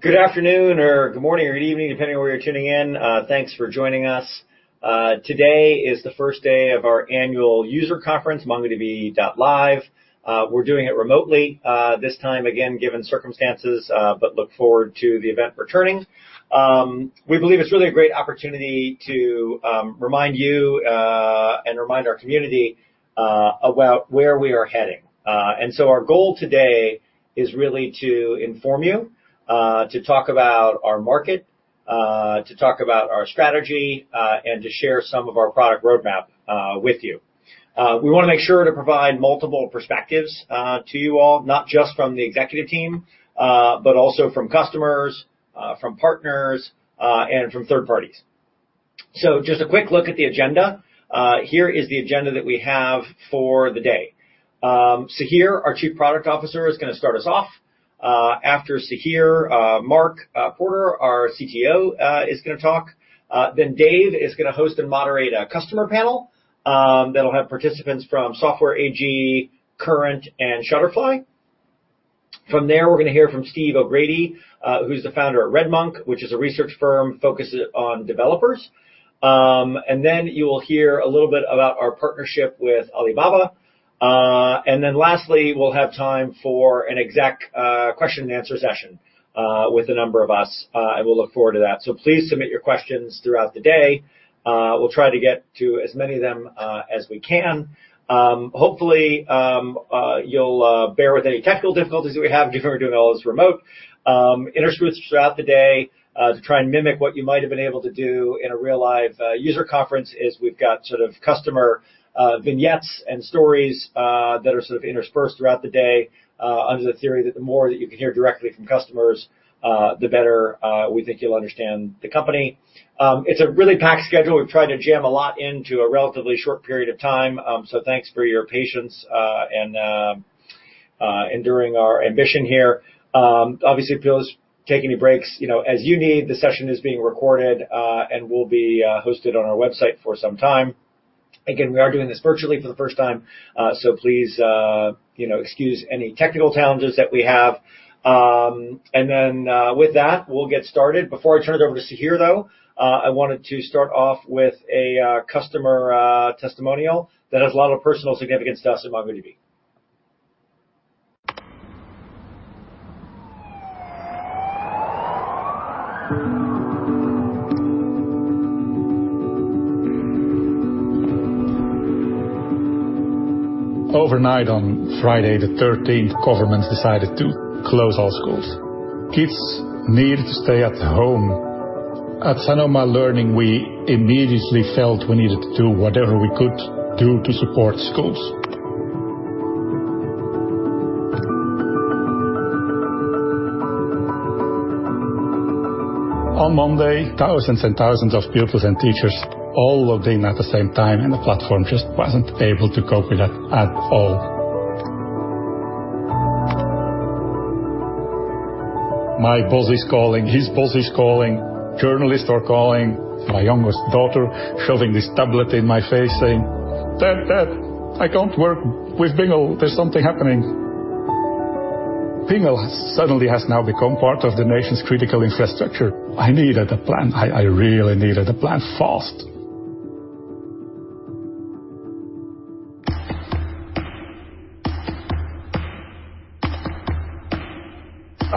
Good afternoon, or good morning, or evening, depending where you're tuning in. Thanks for joining us. Today is the first day of our annual user conference, MongoDB.live. We're doing it remotely this time, again, given circumstances, but look forward to the event returning. We believe it's really a great opportunity to remind you, and remind our community, about where we are heading. Our goal today is really to inform you, to talk about our market, to talk about our strategy, and to share some of our product roadmap with you. We want to make sure to provide multiple perspectives to you all, not just from the executive team, but also from customers, from partners, and from third parties. Just a quick look at the agenda. Here is the agenda that we have for the day. Sahir, our Chief Product Officer, is going to start us off. After Sahir, Mark Porter, our CTO, is going to talk. Dev is going to host and moderate a customer panel that will have participants from Software AG, Current, and Shutterfly. From there, we're going to hear from Steve O'Grady, who's the founder of RedMonk, which is a research firm focused on developers. You'll hear a little bit about our partnership with Alibaba. Lastly, we'll have time for an exec question and answer session with a number of us, and we'll look forward to that. Please submit your questions throughout the day. We'll try to get to as many of them as we can. Hopefully, you'll bear with any technical difficulties we have considering we're doing all this remote. Interspersed throughout the day to try and mimic what you might have been able to do in a real live user conference is we've got customer vignettes and stories that are sort of interspersed throughout the day, under the theory that the more that you can hear directly from customers, the better we think you'll understand the company. It's a really packed schedule. We've tried to jam a lot into a relatively short period of time, so thanks for your patience and enduring our ambition here. Obviously, feel free to take any breaks as you need. This session is being recorded and will be hosted on our website for some time. Again, we are doing this virtually for the first time, so please excuse any technical challenges that we have. With that, we'll get started. Before I turn it over to Sahir, though, I wanted to start off with a customer testimonial that has a lot of personal significance to us at MongoDB. Overnight on Friday the 13th, governments decided to close all schools. Kids needed to stay at home. At Sanoma Learning, we immediately felt we needed to do whatever we could do to support schools. On Monday, thousands and thousands of pupils and teachers all logged in at the same time, and the platform just wasn't able to cope with that at all. My boss is calling, his boss is calling, journalists are calling. My youngest daughter shoving this tablet in my face saying, "Dad, I can't work with Bingel. There's something happening." Bingel suddenly has now become part of the nation's critical infrastructure. I needed a plan. I really needed a plan fast.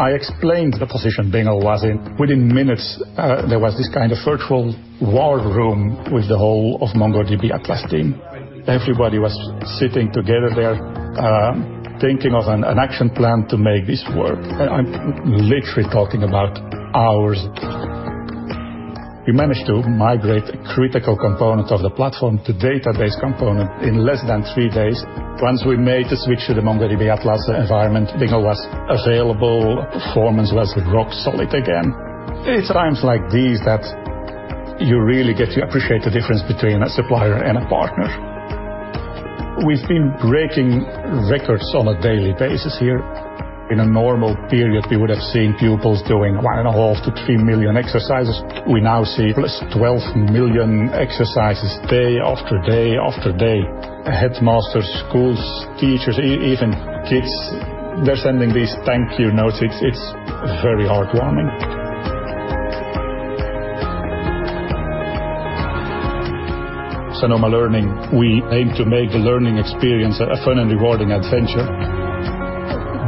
I explained the position Bingel was in. Within minutes, there was this kind of virtual war room with the whole of MongoDB Atlas team. Everybody was sitting together there, thinking of an action plan to make this work. I'm literally talking about hours. We managed to migrate critical components of the platform to database component in less than three days. Once we made the switch to the MongoDB Atlas environment, Bingel was available, performance was rock solid again. It's times like these that you really get to appreciate the difference between a supplier and a partner. We've been breaking records on a daily basis here. In a normal period, we would have seen pupils doing 1.5 million-3 million exercises. We now see close to 12 million exercises day after day after day. Headmasters, schools, teachers, even kids, they're sending these thank you notes. It's very heartwarming. At Sanoma Learning, we aim to make the learning experience a fun and rewarding adventure.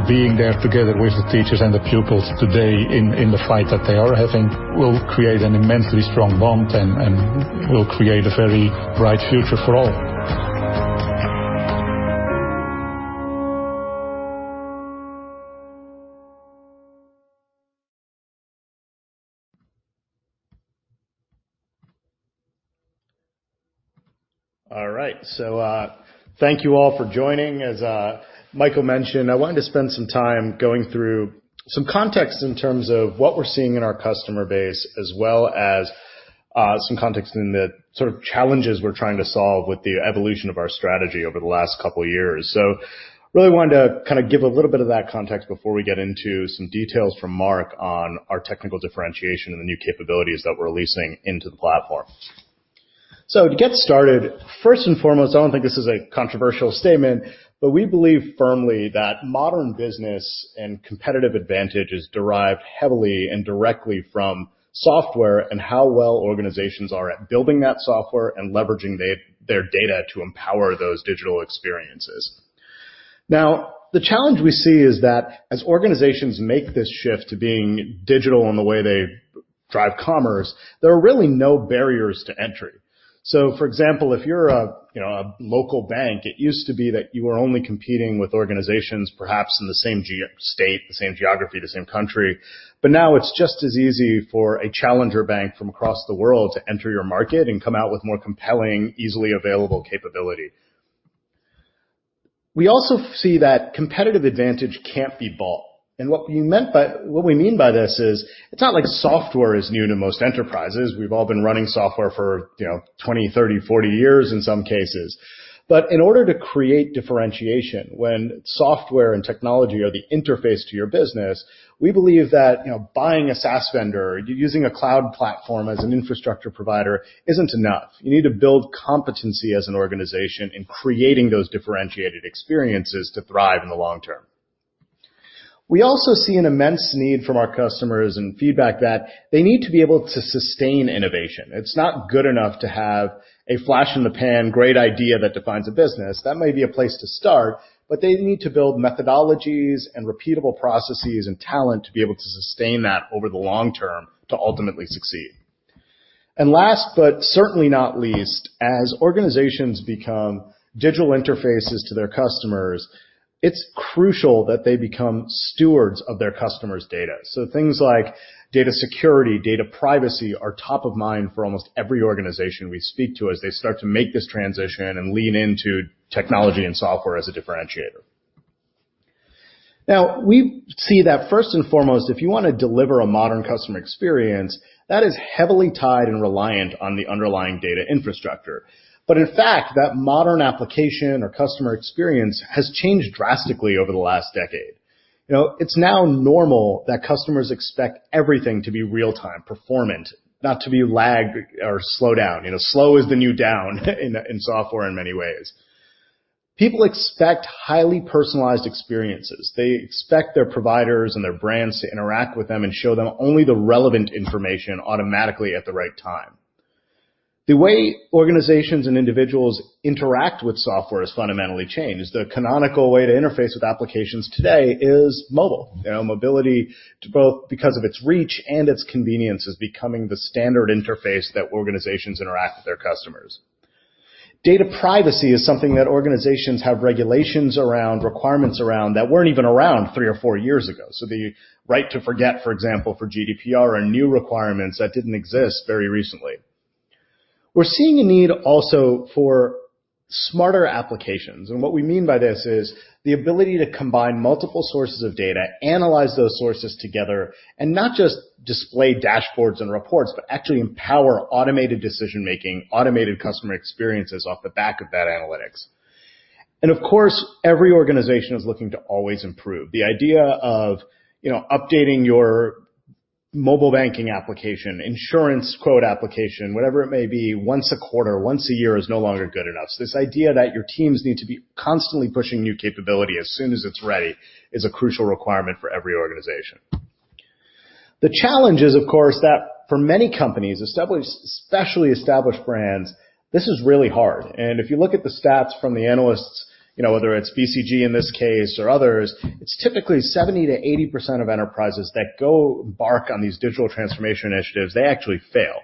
Being there together with the teachers and the pupils today in the fight that they are having will create an immensely strong bond and will create a very bright future for all. Thank you all for joining. As Michael mentioned, I wanted to spend some time going through some context in terms of what we're seeing in our customer base, as well as some context in the sort of challenges we're trying to solve with the evolution of our strategy over the last couple of years. Really wanted to kind of give a little bit of that context before we get into some details from Mark on our technical differentiation and the new capabilities that we're releasing into the platform. To get started, first and foremost, I don't think this is a controversial statement, but we believe firmly that modern business and competitive advantage is derived heavily and directly from software and how well organizations are at building that software and leveraging their data to empower those digital experiences. The challenge we see is that as organizations make this shift to being digital in the way they drive commerce, there are really no barriers to entry. For example, if you're a local bank, it used to be that you were only competing with organizations, perhaps in the same state, the same geography, the same country. Now it's just as easy for a challenger bank from across the world to enter your market and come out with more compelling, easily available capability. We also see that competitive advantage can't be bought. What we mean by this is it's not like software is new to most enterprises. We've all been running software for 20, 30, 40 years in some cases. In order to create differentiation when software and technology are the interface to your business, we believe that buying a SaaS vendor, using a cloud platform as an infrastructure provider isn't enough. You need to build competency as an organization in creating those differentiated experiences to thrive in the long term. We also see an immense need from our customers and feedback that they need to be able to sustain innovation. It's not good enough to have a flash in the pan great idea that defines a business. That may be a place to start, but they need to build methodologies and repeatable processes and talent to be able to sustain that over the long term to ultimately succeed. Last, but certainly not least, as organizations become digital interfaces to their customers, it's crucial that they become stewards of their customers' data. Things like data security, data privacy are top of mind for almost every organization we speak to as they start to make this transition and lean into technology and software as a differentiator. We see that first and foremost, if you want to deliver a modern customer experience, that is heavily tied and reliant on the underlying data infrastructure. In fact, that modern application or customer experience has changed drastically over the last decade. It's now normal that customers expect everything to be real-time, performant, not to be lagged or slowed down. Slow is the new down in software in many ways. People expect highly personalized experiences. They expect their providers and their brands to interact with them and show them only the relevant information automatically at the right time. The way organizations and individuals interact with software has fundamentally changed. The canonical way to interface with applications today is mobile. Mobility, both because of its reach and its convenience, is becoming the standard interface that organizations interact with their customers. Data privacy is something that organizations have regulations around, requirements around, that weren't even around three or four years ago. The right to forget, for example, for GDPR are new requirements that didn't exist very recently. We're seeing a need also for smarter applications, and what we mean by this is the ability to combine multiple sources of data, analyze those sources together, and not just display dashboards and reports, but actually empower automated decision-making, automated customer experiences off the back of that analytics. Of course, every organization is looking to always improve. The idea of updating your mobile banking application, insurance quote application, whatever it may be, once a quarter, once a year is no longer good enough. This idea that your teams need to be constantly pushing new capability as soon as it is ready is a crucial requirement for every organization. The challenge is, of course, that for many companies, especially established brands, this is really hard. If you look at the stats from the analysts, whether it's BCG in this case or others, it's typically 70%-80% of enterprises that go embark on these digital transformation initiatives, they actually fail,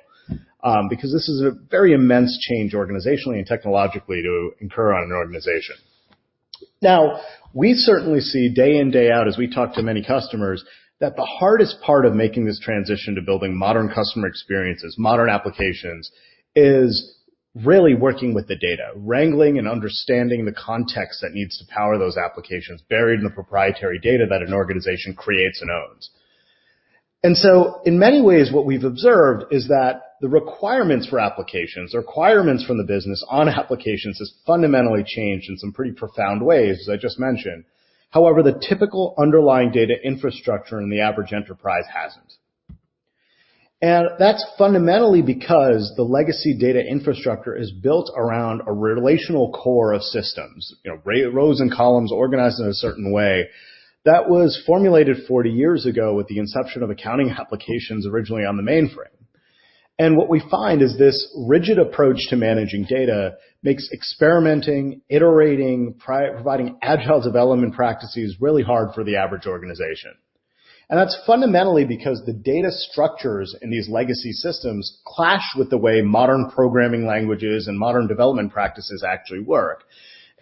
because this is a very immense change organizationally and technologically to incur on an organization. Now, we certainly see day in, day out as we talk to many customers, that the hardest part of making this transition to building modern customer experiences, modern applications, is really working with the data, wrangling and understanding the context that needs to power those applications buried in the proprietary data that an organization creates and owns. In many ways, what we've observed is that the requirements for applications, the requirements from the business on applications, has fundamentally changed in some pretty profound ways, as I just mentioned. However, the typical underlying data infrastructure in the average enterprise hasn't. That's fundamentally because the legacy data infrastructure is built around a relational core of systems. Rows and columns organized in a certain way. That was formulated 40 years ago with the inception of accounting applications originally on the mainframe. What we find is this rigid approach to managing data makes experimenting, iterating, providing agile development practices really hard for the average organization. That's fundamentally because the data structures in these legacy systems clash with the way modern programming languages and modern development practices actually work.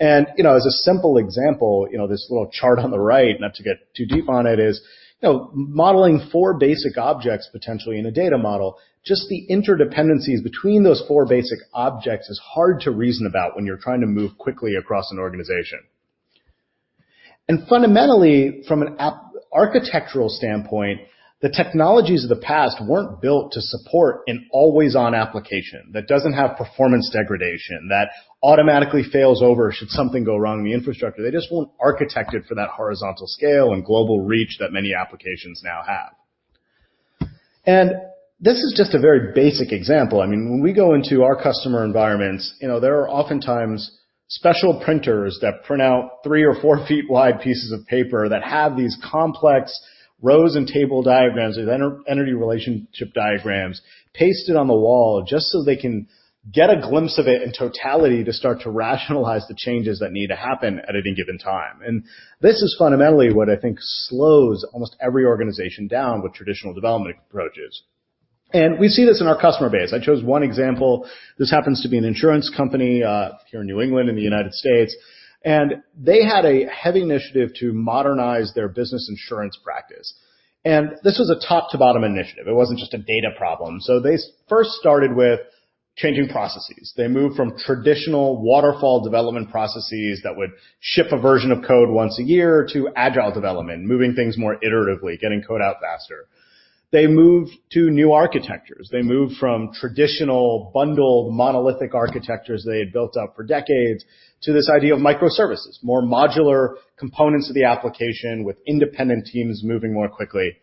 As a simple example, this little chart on the right, not to get too deep on it, is modeling four basic objects potentially in a data model, just the interdependencies between those four basic objects is hard to reason about when you're trying to move quickly across an organization. Fundamentally, from an architectural standpoint, the technologies of the past weren't built to support an always-on application that doesn't have performance degradation, that automatically fails over should something go wrong in the infrastructure. They just weren't architected for that horizontal scale and global reach that many applications now have. This is just a very basic example. When we go into our customer environments, there are oftentimes special printers that print out three or four feet wide pieces of paper that have these complex rows and table diagrams or energy relationship diagrams pasted on the wall just so they can get a glimpse of it in totality to start to rationalize the changes that need to happen at any given time. This is fundamentally what I think slows almost every organization down with traditional development approaches. We see this in our customer base. I chose one example. This happens to be an insurance company here in New England, in the U.S., and they had a heavy initiative to modernize their business insurance practice. This was a top-to-bottom initiative. It wasn't just a data problem. They first started with changing processes. They moved from traditional waterfall development processes that would ship a version of code once a year to agile development, moving things more iteratively, getting code out faster. They moved to new architectures. They moved from traditional bundled monolithic architectures they had built up for decades to this idea of microservices, more modular components of the application with independent teams moving more quickly.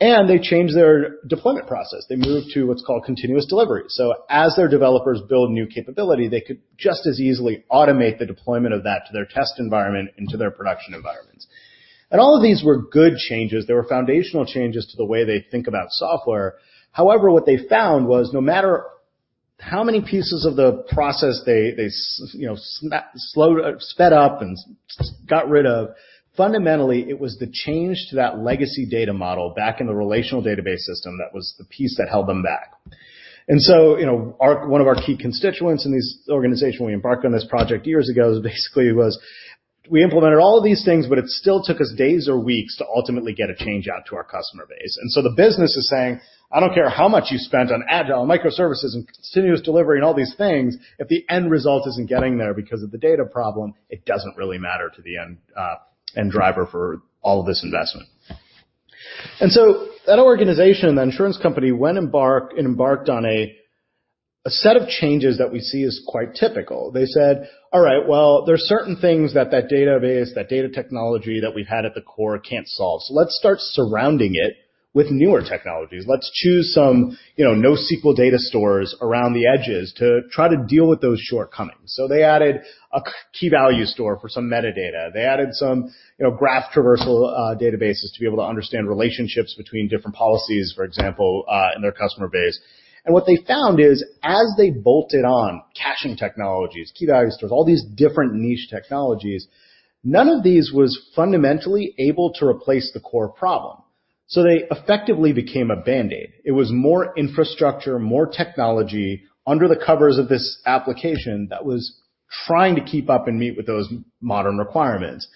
They changed their deployment process. They moved to what's called continuous delivery. As their developers build new capability, they could just as easily automate the deployment of that to their test environment into their production environments. All of these were good changes. They were foundational changes to the way they think about software. However, what they found was no matter how many pieces of the process they sped up and got rid of, fundamentally, it was the change to that legacy data model back in the relational database system that was the piece that held them back. One of our key constituents in this organization when we embarked on this project years ago basically was we implemented all of these things, but it still took us days or weeks to ultimately get a change out to our customer base. The business is saying, "I don't care how much you spent on agile microservices and continuous delivery and all these things. If the end result isn't getting there because of the data problem, it doesn't really matter to the end driver for all this investment. That organization, that insurance company went and embarked on a set of changes that we see as quite typical. They said, "All right, well, there's certain things that that database, that data technology that we've had at the core can't solve. Let's start surrounding it with newer technologies. Let's choose some NoSQL data stores around the edges to try to deal with those shortcomings." They added a key-value store for some metadata. They added some graph traversal databases to be able to understand relationships between different policies, for example, in their customer base. What they found is as they bolted on caching technologies, key-value stores, all these different niche technologies, none of these was fundamentally able to replace the core problem. They effectively became a Band-Aid. It was more infrastructure, more technology under the covers of this application that was trying to keep up and meet with those modern requirements.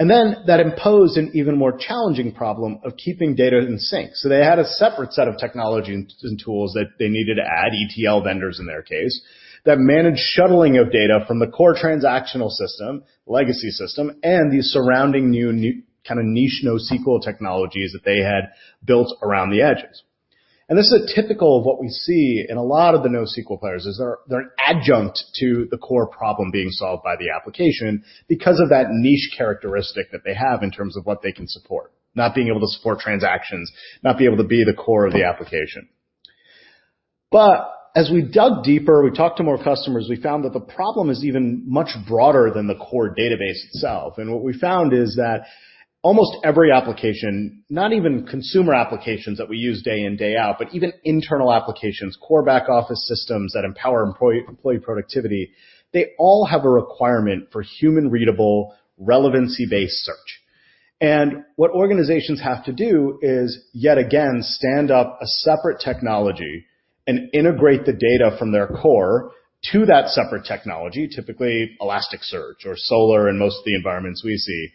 And then that imposed an even more challenging problem of keeping data in sync. They had a separate set of technologies and tools that they needed to add ETL vendors in their case that managed shuttling of data from the core transactional system, legacy system, and the surrounding new niche NoSQL technologies that they had built around the edges. And this is typical of what we see in a lot of the NoSQL players is they're adjunct to the core problem being solved by the application because of that niche characteristic that they have in terms of what they can support, not being able to support transactions, not being able to be the core of the application. As we dug deeper, we talked to more customers, we found that the problem is even much broader than the core database itself. What we found is that almost every application, not even consumer applications that we use day in, day out, but even internal applications, core back-office systems that empower employee productivity, they all have a requirement for human-readable, relevancy-based search. What organizations have to do is, yet again, stand up a separate technology and integrate the data from their core to that separate technology, typically Elasticsearch or Solr in most of the environments we see.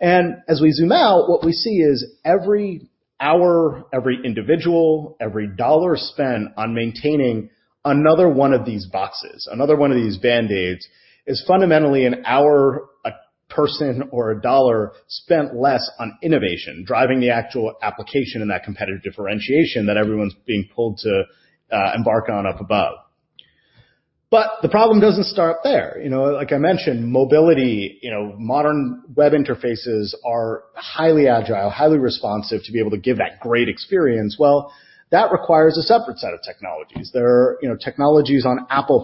As we zoom out, what we see is every hour, every individual, every dollar spent on maintaining another one of these boxes, another one of these Band-Aids, is fundamentally an hour, a person, or a dollar spent less on innovation, driving the actual application and that competitive differentiation that everyone's being pulled to embark on up above. The problem doesn't start there. Like I mentioned, mobility, modern web interfaces are highly agile, highly responsive to be able to give that great experience. Well, that requires a separate set of technologies. There are technologies on Apple,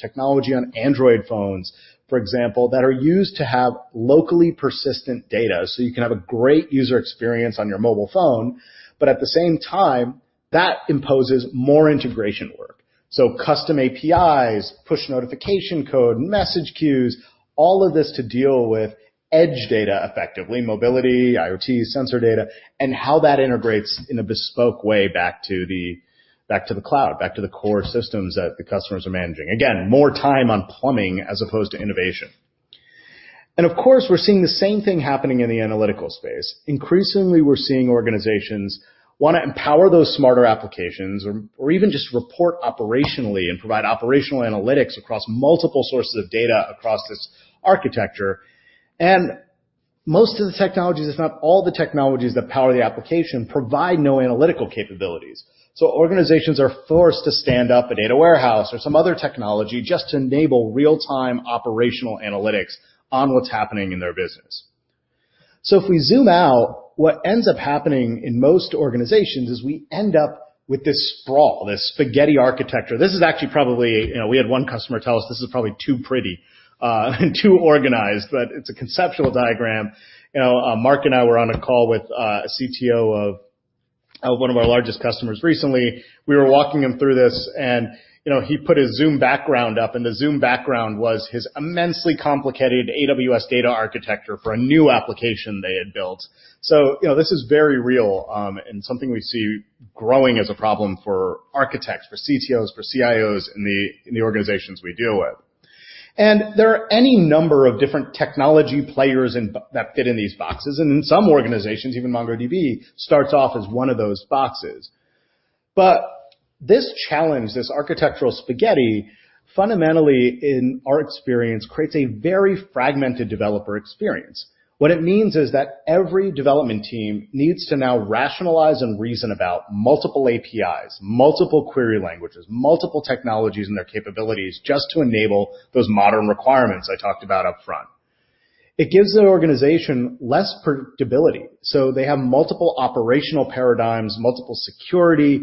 technology on Android, for example, that are used to have locally persistent data so you can have a great user experience on your mobile phone. At the same time, that imposes more integration work. Custom APIs, push notification code, message queues, all of this to deal with edge data effectively, mobility, IoT, sensor data, and how that integrates in a bespoke way back to the cloud, back to the core systems that the customers are managing. Again, more time on plumbing as opposed to innovation. Of course, we're seeing the same thing happening in the analytical space. Increasingly, we're seeing organizations want to empower those smarter applications or even just report operationally and provide operational analytics across multiple sources of data across this architecture. Most of the technologies, if not all the technologies that power the application provide no analytical capabilities. Organizations are forced to stand up a data warehouse or some other technology just to enable real-time operational analytics on what's happening in their business. If we zoom out, what ends up happening in most organizations is we end up with this sprawl, this spaghetti architecture. This is actually probably, we had one customer tell us this is probably too pretty and too organized, but it's a conceptual diagram. Mark and I were on a call with a CTO of one of our largest customers recently. We were walking him through this and he put his Zoom background up, and the Zoom background was his immensely complicated AWS data architecture for a new application they had built. This is very real, and something we see growing as a problem for architects, for CTOs, for CIOs in the organizations we deal with. There are any number of different technology players in that fit in these boxes, and in some organizations, even MongoDB starts off as one of those boxes. This challenge, this architectural spaghetti, fundamentally in our experience, creates a very fragmented developer experience. What it means is that every development team needs to now rationalize and reason about multiple APIs, multiple query languages, multiple technologies and their capabilities just to enable those modern requirements I talked about upfront. It gives an organization less predictability. They have multiple operational paradigms, multiple security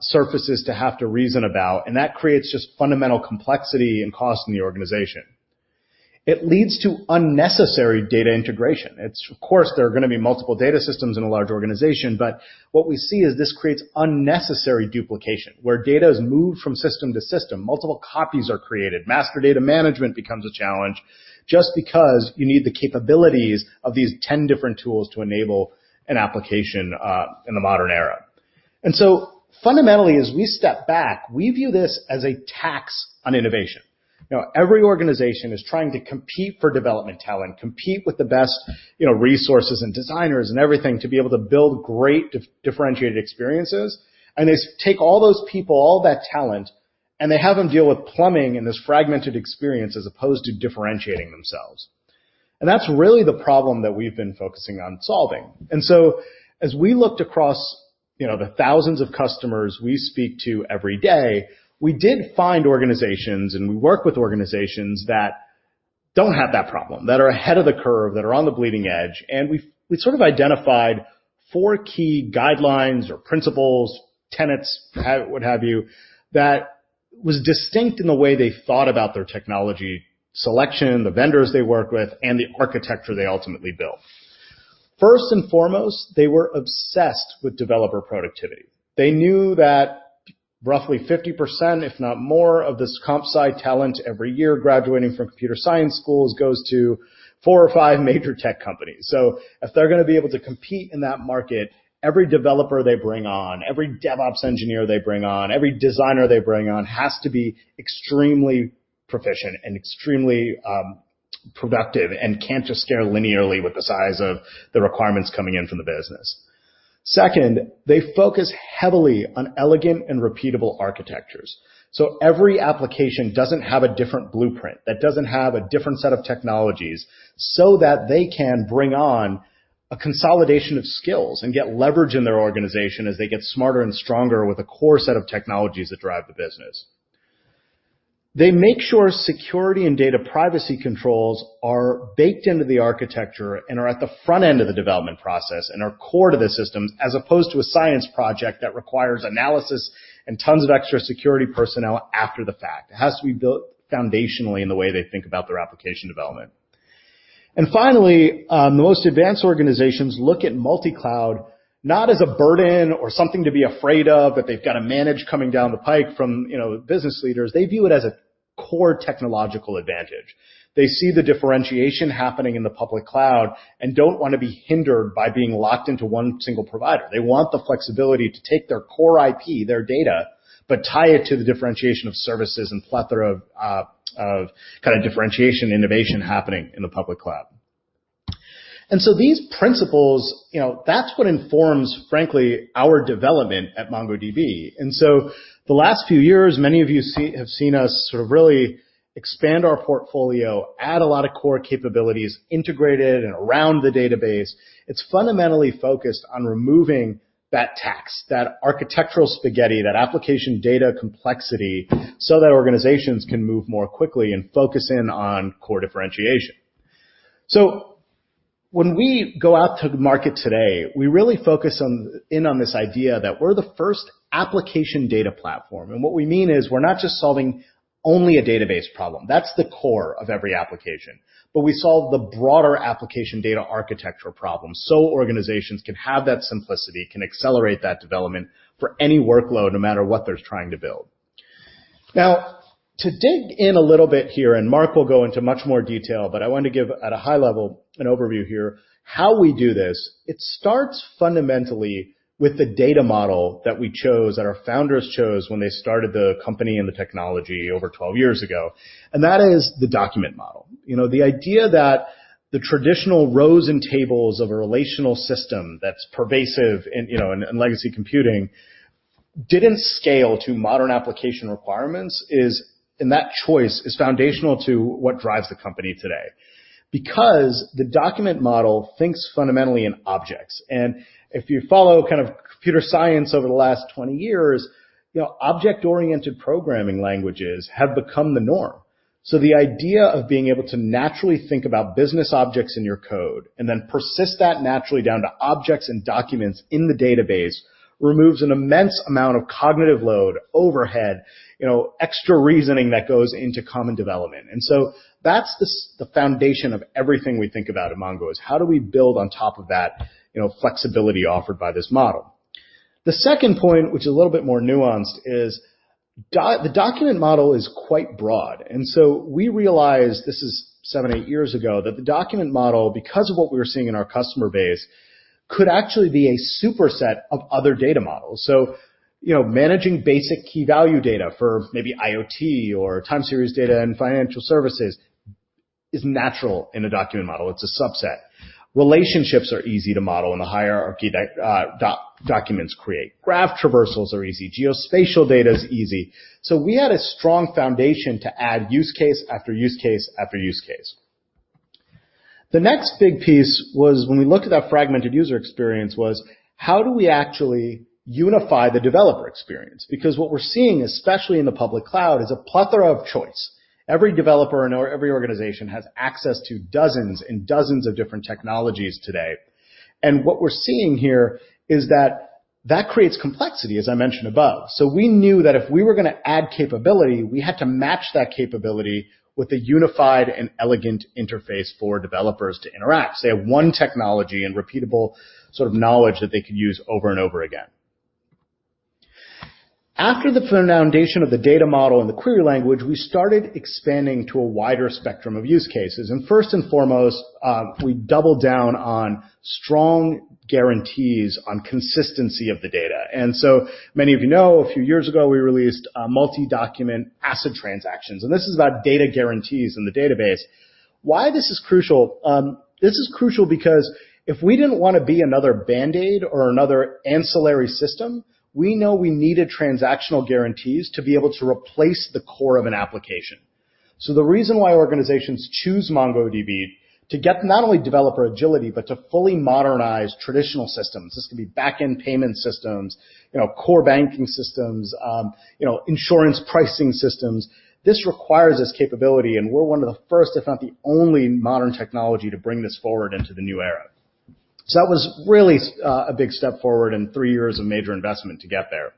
surfaces to have to reason about, and that creates just fundamental complexity and cost in the organization. It leads to unnecessary data integration. Of course, there are going to be multiple data systems in a large organization, but what we see is this creates unnecessary duplication, where data is moved from system to system, multiple copies are created. Master data management becomes a challenge just because you need the capabilities of these 10 different tools to enable an application in the modern era. Fundamentally, as we step back, we view this as a tax on innovation. Every organization is trying to compete for development talent, compete with the best resources and designers and everything to be able to build great differentiated experiences. They take all those people, all that talent, and they have them deal with plumbing and this fragmented experience as opposed to differentiating themselves. That's really the problem that we've been focusing on solving. As we looked across the thousands of customers we speak to every day, we did find organizations, and we work with organizations that don't have that problem, that are ahead of the curve, that are on the bleeding edge. We sort of identified four key guidelines or principles, tenets, what have you, that was distinct in the way they thought about their technology selection, the vendors they work with, and the architecture they ultimately built. First and foremost, they were obsessed with developer productivity. They knew that roughly 50%, if not more, of this comp sci talent every year graduating from computer science schools goes to four or five major tech companies. If they're going to be able to compete in that market, every developer they bring on, every DevOps engineer they bring on, every designer they bring on, has to be extremely proficient and extremely productive and can't just scale linearly with the size of the requirements coming in from the business. Second, they focus heavily on elegant and repeatable architectures. Every application doesn't have a different blueprint, that doesn't have a different set of technologies, so that they can bring on a consolidation of skills and get leverage in their organization as they get smarter and stronger with a core set of technologies that drive the business. They make sure security and data privacy controls are baked into the architecture and are at the front end of the development process and are core to the systems, as opposed to a science project that requires analysis and tons of extra security personnel after the fact. It has to be built foundationally in the way they think about their application development. Finally, the most advanced organizations look at multi-cloud not as a burden or something to be afraid of, that they've got to manage coming down the pike from business leaders. They view it as a core technological advantage. They see the differentiation happening in the public cloud and don't want to be hindered by being locked into one single provider. They want the flexibility to take their core IP, their data, but tie it to the differentiation of services and plethora of kind of differentiation innovation happening in the public cloud. These principles, that's what informs, frankly, our development at MongoDB. The last few years, many of you have seen us sort of really expand our portfolio, add a lot of core capabilities integrated and around the database. It's fundamentally focused on removing that tax, that architectural spaghetti, that application data complexity, so that organizations can move more quickly and focus in on core differentiation. When we go out to the market today, we really focus in on this idea that we're the first application data platform. What we mean is we're not just solving only a database problem. That's the core of every application. We solve the broader application data architectural problem so organizations can have that simplicity, can accelerate that development for any workload, no matter what they're trying to build. To dig in a little bit here, Mark will go into much more detail. I wanted to give at a high level an overview here how we do this. It starts fundamentally with the data model that we chose, that our founders chose when they started the company and the technology over 12 years ago, and that is the document model. The idea that the traditional rows and tables of a relational system that's pervasive in legacy computing didn't scale to modern application requirements, that choice is foundational to what drives the company today. The document model thinks fundamentally in objects, and if you follow kind of computer science over the last 20 years, object-oriented programming languages have become the norm. The idea of being able to naturally think about business objects in your code and then persist that naturally down to objects and documents in the database removes an immense amount of cognitive load, overhead, extra reasoning that goes into common development. That's the foundation of everything we think about at Mongo, is how do we build on top of that flexibility offered by this model. The second point, which is a little bit more nuanced, is the document model is quite broad. We realized, this is seven, eight years ago, that the document model, because of what we were seeing in our customer base, could actually be a superset of other data models. Managing basic key value data for maybe IoT or time series data and financial services is natural in a document model. It's a subset. Relationships are easy to model in the hierarchy that documents create. Graph traversals are easy. Geospatial data is easy. We had a strong foundation to add use case after use case after use case. The next big piece was when we looked at that fragmented user experience was, how do we actually unify the developer experience? What we're seeing, especially in the public cloud, is a plethora of choice. Every developer and every organization has access to dozens and dozens of different technologies today. What we're seeing here is that that creates complexity, as I mentioned above. We knew that if we were going to add capability, we had to match that capability with a unified and elegant interface for developers to interact, so they have one technology and repeatable sort of knowledge that they could use over and over again. After the foundation of the data model and the query language, we started expanding to a wider spectrum of use cases. First and foremost, we doubled down on strong guarantees on consistency of the data. Many of you know, a few years ago, we released multi-document ACID transactions, and this is about data guarantees in the database. Why this is crucial, this is crucial because if we didn't want to be another band-aid or another ancillary system, we know we needed transactional guarantees to be able to replace the core of an application. The reason why organizations choose MongoDB to get not only developer agility but to fully modernize traditional systems, this can be back-end payment systems, core banking systems, insurance pricing systems. This requires this capability, and we're one of the first, if not the only, modern technology to bring this forward into the new era. That was really a big step forward and three years of major investment to get there.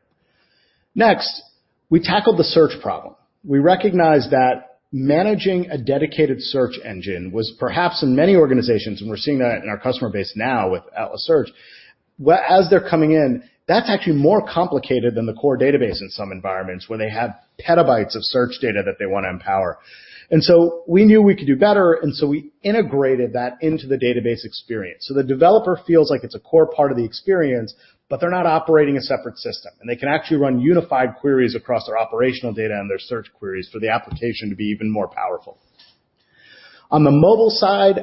Next, we tackled the search problem. We recognized that managing a dedicated search engine was perhaps in many organizations, and we're seeing that in our customer base now with Atlas Search, where as they're coming in, that's actually more complicated than the core database in some environments where they have petabytes of search data that they want to empower. We knew we could do better, and so we integrated that into the database experience. The developer feels like it's a core part of the experience, but they're not operating a separate system, and they can actually run unified queries across their operational data and their search queries for the application to be even more powerful. On the mobile side,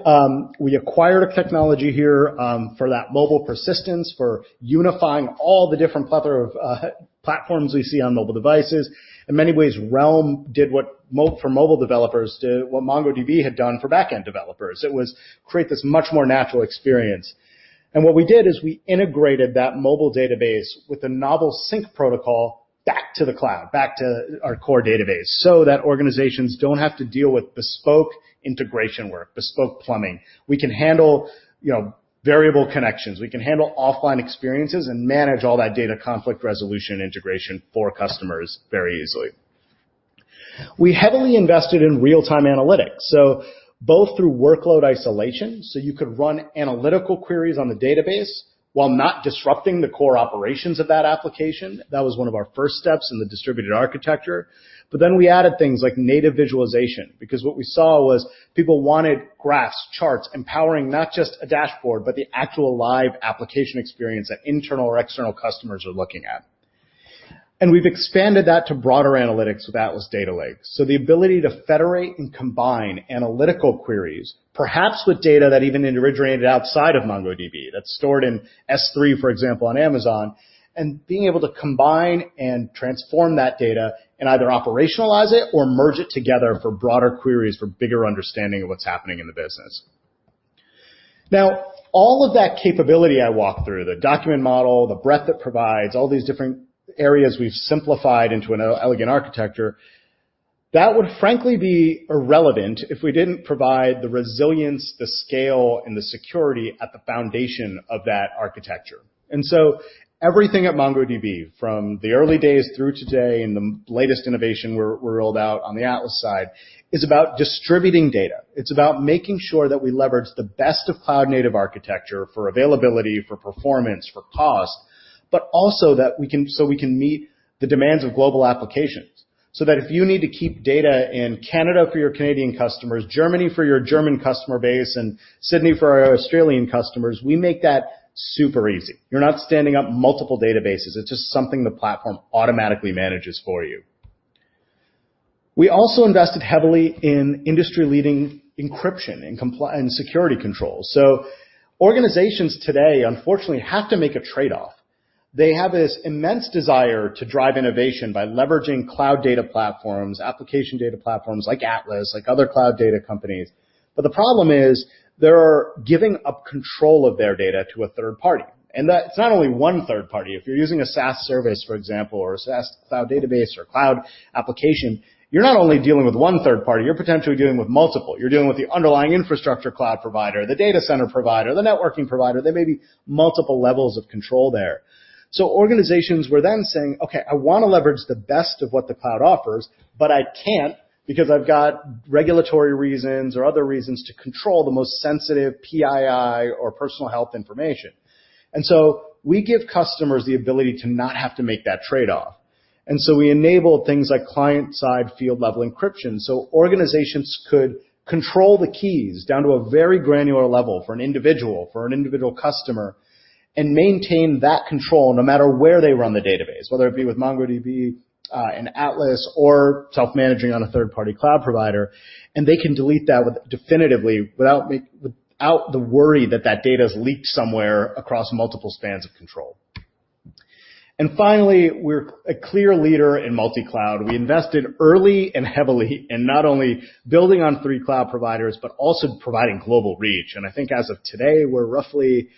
we acquired a technology here, for that mobile persistence, for unifying all the different plethora of platforms we see on mobile devices. In many ways, Realm did for mobile developers what MongoDB had done for back-end developers. It was create this much more natural experience. What we did is we integrated that mobile database with a novel sync protocol back to the cloud, back to our core database, so that organizations don't have to deal with bespoke integration work, bespoke plumbing. We can handle variable connections. We can handle offline experiences and manage all that data conflict resolution integration for customers very easily. We heavily invested in real-time analytics, both through workload isolation, you could run analytical queries on the database while not disrupting the core operations of that application. That was one of our first steps in the distributed architecture. We added things like native visualization, because what we saw was people wanted graphs, charts, empowering not just a dashboard, but the actual live application experience that internal or external customers are looking at. We've expanded that to broader analytics with Atlas Data Lake. The ability to federate and combine analytical queries, perhaps with data that even originated outside of MongoDB, that's stored in S3, for example, on Amazon, and being able to combine and transform that data and either operationalize it or merge it together for broader queries, for bigger understanding of what's happening in the business. All of that capability I walked through, the document model, the breadth it provides, all these different areas we've simplified into an elegant architecture, that would frankly be irrelevant if we didn't provide the resilience, the scale, and the security at the foundation of that architecture. Everything at MongoDB, from the early days through today and the latest innovation we rolled out on the Atlas side, is about distributing data. It's about making sure that we leverage the best of cloud-native architecture for availability, for performance, for cost, but also so we can meet the demands of global applications. If you need to keep data in Canada for your Canadian customers, Germany for your German customer base, and Sydney for our Australian customers, we make that super easy. You're not standing up multiple databases. It's just something the platform automatically manages for you. We also invested heavily in industry-leading encryption and security controls. Organizations today, unfortunately, have to make a trade-off. They have this immense desire to drive innovation by leveraging cloud data platforms, application data platforms like Atlas, like other cloud data companies. The problem is they're giving up control of their data to a third party, and that's not only one third party. If you're using a SaaS service, for example, or a SaaS cloud database or cloud application, you're not only dealing with one third party, you're potentially dealing with multiple. You're dealing with the underlying infrastructure cloud provider, the data center provider, the networking provider. There may be multiple levels of control there. Organizations were then saying, "Okay, I want to leverage the best of what the cloud offers, but I can't because I've got regulatory reasons or other reasons to control the most sensitive PII or personal health information." We give customers the ability to not have to make that trade-off. We enable things like client-side field level encryption, so organizations could control the keys down to a very granular level for an individual customer, and maintain that control no matter where they run the database, whether it be with MongoDB, in Atlas, or self-managing on a third-party cloud provider. They can delete that definitively without the worry that data's leaked somewhere across multiple spans of control. Finally, we're a clear leader in multi-cloud. We invested early and heavily in not only building on three cloud providers but also providing global reach. I think as of today, we're roughly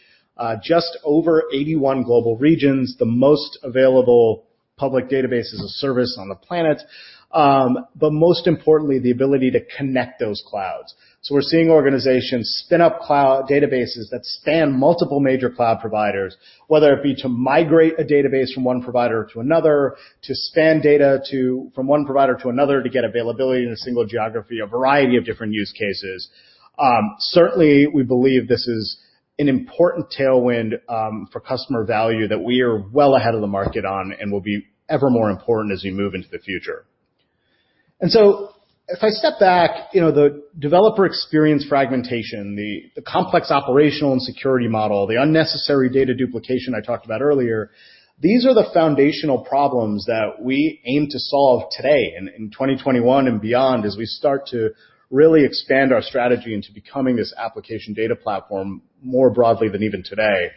just over 81 global regions, the most available public database as a service on the planet. Most importantly, the ability to connect those clouds. We're seeing organizations spin up cloud databases that span multiple major cloud providers, whether it be to migrate a database from one provider to another, to span data from one provider to another to get availability in a single geography, a variety of different use cases. Certainly, we believe this is an important tailwind for customer value that we are well ahead of the market on and will be ever more important as we move into the future. If I step back, the developer experience fragmentation, the complex operational and security model, the unnecessary data duplication I talked about earlier, these are the foundational problems that we aim to solve today in 2021 and beyond, as we start to really expand our strategy into becoming this application data platform more broadly than even today.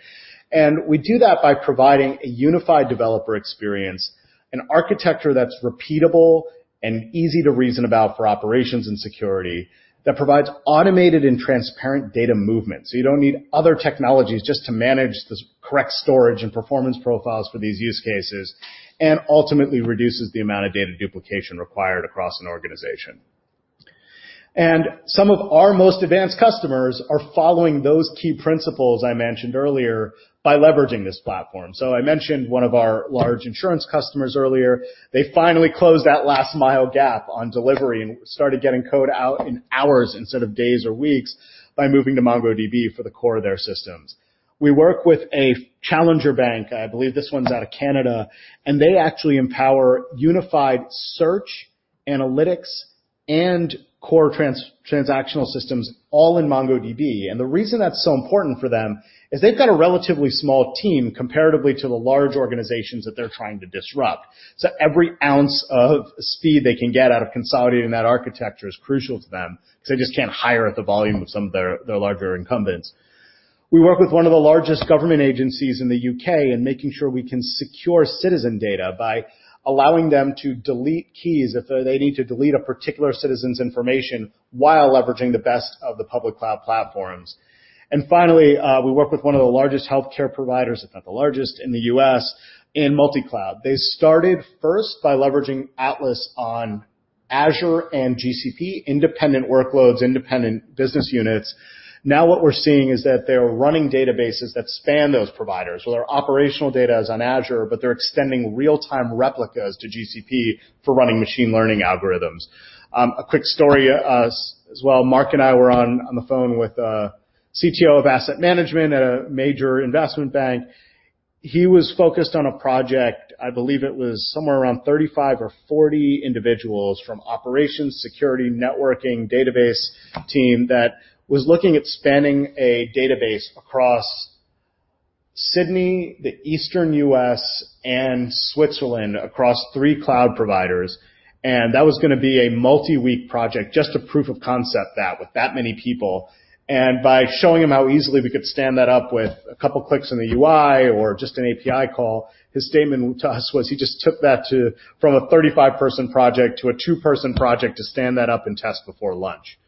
We do that by providing a unified developer experience, an architecture that's repeatable and easy to reason about for operations and security, that provides automated and transparent data movement. You don't need other technologies just to manage the correct storage and performance profiles for these use cases, and ultimately reduces the amount of data duplication required across an organization. Some of our most advanced customers are following those key principles I mentioned earlier by leveraging this platform. I mentioned one of our large insurance customers earlier. They finally closed that last mile gap on delivery and started getting code out in hours instead of days or weeks by moving to MongoDB for the core of their systems. We work with a challenger bank, I believe this one's out of Canada. They actually empower unified search, analytics, and core transactional systems all in MongoDB. The reason that's so important for them is they've got a relatively small team comparatively to the large organizations that they're trying to disrupt. Every ounce of speed they can get out of consolidating that architecture is crucial to them because they just can't hire at the volume of some of their larger incumbents. We work with one of the largest government agencies in the U.K. in making sure we can secure citizen data by allowing them to delete keys if they need to delete a particular citizen's information while leveraging the best of the public cloud platforms. Finally, we work with one of the largest healthcare providers, if not the largest in the U.S., in multi-cloud. They started first by leveraging Atlas on Azure and GCP, independent workloads, independent business units. Now what we're seeing is that they're running databases that span those providers, where their operational data is on Azure, but they're extending real-time replicas to GCP for running machine learning algorithms. A quick story as well. Mark and I were on the phone with a CTO of asset management at a major investment bank. He was focused on a project, I believe it was somewhere around 35 or 40 individuals from operations, security, networking, database team that was looking at spanning a database across Sydney, the Eastern U.S., and Switzerland across three cloud providers. That was going to be a multi-week project, just a proof of concept that with that many people. By showing him how easily we could stand that up with a couple of clicks in the UI or just an API call, his statement to us was he just took that from a 35-person project to a two person project to stand that up and test before lunch.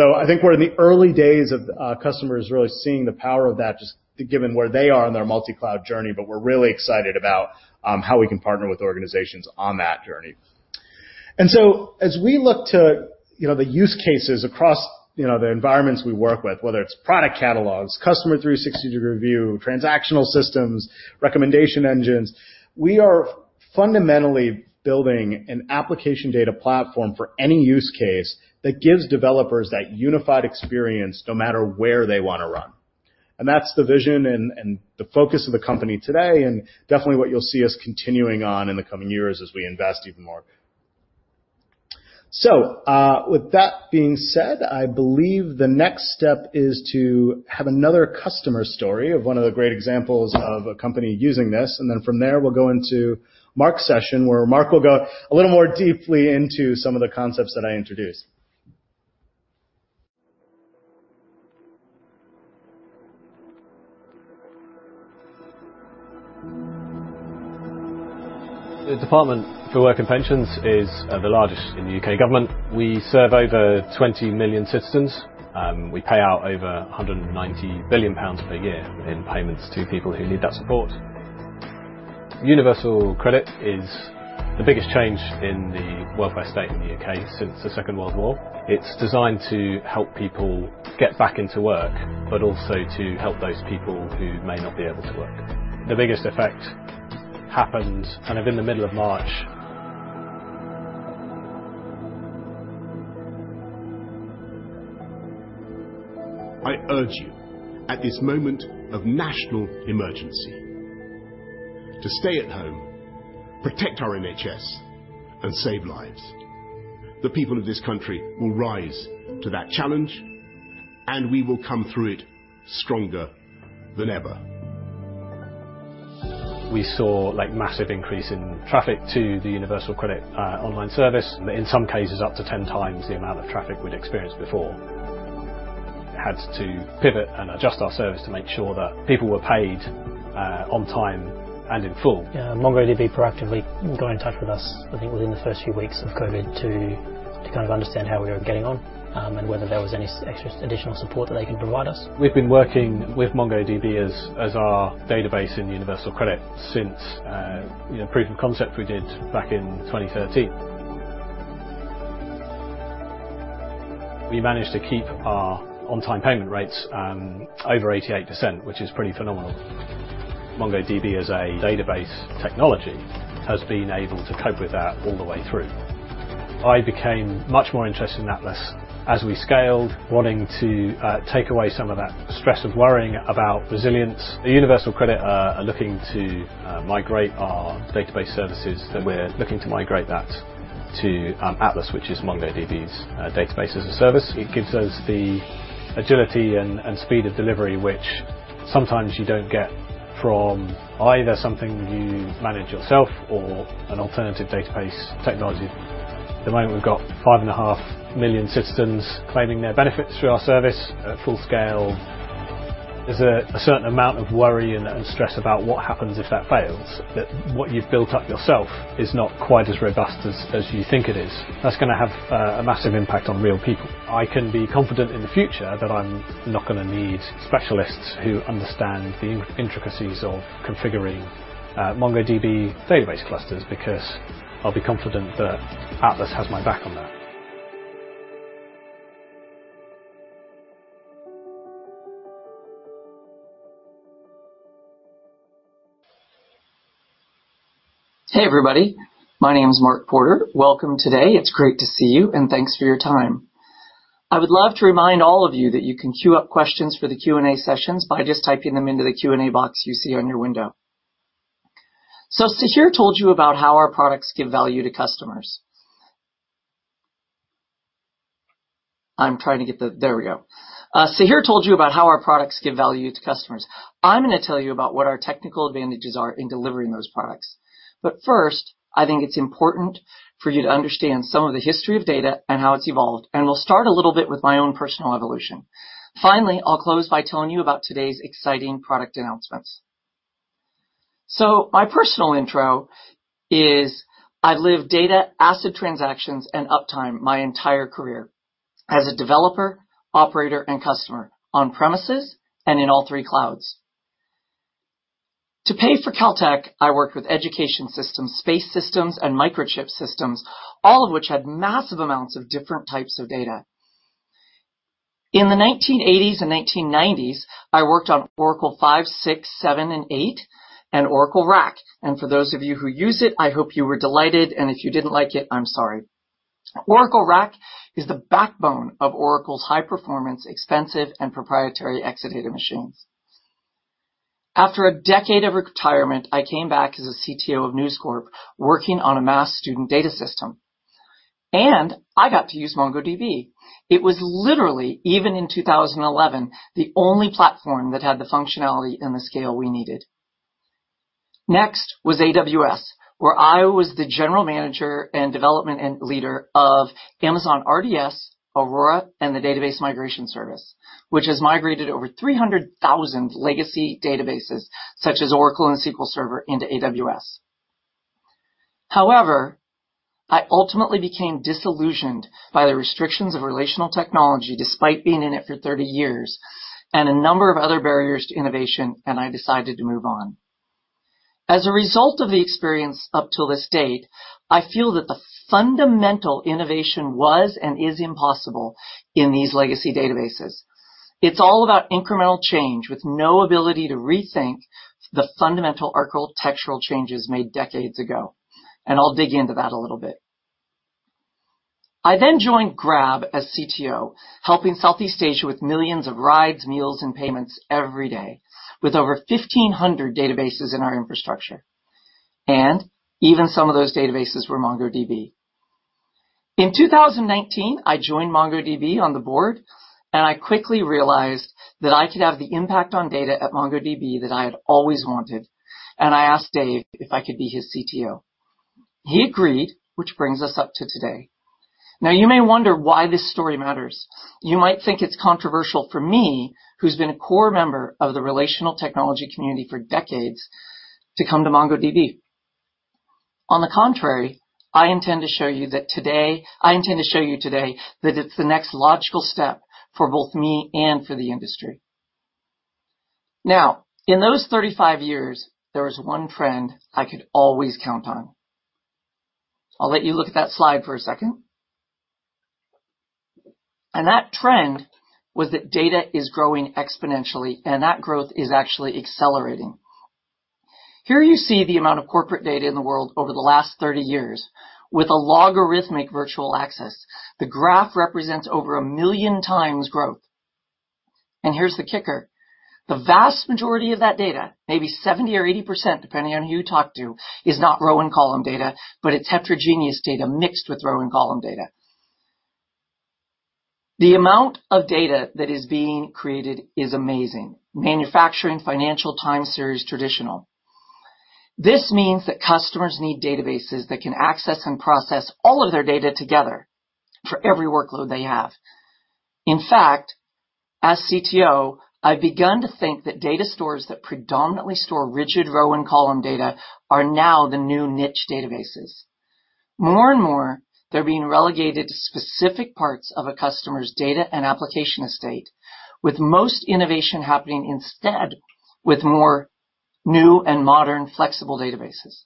I think we're in the early days of customers really seeing the power of that, just given where they are in their multi-cloud journey, but we're really excited about how we can partner with organizations on that journey. As we look to the use cases across the environments we work with, whether it's product catalogs, customer 360 degree view, transactional systems, recommendation engines, we are fundamentally building an application data platform for any use case that gives developers that unified experience no matter where they want to run. That's the vision and the focus of the company today, and definitely what you'll see us continuing on in the coming years as we invest even more. With that being said, I believe the next step is to have another customer story of one of the great examples of a company using this, and then from there, we'll go into Mark's session, where Mark will go a little more deeply into some of the concepts that I introduced. The Department for Work and Pensions is the largest in the U.K. government. We serve over 20 million citizens. We pay out over EUR 190 billion per year in payments to people who need that support. Universal Credit is the biggest change in the welfare state in the U.K. since the Second World War. It's designed to help people get back into work, but also to help those people who may not be able to work. The biggest effect happened kind of in the middle of March. I urge you at this moment of national emergency to stay at home, protect our NHS, and save lives. The people of this country will rise to that challenge, and we will come through it stronger than ever. We saw massive increase in traffic to the Universal Credit online service, in some cases up to 10 times the amount of traffic we'd experienced before. We had to pivot and adjust our service to make sure that people were paid on time and in full. MongoDB proactively got in touch with us, I think within the first few weeks of COVID, to understand how we were getting on, and whether there was any extra additional support they can provide us. We've been working with MongoDB as our database in Universal Credit since the proof of concept we did back in 2013. We managed to keep our on-time payment rates over 88%, which is pretty phenomenal. MongoDB as a database technology has been able to cope with that all the way through. I became much more interested in Atlas as we scaled, wanting to take away some of that stress of worrying about resilience. Universal Credit are looking to migrate our database services, so we're looking to migrate that to Atlas, which is MongoDB's database as a service. It gives us the agility and speed of delivery, which sometimes you don't get from either something you manage yourself or an alternative database technology. At the moment, we've got 5.5 million citizens claiming their benefits through our service at full scale. There's a certain amount of worry and stress about what happens if that fails, that what you've built up yourself is not quite as robust as you think it is. That's going to have a massive impact on real people. I can be confident in the future that I'm not going to need specialists who understand the intricacies of configuring MongoDB database clusters, because I'll be confident that Atlas has my back on that. Hey, everybody. My name's Mark Porter. Welcome today. It's great to see you, and thanks for your time. I would love to remind all of you that you can queue up questions for the Q&A sessions by just typing them into the Q&A box you see on your window. Dev told you about how our products give value to customers. Dev told you about how our products give value to customers. I'm going to tell you about what our technical advantages are in delivering those products. First, I think it's important for you to understand some of the history of data and how it's evolved, and we'll start a little bit with my own personal evolution. Finally, I'll close by telling you about today's exciting product announcements. My personal intro is I've lived data, ACID transactions, and uptime my entire career as a developer, operator, and customer, on premises and in all three clouds. To pay for Caltech, I worked with education systems, space systems, and microchip systems, all of which had massive amounts of different types of data. In the 1980s and 1990s, I worked on Oracle 5, 6, 7, and 8, and Oracle RAC. For those of you who use it, I hope you were delighted, and if you didn't like it, I'm sorry. Oracle RAC is the backbone of Oracle's high-performance, expensive, and proprietary Exadata machines. After a decade of retirement, I came back as a CTO of News Corp, working on a mass student data system. I got to use MongoDB. It was literally, even in 2011, the only platform that had the functionality and the scale we needed. Next was AWS, where I was the General Manager and Development Lead of Amazon RDS, Aurora, and the Database Migration Service, which has migrated over 300,000 legacy databases such as Oracle and SQL Server into AWS. I ultimately became disillusioned by the restrictions of relational technology despite being in it for 30 years, and a number of other barriers to innovation, and I decided to move on. As a result of the experience up till this date, I feel that the fundamental innovation was and is impossible in these legacy databases. It's all about incremental change with no ability to rethink the fundamental architectural changes made decades ago, and I'll dig into that a little bit. I joined Grab as CTO, helping Southeast Asia with millions of rides, meals, and payments every day, with over 1,500 databases in our infrastructure. Even some of those databases were MongoDB. In 2019, I joined MongoDB on the board, and I quickly realized that I could have the impact on data at MongoDB that I had always wanted, and I asked Dev if I could be his CTO. He agreed, which brings us up to today. You may wonder why this story matters. You might think it's controversial for me, who's been a core member of the relational technology community for decades, to come to MongoDB. On the contrary, I intend to show you today that it's the next logical step for both me and for the industry. In those 35 years, there was one trend I could always count on. I'll let you look at that slide for a second. That trend was that data is growing exponentially, and that growth is actually accelerating. Here you see the amount of corporate data in the world over the last 30 years with a logarithmic vertical axis. The graph represents over a million times growth. Here's the kicker. The vast majority of that data, maybe 70% or 80%, depending on who you talk to, is not row and column data, but it's heterogeneous data mixed with row and column data. The amount of data that is being created is amazing. Manufacturing, financial, time series, traditional. This means that customers need databases that can access and process all of their data together for every workload they have. In fact, as CTO, I've begun to think that data stores that predominantly store rigid row and column data are now the new niche databases. More and more, they're being relegated to specific parts of a customer's data and application estate, with most innovation happening instead with more new and modern flexible databases.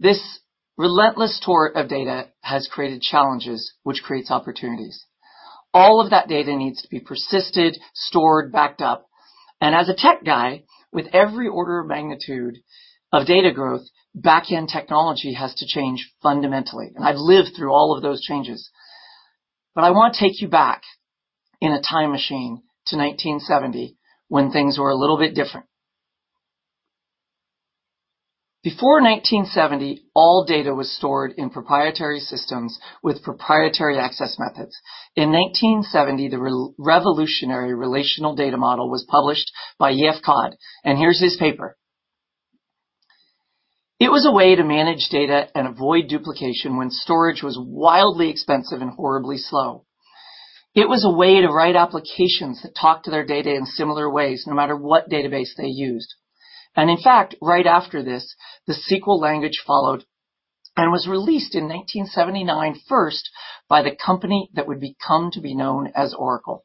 This relentless torrent of data has created challenges, which creates opportunities. All of that data needs to be persisted, stored, backed up, and as a tech guy, with every order of magnitude of data growth, back-end technology has to change fundamentally, and I've lived through all of those changes. I want to take you back in a time machine to 1970, when things were a little bit different. Before 1970, all data was stored in proprietary systems with proprietary access methods. In 1970, the revolutionary relational data model was published by E.F. Codd, and here's his paper. It was a way to manage data and avoid duplication when storage was wildly expensive and horribly slow. It was a way to write applications that talked to their data in similar ways, no matter what database they used. In fact, right after this, the SQL language followed, and was released in 1979 first by the company that would come to be known as Oracle.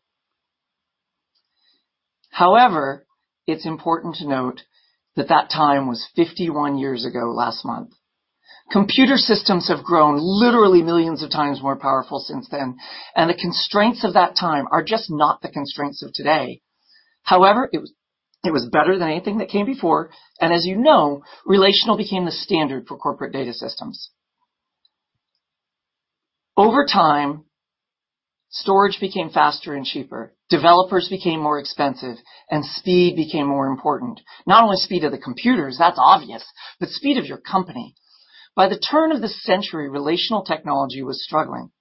It's important to note that that time was 51 years ago last month. Computer systems have grown literally millions of times more powerful since then, and the constraints of that time are just not the constraints of today. It was better than anything that came before, and as you know, relational became the standard for corporate data systems. Over time, storage became faster and cheaper, developers became more expensive, and speed became more important. Not only speed of the computers, that's obvious, but speed of your company. By the turn of the century, relational technology was struggling.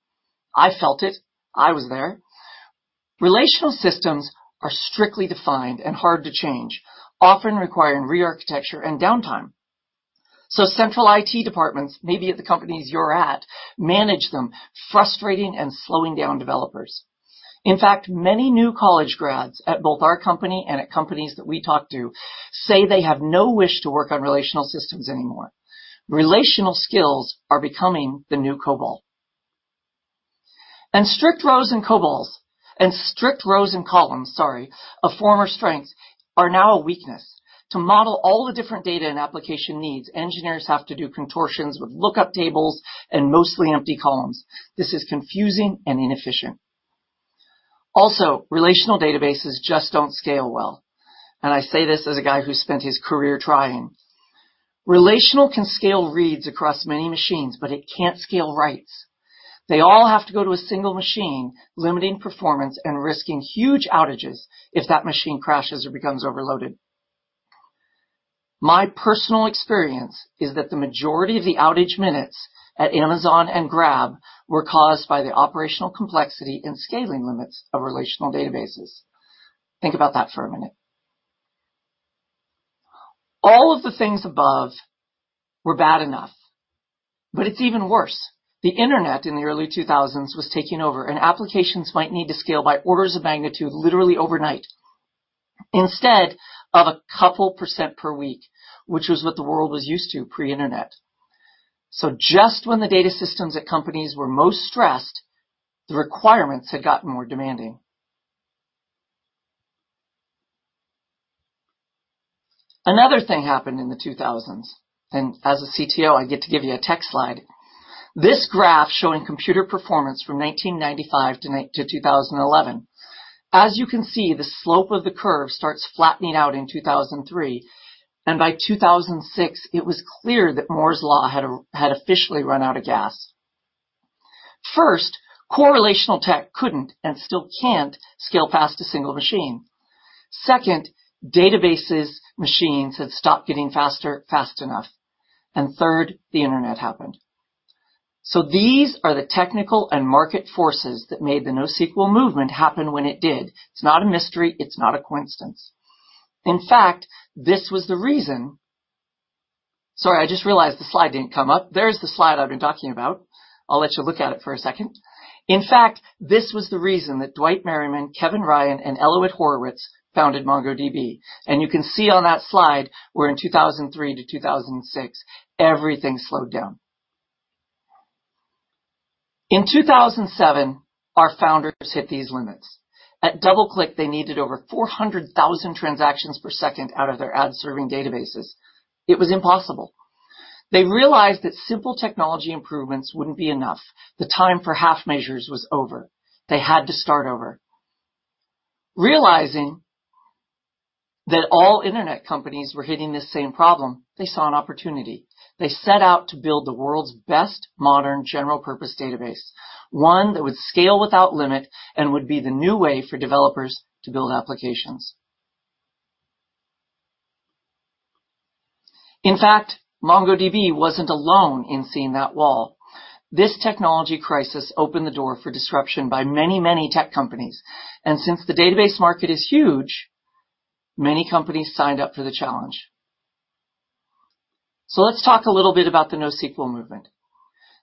I felt it. I was there. Relational systems are strictly defined and hard to change, often requiring re-architecture and downtime. Central IT departments, maybe at the companies you're at, manage them, frustrating and slowing down developers. In fact, many new college grads at both our company and at companies that we talk to say they have no wish to work on relational systems anymore. Relational skills are becoming the new COBOL. Strict rows and columns, a former strength, are now a weakness. To model all the different data an application needs, engineers have to do contortions with lookup tables and mostly empty columns. This is confusing and inefficient. Relational databases just don't scale well, and I say this as a guy who spent his career trying. Relational can scale reads across many machines, but it can't scale writes. They all have to go to a single machine, limiting performance and risking huge outages if that machine crashes or becomes overloaded. My personal experience is that the majority of the outage minutes at Amazon and Grab were caused by the operational complexity and scaling limits of relational databases. Think about that for one minute. All of the things above were bad enough. It's even worse. The internet in the early 2000s was taking over. Applications might need to scale by orders of magnitude literally overnight, instead of a couple percent per week, which was what the world was used to pre-internet. Just when the data systems at companies were most stressed, the requirements had gotten more demanding. Another thing happened in the 2000s. As a CTO, I get to give you a tech slide, this graph showing computer performance from 1995 to 2011. As you can see, the slope of the curve starts flattening out in 2003. By 2006, it was clear that Moore's law had officially run out of gas. First, correlational tech couldn't, and still can't, scale past a single machine. Second, databases machines had stopped getting faster fast enough. Third, the internet happened. These are the technical and market forces that made the NoSQL movement happen when it did. It's not a mystery. It's not a coincidence. In fact, this was the reason. Sorry, I just realized the slide didn't come up. There's the slide I've been talking about. I'll let you look at it for a second. In fact, this was the reason that Dwight Merriman, Kevin Ryan, and Eliot Horowitz founded MongoDB. You can see on that slide where in 2003 to 2006, everything slowed down. In 2007, our Founders hit these limits. At DoubleClick, they needed over 400,000 transactions per second out of their ad-serving databases. It was impossible. They realized that simple technology improvements wouldn't be enough. The time for half measures was over. They had to start over. Realizing that all Internet companies were hitting this same problem, they saw an opportunity. They set out to build the world's best modern general-purpose database, one that would scale without limit and would be the new way for developers to build applications. In fact, MongoDB wasn't alone in seeing that wall. This technology crisis opened the door for disruption by many tech companies, and since the database market is huge, many companies signed up for the challenge. Let's talk a little bit about the NoSQL movement.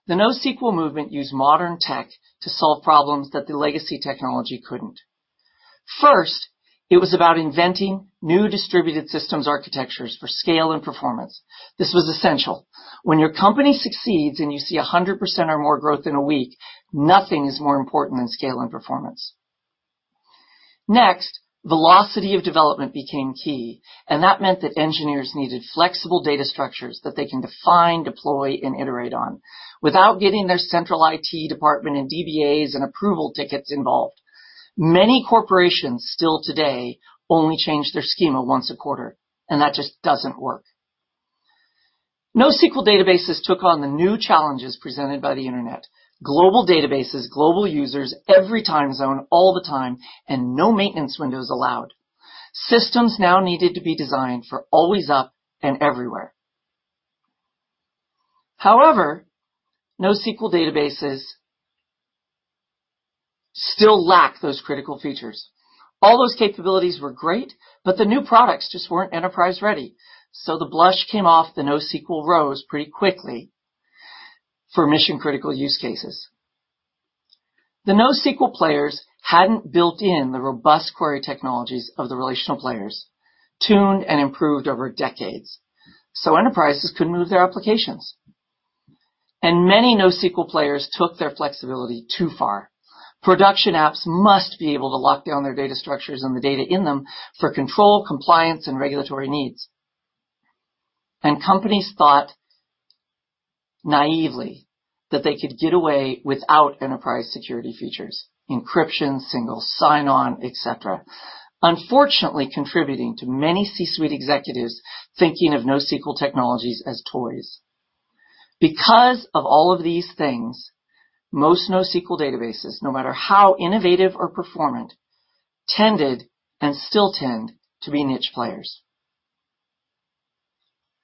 The NoSQL movement used modern tech to solve problems that the legacy technology couldn't. First, it was about inventing new distributed systems architectures for scale and performance. This was essential. When your company succeeds and you see 100% or more growth in one week, nothing is more important than scale and performance. Next, velocity of development became key, and that meant that engineers needed flexible data structures that they can define, deploy, and iterate on without getting their central IT department and DBAs and approval tickets involved. Many corporations still today only change their schema once a quarter, and that just doesn't work. NoSQL databases took on the new challenges presented by the internet, global databases, global users, every time zone, all the time, and no maintenance windows allowed. Systems now needed to be designed for always up and everywhere. However, NoSQL databases still lack those critical features. All those capabilities were great, but the new products just weren't enterprise-ready. The blush came off the NoSQL rose pretty quickly for mission-critical use cases. The NoSQL players hadn't built in the robust query technologies of the relational players, tuned and improved over decades, so enterprises couldn't move their applications. Many NoSQL players took their flexibility too far. Production apps must be able to lock down their data structures and the data in them for control, compliance, and regulatory needs. Companies thought naively that they could get away without enterprise security features, encryption, single sign-on, et cetera. Unfortunately, contributing to many C-suite executives thinking of NoSQL technologies as toys. Because of all of these things, most NoSQL databases, no matter how innovative or performant, tended and still tend to be niche players.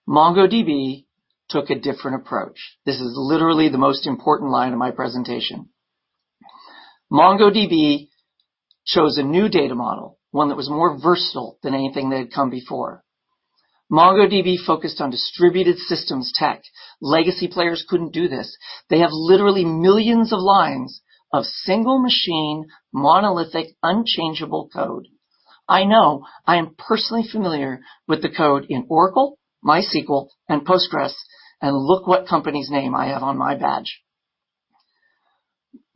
MongoDB took a different approach. This is literally the most important line of my presentation. MongoDB chose a new data model, one that was more versatile than anything that had come before. MongoDB focused on distributed systems tech. Legacy players couldn't do this. They have literally millions of lines of single machine, monolithic, unchangeable code. I know. I am personally familiar with the code in Oracle, MySQL, and Postgres. Look what company's name I have on my badge.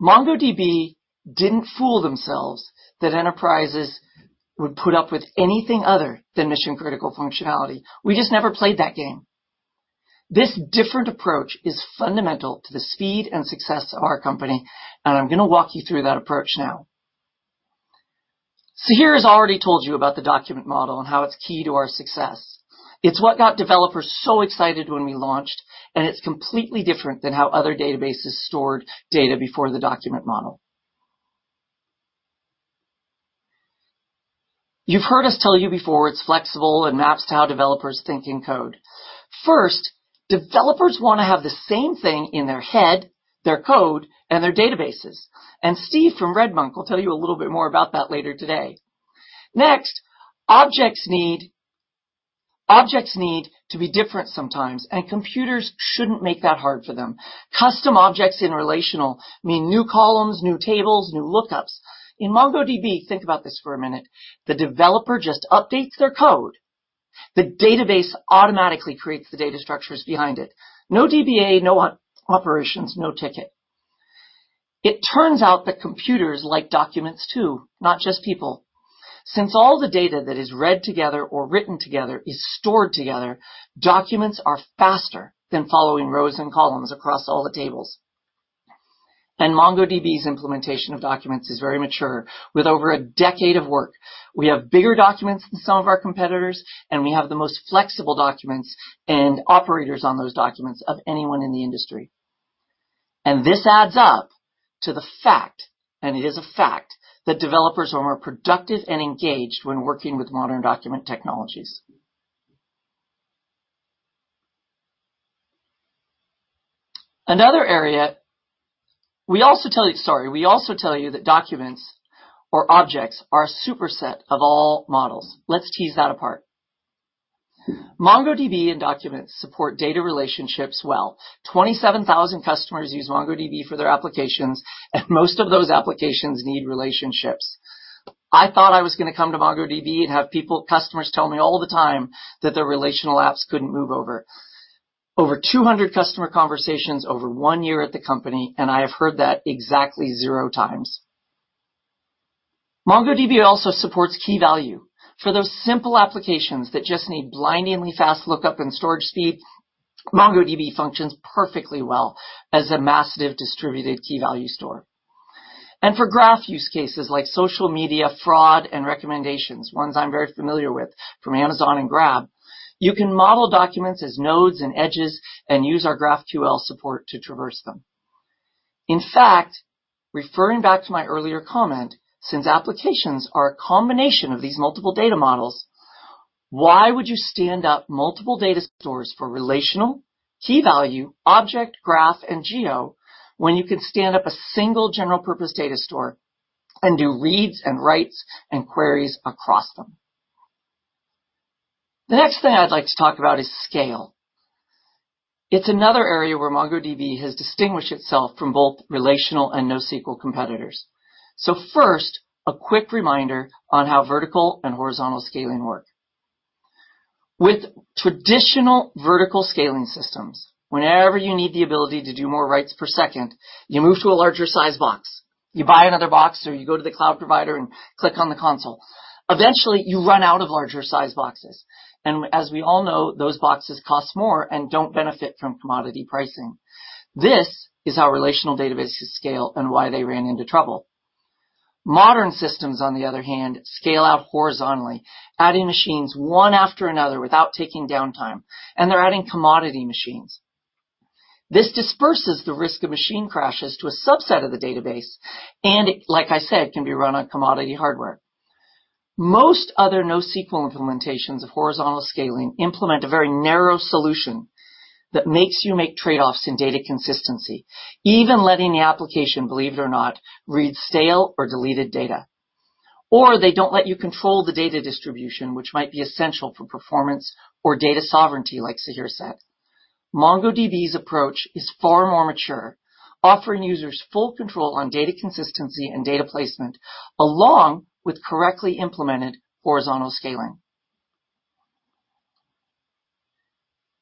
MongoDB didn't fool themselves that enterprises would put up with anything other than mission-critical functionality. We just never played that game. This different approach is fundamental to the speed and success of our company. I'm going to walk you through that approach now. Sahir has already told you about the document model and how it's key to our success. It's what got developers so excited when we launched. It's completely different than how other databases stored data before the document model. Developers want to have the same thing in their head, their code, and their databases. Steve from RedMonk will tell you a little bit more about that later today. Objects need to be different sometimes, and computers shouldn't make that hard for them. Custom objects in relational mean new columns, new tables, new lookups. In MongoDB, think about this for a minute, the developer just updates their code. The database automatically creates the data structures behind it. No DBA, no operations, no ticket. It turns out that computers like documents, too, not just people. Since all the data that is read together or written together is stored together, documents are faster than following rows and columns across all the tables. MongoDB's implementation of documents is very mature, with over a decade of work. We have bigger documents than some of our competitors, and we have the most flexible documents and operators on those documents of anyone in the industry. This adds up to the fact, and it is a fact, that developers are more productive and engaged when working with modern document technologies. Another area, we also tell you that documents or objects are a superset of all models. Let's tease that apart. MongoDB and documents support data relationships well. 27,000 customers use MongoDB for their applications, and most of those applications need relationships. I thought I was going to come to MongoDB and have customers tell me all the time that their relational apps couldn't move over. Over 200 customer conversations over one year at the company, and I have heard that exactly zero times. MongoDB also supports key-value. For those simple applications that just need blindingly fast lookup and storage speeds, MongoDB functions perfectly well as a massive distributed key-value store. For graph use cases like social media fraud and recommendations, ones I'm very familiar with from Amazon and Grab, you can model documents as nodes and edges and use our GraphQL support to traverse them. In fact, referring back to my earlier comment, since applications are a combination of these multiple data models, why would you stand up multiple data stores for relational, key-value, object, graph, and geo when you could stand up a single general-purpose data store and do reads and writes and queries across them? The next thing I'd like to talk about is scale. It's another area where MongoDB has distinguished itself from both relational and NoSQL competitors. First, a quick reminder on how vertical and horizontal scaling work. With traditional vertical scaling systems, whenever you need the ability to do more writes per second, you move to a larger size box. You buy another box, or you go to the cloud provider and click on the console. Eventually, you run out of larger size boxes. As we all know, those boxes cost more and don't benefit from commodity pricing. This is how relational databases scale and why they ran into trouble. Modern systems, on the other hand, scale out horizontally, adding machines one after another without taking downtime, and they're adding commodity machines. This disperses the risk of machine crashes to a subset of the database, and like I said, can be run on commodity hardware. Most other NoSQL implementations of horizontal scaling implement a very narrow solution that makes you make trade-offs in data consistency, even letting the application, believe it or not, read, stale, or deleted data. They don't let you control the data distribution, which might be essential for performance or data sovereignty, like Sahir said. MongoDB's approach is far more mature, offering users full control on data consistency and data placement, along with correctly implemented horizontal scaling.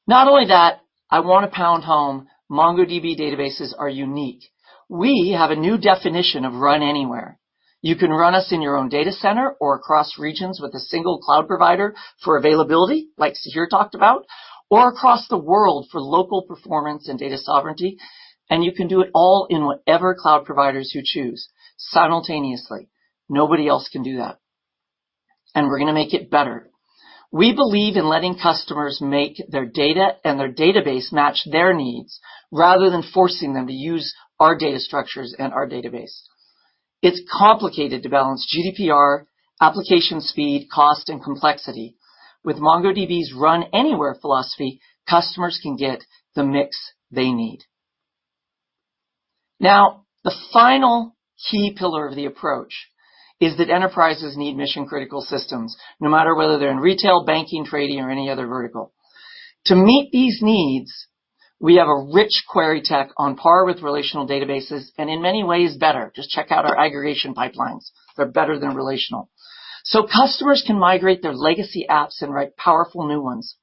Not only that, I want to pound home, MongoDB databases are unique. We have a new definition of run anywhere. You can run us in your own data center or across regions with a single cloud provider for availability, like Sahir talked about, or across the world for local performance and data sovereignty, and you can do it all in whatever cloud providers you choose simultaneously. Nobody else can do that. We're going to make it better. We believe in letting customers make their data and their database match their needs rather than forcing them to use our data structures and our database. It's complicated to balance GDPR, application speed, cost, and complexity. With MongoDB's run anywhere philosophy, customers can get the mix they need. Now, the final key pillar of the approach is that enterprises need mission-critical systems, no matter whether they're in retail, banking, trading, or any other vertical. To meet these needs, we have a rich query tech on par with relational databases, and in many ways better. Just check out our aggregation pipelines. They're better than relational. Customers can migrate their legacy apps and write powerful new ones.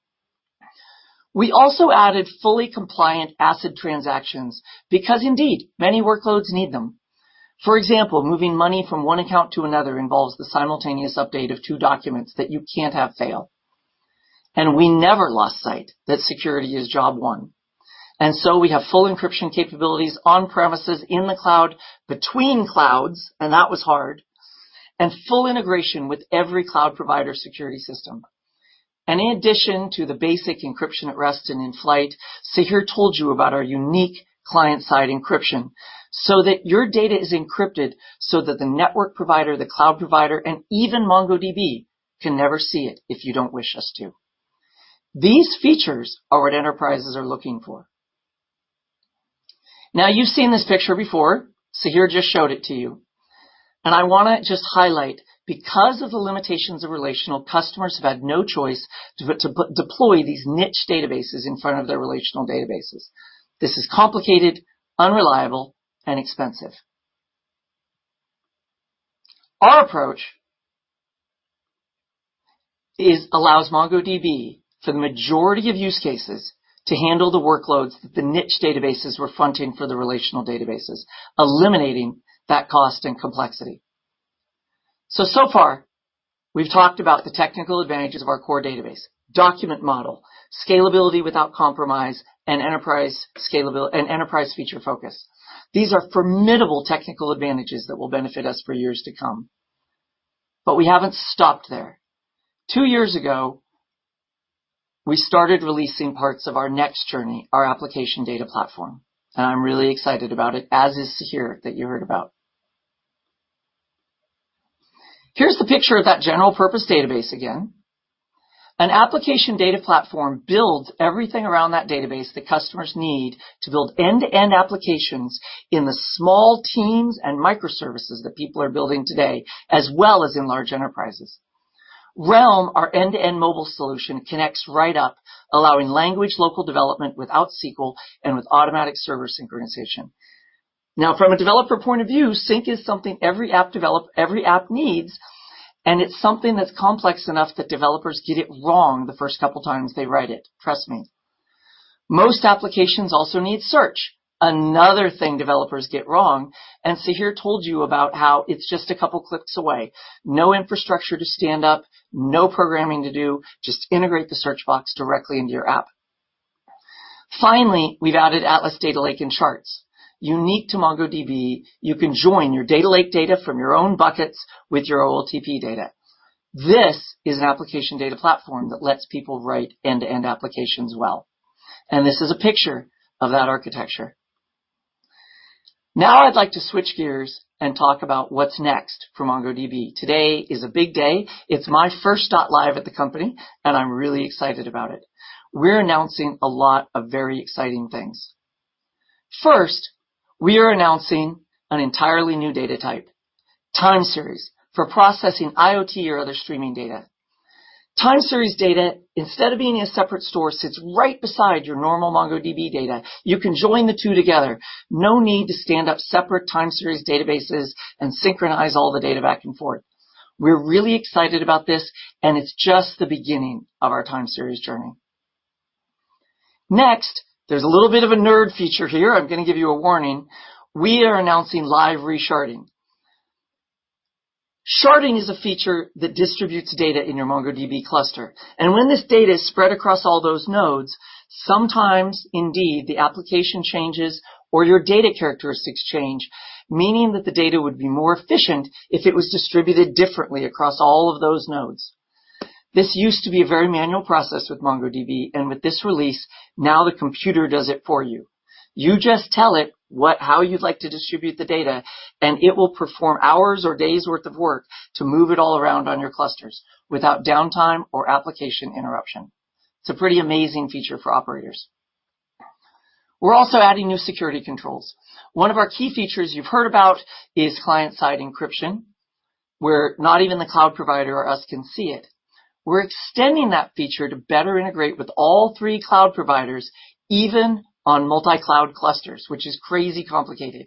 We also added fully compliant ACID transactions because indeed, many workloads need them. For example, moving money from one account to another involves the simultaneous update of two documents that you can't have fail. We never lost sight that security is job one. We have full encryption capabilities on-premises, in the cloud, between clouds, and that was hard, and full integration with every cloud provider security system. In addition to the basic encryption at rest and in flight, Sahir told you about our unique client-side encryption, so that your data is encrypted so that the network provider, the cloud provider, and even MongoDB can never see it if you don't wish us to. These features are what enterprises are looking for. You've seen this picture before. Sahir just showed it to you. I want to just highlight, because of the limitations of relational, customers have had no choice but to deploy these niche databases in front of their relational databases. This is complicated, unreliable, and expensive. Our approach allows MongoDB, the majority of use cases, to handle the workloads that the niche databases were fronting for the relational databases, eliminating that cost and complexity. So far, we've talked about the technical advantages of our core database, document model, scalability without compromise, and enterprise feature focus. These are formidable technical advantages that will benefit us for years to come. We haven't stopped there. Two years ago, we started releasing parts of our next journey, our application data platform, and I'm really excited about it, as is Sahir, that you heard about. Here's a picture of that general-purpose database again. An application data platform builds everything around that database that customers need to build end-to-end applications in the small teams and microservices that people are building today, as well as in large enterprises. Realm, our end-to-end mobile solution, connects right up, allowing language local development without SQL and with automatic server synchronization. Now, from a developer point of view, sync is something every app needs, and it's something that's complex enough that developers get it wrong the first couple times they write it. Trust me. Most applications also need search, another thing developers get wrong, and Sahir told you about how it's just a couple clicks away. No infrastructure to stand up, no programming to do, just integrate the search box directly into your app. Finally, we've added Atlas Data Lake and Charts. Unique to MongoDB, you can join your data lake data from your own buckets with your OLTP data. This is an application data platform that lets people write end-to-end applications well. This is a picture of that architecture. Now, I'd like to switch gears and talk about what's next for MongoDB. Today is a big day. It's my first Dot Live at the company, and I'm really excited about it. We're announcing a lot of very exciting things. First, we are announcing an entirely new data type, time series, for processing IoT or other streaming data. Time series data, instead of being a separate store, sits right beside your normal MongoDB data. You can join the two together. No need to stand up separate time series databases and synchronize all the data back and forth. We're really excited about this, and it's just the beginning of our time series journey. There's a little bit of a nerd feature here. I'm going to give you a warning. We are announcing live resharding. Sharding is a feature that distributes data in your MongoDB cluster, and when this data is spread across all those nodes, sometimes indeed the application changes or your data characteristics change, meaning that the data would be more efficient if it was distributed differently across all of those nodes. This used to be a very manual process with MongoDB, and with this release, now the computer does it for you. You just tell it how you'd like to distribute the data, and it will perform hours or days worth of work to move it all around on your clusters without downtime or application interruption. It's a pretty amazing feature for operators. We're also adding new security controls. One of our key features you've heard about is client-side encryption, where not even the cloud provider or us can see it. We're extending that feature to better integrate with all three cloud providers, even on multi-cloud clusters, which is crazy complicated.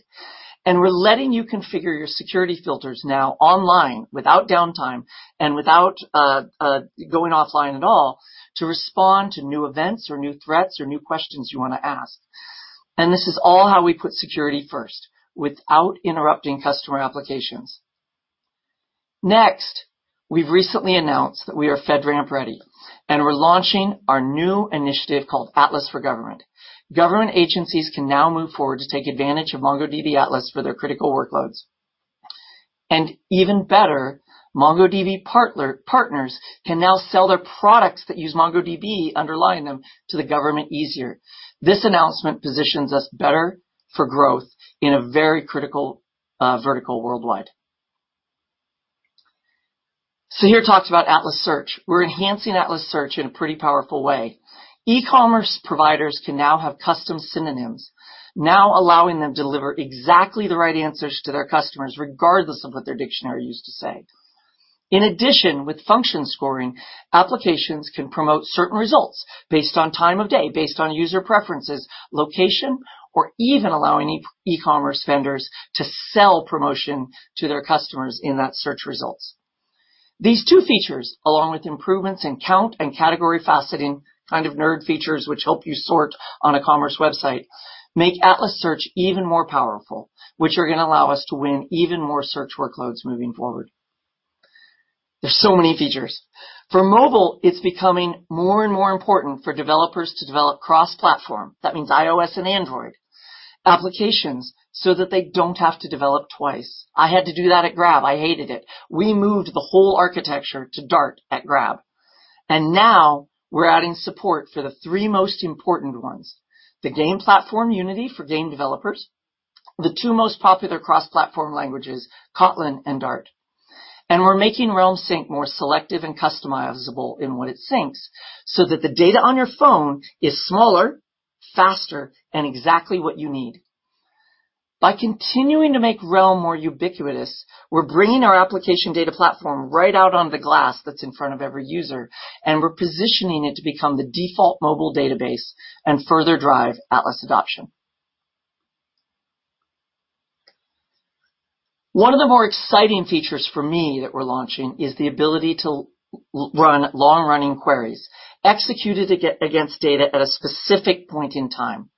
We're letting you configure your security filters now online without downtime and without going offline at all to respond to new events or new threats or new questions you want to ask. This is all how we put security first without interrupting customer applications. Next, we've recently announced that we are FedRAMP ready, and we're launching our new initiative called Atlas for Government. Government agencies can now move forward to take advantage of MongoDB Atlas for their critical workloads. Even better, MongoDB partners can now sell their products that use MongoDB underlying them to the government easier. This announcement positions us better for growth in a very critical vertical worldwide. Sahir talked about Atlas Search. We're enhancing Atlas Search in a pretty powerful way. e-commerce providers can now have custom synonyms, now allowing them to deliver exactly the right answers to their customers regardless of what their dictionary used to say. In addition, with function scoring, applications can promote certain results based on time of day, based on user preferences, location, or even allowing e-commerce vendors to sell promotion to their customers in that search results. These two features, along with improvements in count and category faceting, kind of nerd features which help you sort on a commerce website, make Atlas Search even more powerful, which are going to allow us to win even more search workloads moving forward. There's so many features. For mobile, it's becoming more and more important for developers to develop cross-platform, that means iOS and Android, applications so that they don't have to develop twice. I had to do that at Grab. I hated it. We moved the whole architecture to Dart at Grab. Now we're adding support for the three most important ones, the game platform Unity for game developers, the two most popular cross-platform languages, Kotlin and Dart. We're making Realm Sync more selective and customizable in what it syncs so that the data on your phone is smaller, faster, and exactly what you need. By continuing to make Realm more ubiquitous, we're bringing our application data platform right out on the glass that's in front of every user, and we're positioning it to become the default mobile database and further drive Atlas adoption. One of the more exciting features for me that we're launching is the ability to run long-running queries executed against data at a specific point in time.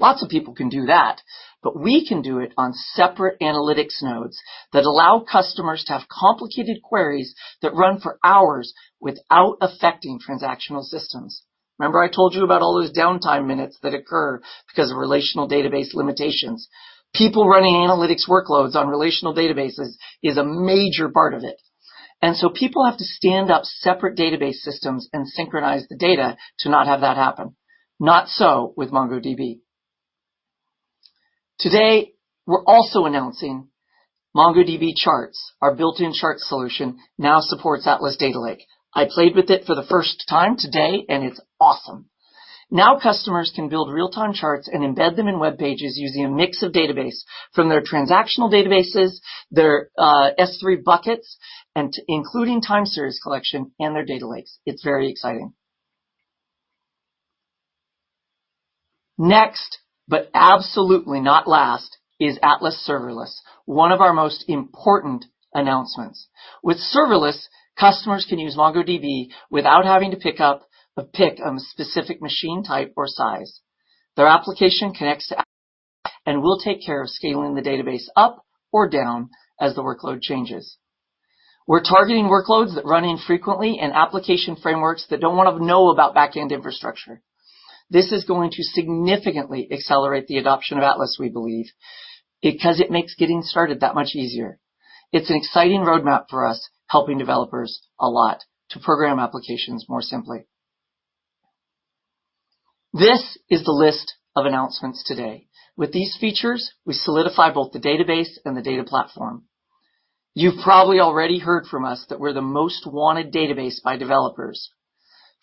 Lots of people can do that, but we can do it on separate analytics nodes that allow customers to have complicated queries that run for hours without affecting transactional systems. Remember I told you about all those downtime minutes that occur because of relational database limitations? People running analytics workloads on relational databases is a major part of it. People have to stand up separate database systems and synchronize the data to not have that happen. Not so with MongoDB. Today, we're also announcing MongoDB Charts. Our built-in charts solution now supports Atlas Data Lake. I played with it for the first time today, and it's awesome. Now customers can build real-time charts and embed them in web pages using a mix of database from their transactional databases, their S3 buckets, and including time series collection in their data lakes. It's very exciting. Next, but absolutely not last, is Atlas Serverless, one of our most important announcements. With Serverless, customers can use MongoDB without having to pick a specific machine type or size. Their application connects to Atlas, and we'll take care of scaling the database up or down as the workload changes. We're targeting workloads that run infrequently and application frameworks that don't want to know about back-end infrastructure. This is going to significantly accelerate the adoption of Atlas, we believe, because it makes getting started that much easier. It's an exciting roadmap for us, helping developers a lot to program applications more simply. This is the list of announcements today. With these features, we solidify both the database and the data platform. You've probably already heard from us that we're the most wanted database by developers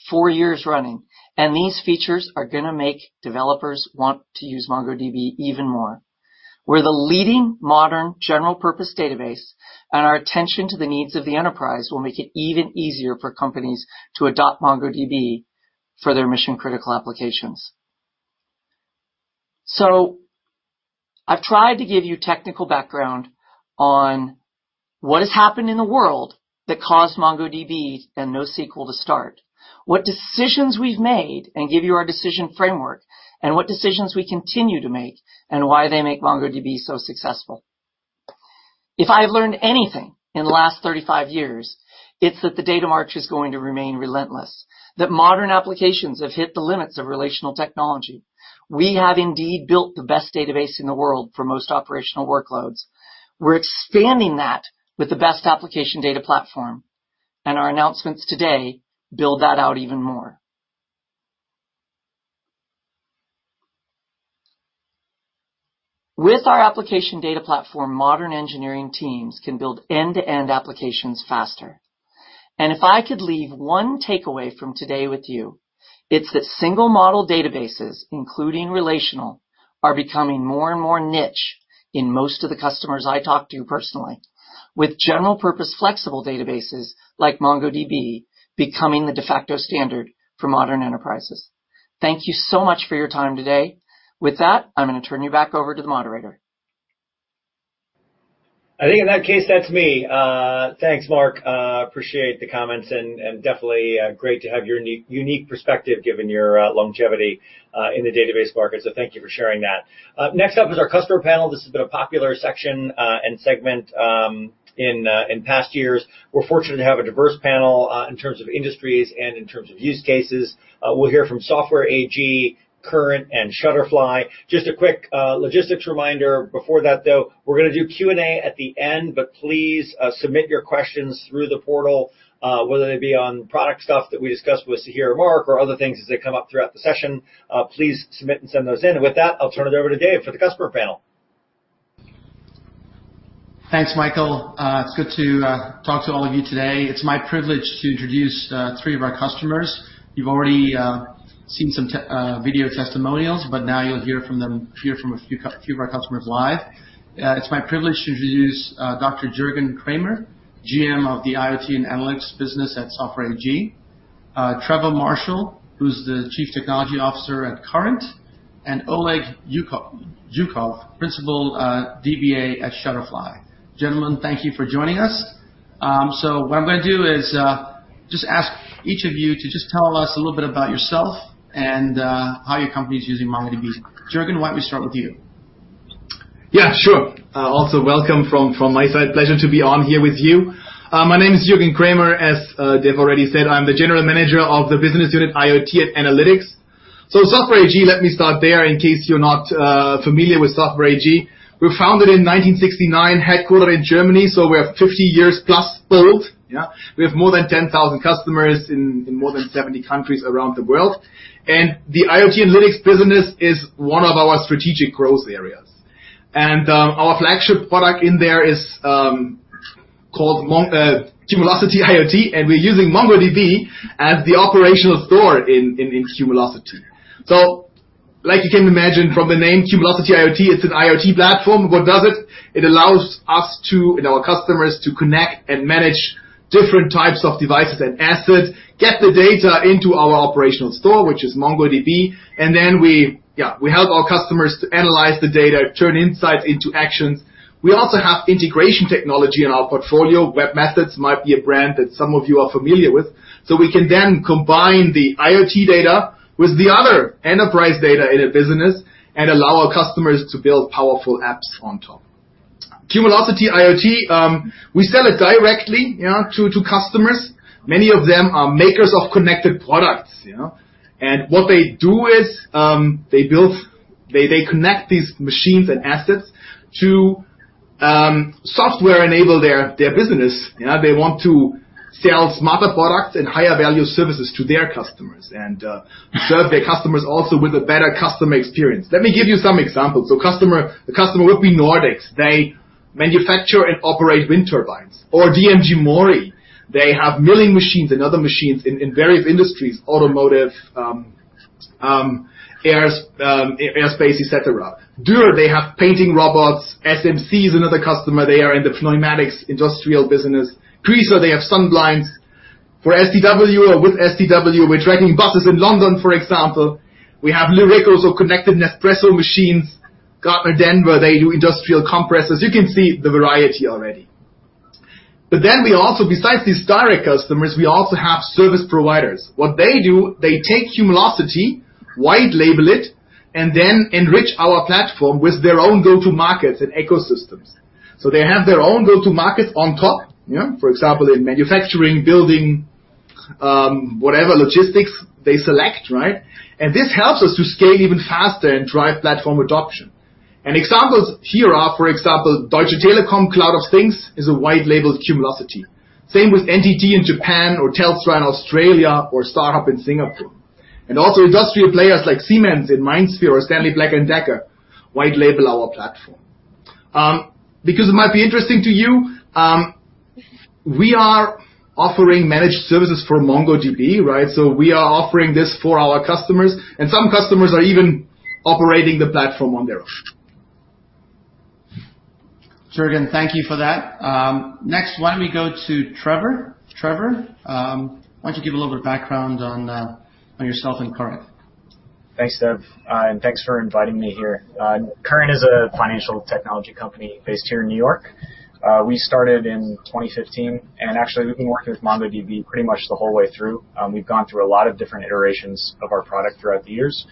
four years running, and these features are going to make developers want to use MongoDB even more. We're the leading modern general-purpose database, and our attention to the needs of the enterprise will make it even easier for companies to adopt MongoDB for their mission-critical applications. I've tried to give you technical background on what has happened in the world that caused MongoDB and NoSQL to start, what decisions we've made, and give you our decision framework, and what decisions we continue to make, and why they make MongoDB so successful. If I have learned anything in the last 35 years, it's that the data march is going to remain relentless, that modern applications have hit the limits of relational technology. We have indeed built the best database in the world for most operational workloads. We're expanding that with the best application data platform, and our announcements today build that out even more. With our application data platform, modern engineering teams can build end-to-end applications faster. If I could leave one takeaway from today with you, it's that single model databases, including relational, are becoming more and more niche in most of the customers I talk to personally, with general-purpose flexible databases like MongoDB becoming the de facto standard for modern enterprises. Thank you so much for your time today. With that, I'm going to turn you back over to the moderator. I think in that case, that's me. Thanks, Mark. Appreciate the comments, and definitely great to have your unique perspective given your longevity in the database market, so thank you for sharing that. Next up is our customer panel. This has been a popular section and segment in past years. We're fortunate to have a diverse panel in terms of industries and in terms of use cases. We'll hear from Software AG, Current, and Shutterfly. Just a quick logistics reminder before that, though. We're going to do Q&A at the end, but please submit your questions through the portal, whether they be on product stuff that we discussed with Sahir or Mark or other things as they come up throughout the session. Please submit and send those in. With that, I'll turn it over to Dev for the customer panel. Thanks, Michael. It's good to talk to all of you today. It's my privilege to introduce three of our customers. You've already seen some video testimonials, but now you'll hear from a few of our customers live. It's my privilege to introduce Dr. Jürgen Krämer, GM of the IoT and Analytics business at Software AG. Trevor Marshall, who's the Chief Technology Officer at Current, and Oleg Joukov, Principal DBA at Shutterfly. Gentlemen, thank you for joining us. What I'm going to do is just ask each of you to just tell us a little bit about yourself and how your company is using MongoDB. Jürgen, why don't we start with you? Yeah, sure. Also welcome from my side. Pleasure to be on here with you. My name is Jürgen Krämer. As Dev already said, I'm the General Manager of the business unit IoT at Analytics. Software AG, let me start there in case you're not familiar with Software AG. We were founded in 1969, headquartered in Germany. We are 50 years plus old, yeah. We have more than 10,000 customers in more than 70 countries around the world. The IoT Analytics business is one of our strategic growth areas. Our flagship product in there is called Cumulocity IoT, and we're using MongoDB as the operational store in Cumulocity. Like you can imagine from the name Cumulocity IoT, it's an IoT platform. What does it? It allows us to, and our customers to connect and manage different types of devices and assets, get the data into our operational store, which is MongoDB, and then we, yeah, we help our customers to analyze the data, turn insights into actions. We also have integration technology in our portfolio. webMethods might be a brand that some of you are familiar with. We can then combine the IoT data with the other enterprise data in a business and allow our customers to build powerful apps on top. Cumulocity IoT, we sell it directly, yeah, to customers. Many of them are makers of connected products. What they do is, they connect these machines and assets to-Software enable their business. They want to sell smarter products and higher value services to their customers and serve their customers also with a better customer experience. Let me give you some examples. The customer would be Nordex. They manufacture and operate wind turbines. DMG MORI. They have milling machines and other machines in various industries, automotive, air space, et cetera. Dürr, they have painting robots. SMC is another customer. They are in the pneumatics industrial business. Priessl, they have sun blinds. For STW or with STW, we're tracking buses in London, for example. We have Lyreco, so connected Nespresso machines. Gardner Denver, they do industrial compressors. You can see the variety already. Besides these direct customers, we also have service providers. What they do, they take Cumulocity, white label it, and then enrich our platform with their own go-to markets and ecosystems. They have their own go-to markets on top. For example, in manufacturing, building, whatever logistics they select. This helps us to scale even faster and drive platform adoption. Examples here are, for example, Deutsche Telekom Cloud of Things is a white labeled Cumulocity. Same with NTT in Japan or Telstra in Australia or StarHub in Singapore. Also industrial players like Siemens in MindSphere or Stanley Black & Decker white label our platform. Because it might be interesting to you, we are offering managed services for MongoDB. We are offering this for our customers, and some customers are even operating the platform on their own. Jürgen, thank you for that. Next, why don't we go to Trevor? Trevor, why don't you give a little bit of background on yourself and Current? Thanks, Dev, thanks for inviting me here. Current is a Financial Technology company based here in New York. We started in 2015, actually we've been working with MongoDB pretty much the whole way through. We've gone through a lot of different iterations of our product throughout the years.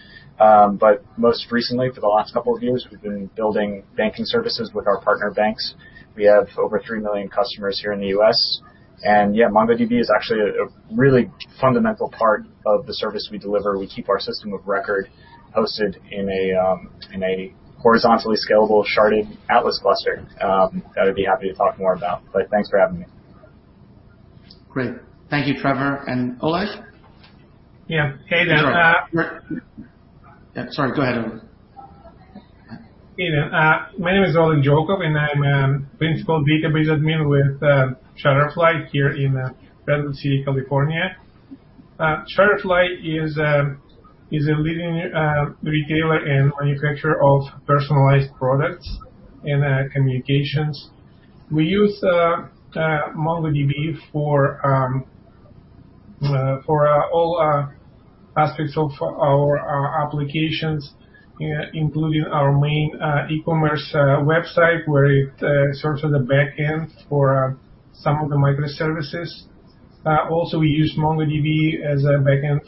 Most recently, for the last couple of years, we've been building banking services with our partner banks. We have over 3 million customers here in the U.S. Yeah, MongoDB is actually a really fundamental part of the service we deliver. We keep our system of record hosted in a horizontally scalable sharded Atlas cluster, that I'd be happy to talk more about. Thanks for having me. Great. Thank you, Trevor. Oleg? Yeah. Hey there. Sorry, go ahead, Oleg. My name is Oleg Joukov, I'm a Principal Database Admin with Shutterfly here in Redwood City, California. Shutterfly is a leading retailer and manufacturer of personalized products and communications. We use MongoDB for all aspects of our applications, including our main e-commerce website where it serves as a back end for some of the microservices. We use MongoDB as a back end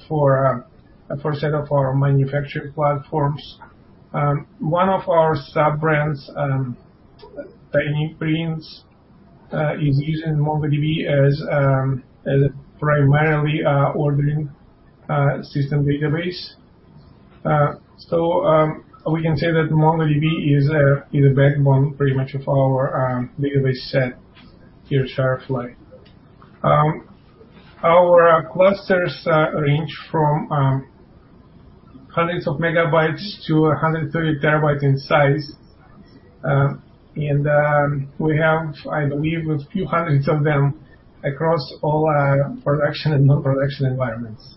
for a set of our manufacturing platforms. One of our sub-brands, Tiny Prints, is using MongoDB as primarily our ordering system database. We can say that MongoDB is a backbone pretty much of our database set here at Shutterfly. Our clusters range from 100 of GB to 130 TB in size. We have, I believe, a few hundreds of them across all our production and non-production environments.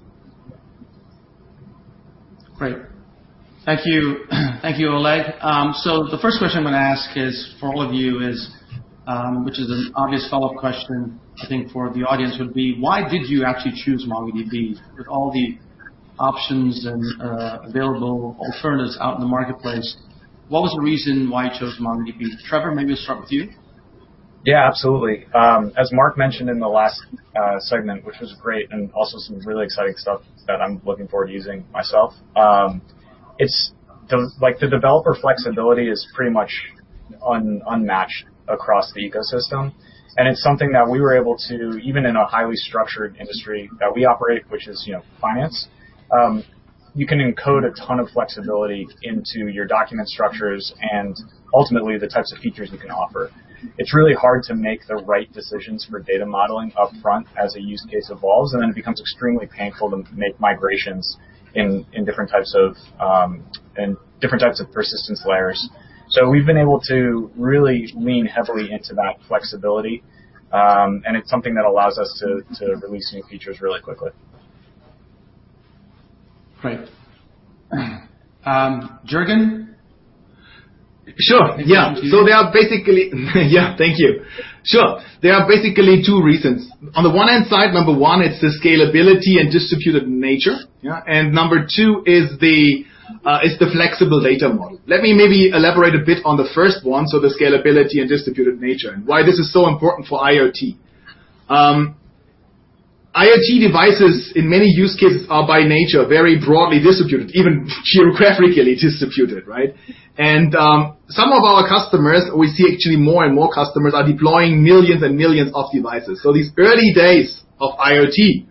Great. Thank you, Oleg. The first question I'm going to ask for all of you is, which is an obvious follow-up question I think for the audience, would be why did you actually choose MongoDB? With all the options and available alternatives out in the marketplace, what was the reason why you chose MongoDB? Trevor, maybe let's start with you. Yeah, absolutely. As Mark mentioned in the last segment, which was great, and also some really exciting stuff that I'm looking forward to using myself. The developer flexibility is pretty much unmatched across the ecosystem, and it's something that we were able to, even in a highly structured industry that we operate, which is finance, you can encode a ton of flexibility into your document structures and ultimately the types of features you can offer. It's really hard to make the right decisions for data modeling upfront as a use case evolves, and then it becomes extremely painful to make migrations in different types of persistence layers. We've been able to really lean heavily into that flexibility, and it's something that allows us to release new features really quickly. Right. Jürgen? Sure. Yeah. Thank you. Sure. There are basically two reasons. On the one hand side, number one, it's the scalability and distributed nature. Number two is the flexible data model. Let me maybe elaborate a bit on the first one, so the scalability and distributed nature, and why this is so important for IoT. IoT devices in many use cases are by nature very broadly distributed, even geographically distributed. Some of our customers, we see actually more and more customers are deploying millions and millions of devices. These early days of IoT.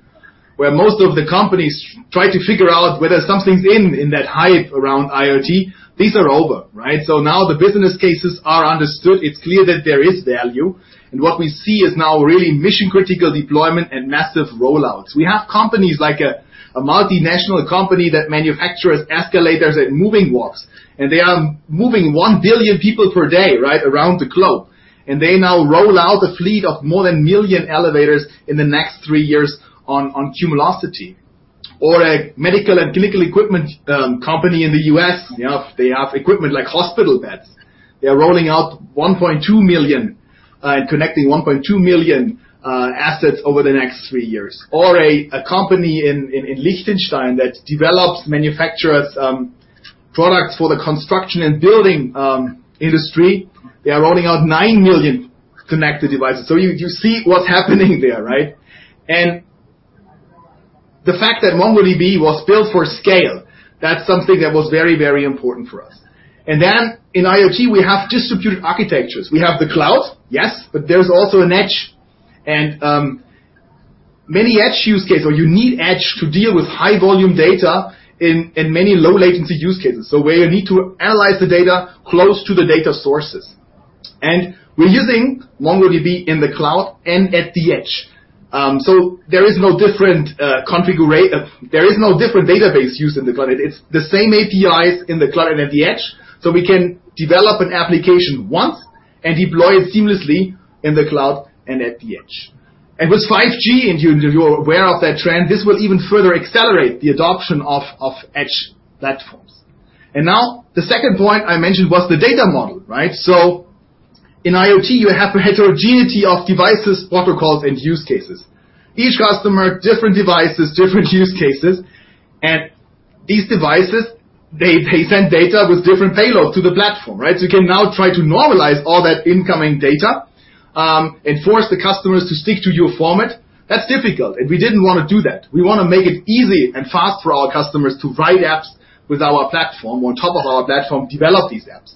Where most of the companies try to figure out whether something's in that hype around IoT, these are over, right. Now the business cases are understood. It's clear that there is value. What we see is now really mission-critical deployment and massive rollouts. We have companies like a multinational company that manufactures escalators and moving walks, and they are moving 1 billion people per day around the globe. They now roll out a fleet of more than 1 million elevators in the next three years on Cumulocity. A Medical and Clinical Equipment company in the U.S., they have equipment like hospital beds. They are rolling out 1.2 million and connecting 1.2 million assets over the next three years. A company in Liechtenstein that develops, manufactures products for the construction and building industry. They are rolling out 9 million connected devices. You see what's happening there, the fact that MongoDB was built for scale, that's something that was very important for us. In IoT, we have distributed architectures. We have the cloud, yes, but there's also an edge, and many edge use cases, or you need edge to deal with high-volume data and many low-latency use cases. Where you need to analyze the data close to the data sources. We're using MongoDB in the cloud and at the edge. There is no different database used in the cloud. It's the same APIs in the cloud and at the edge. We can develop an application once and deploy it seamlessly in the cloud and at the edge. With 5G, and you're aware of that trend, this will even further accelerate the adoption of edge platforms. Now, the second point I mentioned was the data model, right? In IoT, you have a heterogeneity of devices, protocols, and use cases. Each customer, different devices, different use cases, and these devices, they send data with different payload to the platform. You can now try to normalize all that incoming data, and force the customers to stick to your format. That's difficult, and we didn't want to do that. We want to make it easy and fast for our customers to write apps with our platform, on top of our platform, develop these apps.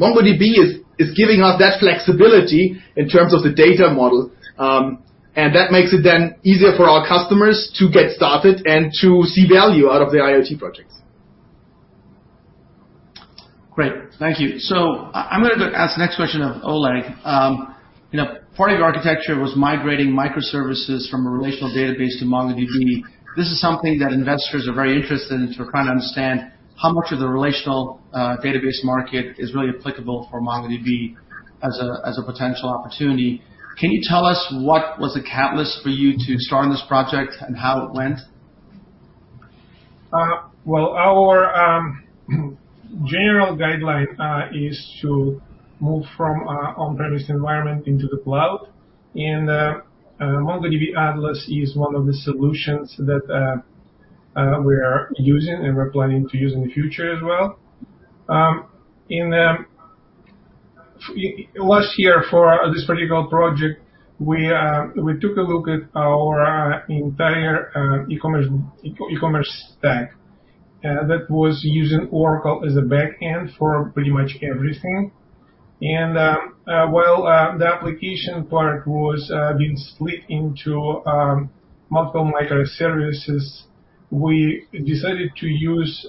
MongoDB is giving us that flexibility in terms of the data model, and that makes it then easier for our customers to get started and to see value out of their IoT projects. Great. Thank you. I'm going to ask the next question of Oleg. Part of your architecture was migrating microservices from a relational database to MongoDB. This is something that investors are very interested in, to try to understand how much of the relational database market is really applicable for MongoDB as a potential opportunity. Can you tell us what was the catalyst for you to start this project and how it went? Well, our general guideline is to move from on-premise environment into the cloud, and MongoDB Atlas is one of the solutions that we are using and we're planning to use in the future as well. Last year, for this particular project, we took a look at our entire e-commerce stack, and that was using Oracle as a back end for pretty much everything. Well, the application part was being split into multiple microservices. We decided to use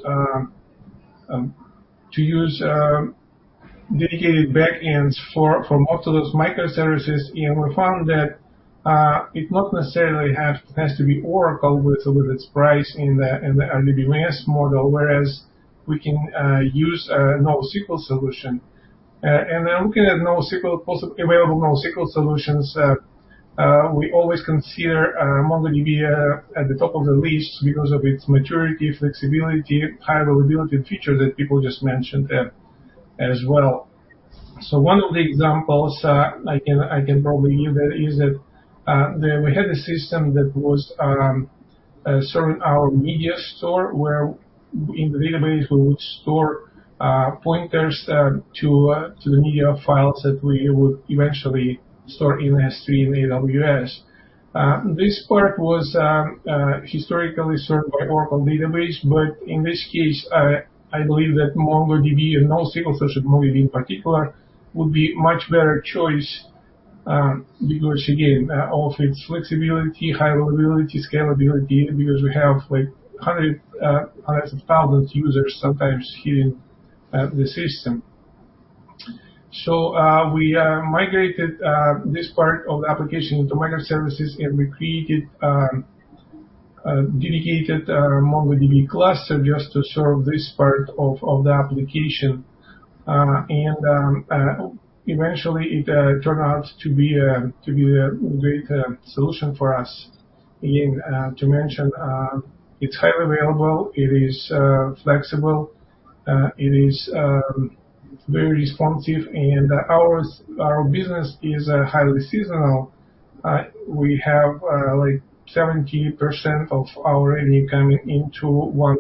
dedicated back ends for most of those microservices, and we found that it not necessarily has to be Oracle with its price and the advanced model, whereas we can use a NoSQL solution. Looking at available NoSQL solutions, we always consider MongoDB at the top of the list because of its maturity, flexibility, high availability feature that people just mentioned as well. One of the examples I can probably give is that we had a system that was serving our media store, where in the database, we would store pointers to the media files that we would eventually store in S3 and AWS. This part was historically served by Oracle database, but in this case, I believe that MongoDB and NoSQL, especially MongoDB in particular, would be much better choice, because again, of its flexibility, high availability, scalability, because we have hundreds and thousands users sometimes hitting the system. We migrated this part of the application to microservices, and we created a dedicated MongoDB cluster just to serve this part of the application. Eventually, it turned out to be the great solution for us. Again, to mention, it's highly available, it is flexible, it is very responsive, and our business is highly seasonal. We have like 70% of our annual income into one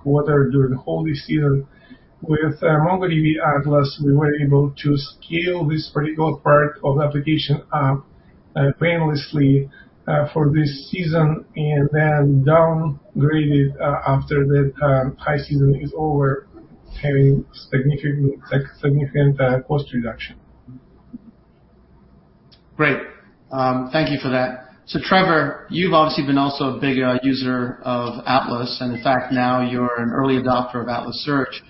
quarter during holiday season. With MongoDB Atlas, we were able to scale this particular part of the application up painlessly for this season, and then downgraded after that high season is over, having significant cost reduction. Great. Thank you for that. Trevor, you've obviously been also a big user of Atlas, and in fact, now you're an early adopter of Atlas Search.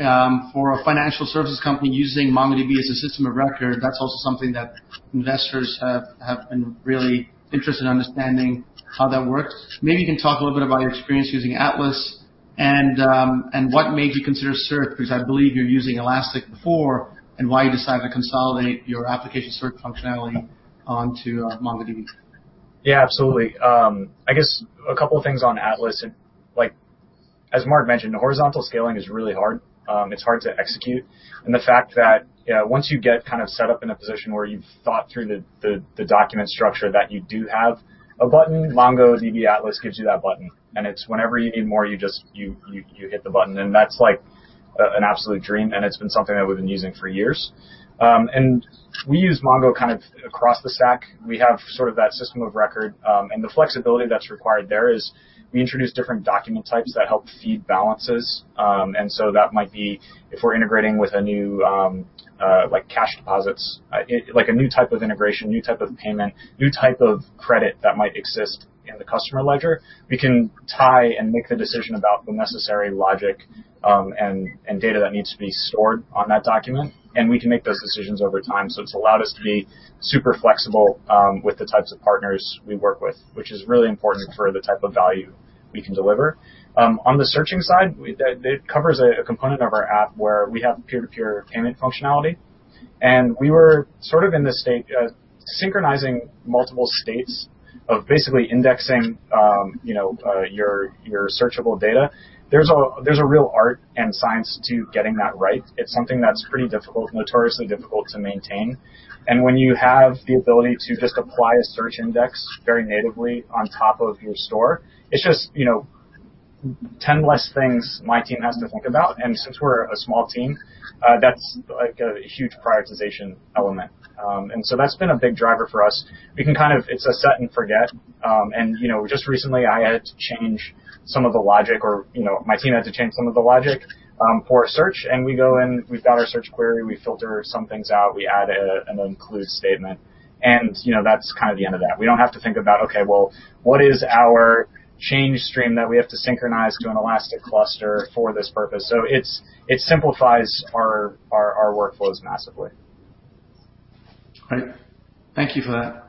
For a financial services company using MongoDB as a system of record, that's also something that investors have been really interested in understanding how that works. Maybe you can talk a little bit about your experience using Atlas and what made you consider Search, because I believe you were using Elastic before, and why you decided to consolidate your application search functionality onto MongoDB. Yeah, absolutely. I guess a couple of things on Atlas. As Mark mentioned, horizontal scaling is really hard. It's hard to execute. The fact that once you get set up in a position where you've thought through the document structure, that you do have a button, MongoDB Atlas gives you that button, and it's whenever you need more, you hit the button, and that's like an absolute dream, and it's been something I've been using for years. We use Mongo across the stack. We have that system of record, and the flexibility that's required there is we introduce different document types that help feed balances. That might be if we're integrating with a new, like cash deposits, like a new type of integration, a new type of payment, a new type of credit that might exist in the customer ledger, we can tie and make the decision about the necessary logic and data that needs to be stored on that document, and we can make those decisions over time. It's allowed us to be super flexible with the types of partners we work with, which is really important for the type of value we can deliver. On the searching side, it covers a component of our app where we have peer-to-peer payment functionality, and we were in the state of synchronizing multiple states of basically indexing your searchable data. There's a real art and science to getting that right. It's something that's pretty difficult, notoriously difficult to maintain. When you have the ability to just apply a search index very natively on top of your store, it's just 10 less things my team has to think about. Since we're a small team, that's a huge prioritization element. That's been a big driver for us. It's a set and forget. Just recently, I had to change some of the logic, or my team had to change some of the logic for a search, and we go in, we've got our search query, we filter some things out, we add an include statement, and that's the end of that. We don't have to think about, okay, well, what is our change stream that we have to synchronize to an Elastic cluster for this purpose? It simplifies our workflows massively. Great. Thank you for that.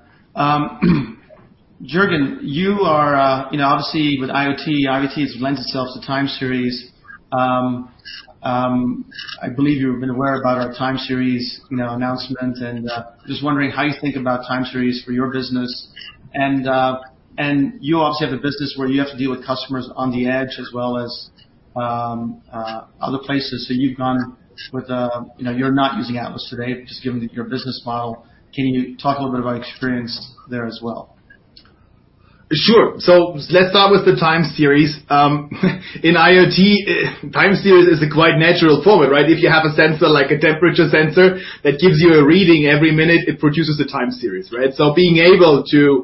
Jürgen, you are obviously with IoT. IoT lends itself to time series. I believe you've been aware about our time series announcement and just wondering how you think about time series for your business, and you also have a business where you have to deal with customers on the edge as well as other places. You're not using Atlas today just given your business model. Can you talk a little bit about your experience there as well? Sure. Let's start with the time series. In IoT, time series is a quite natural flow, right? If you have a sensor like a temperature sensor that gives you a reading every minute, it produces a time series, right? Being able to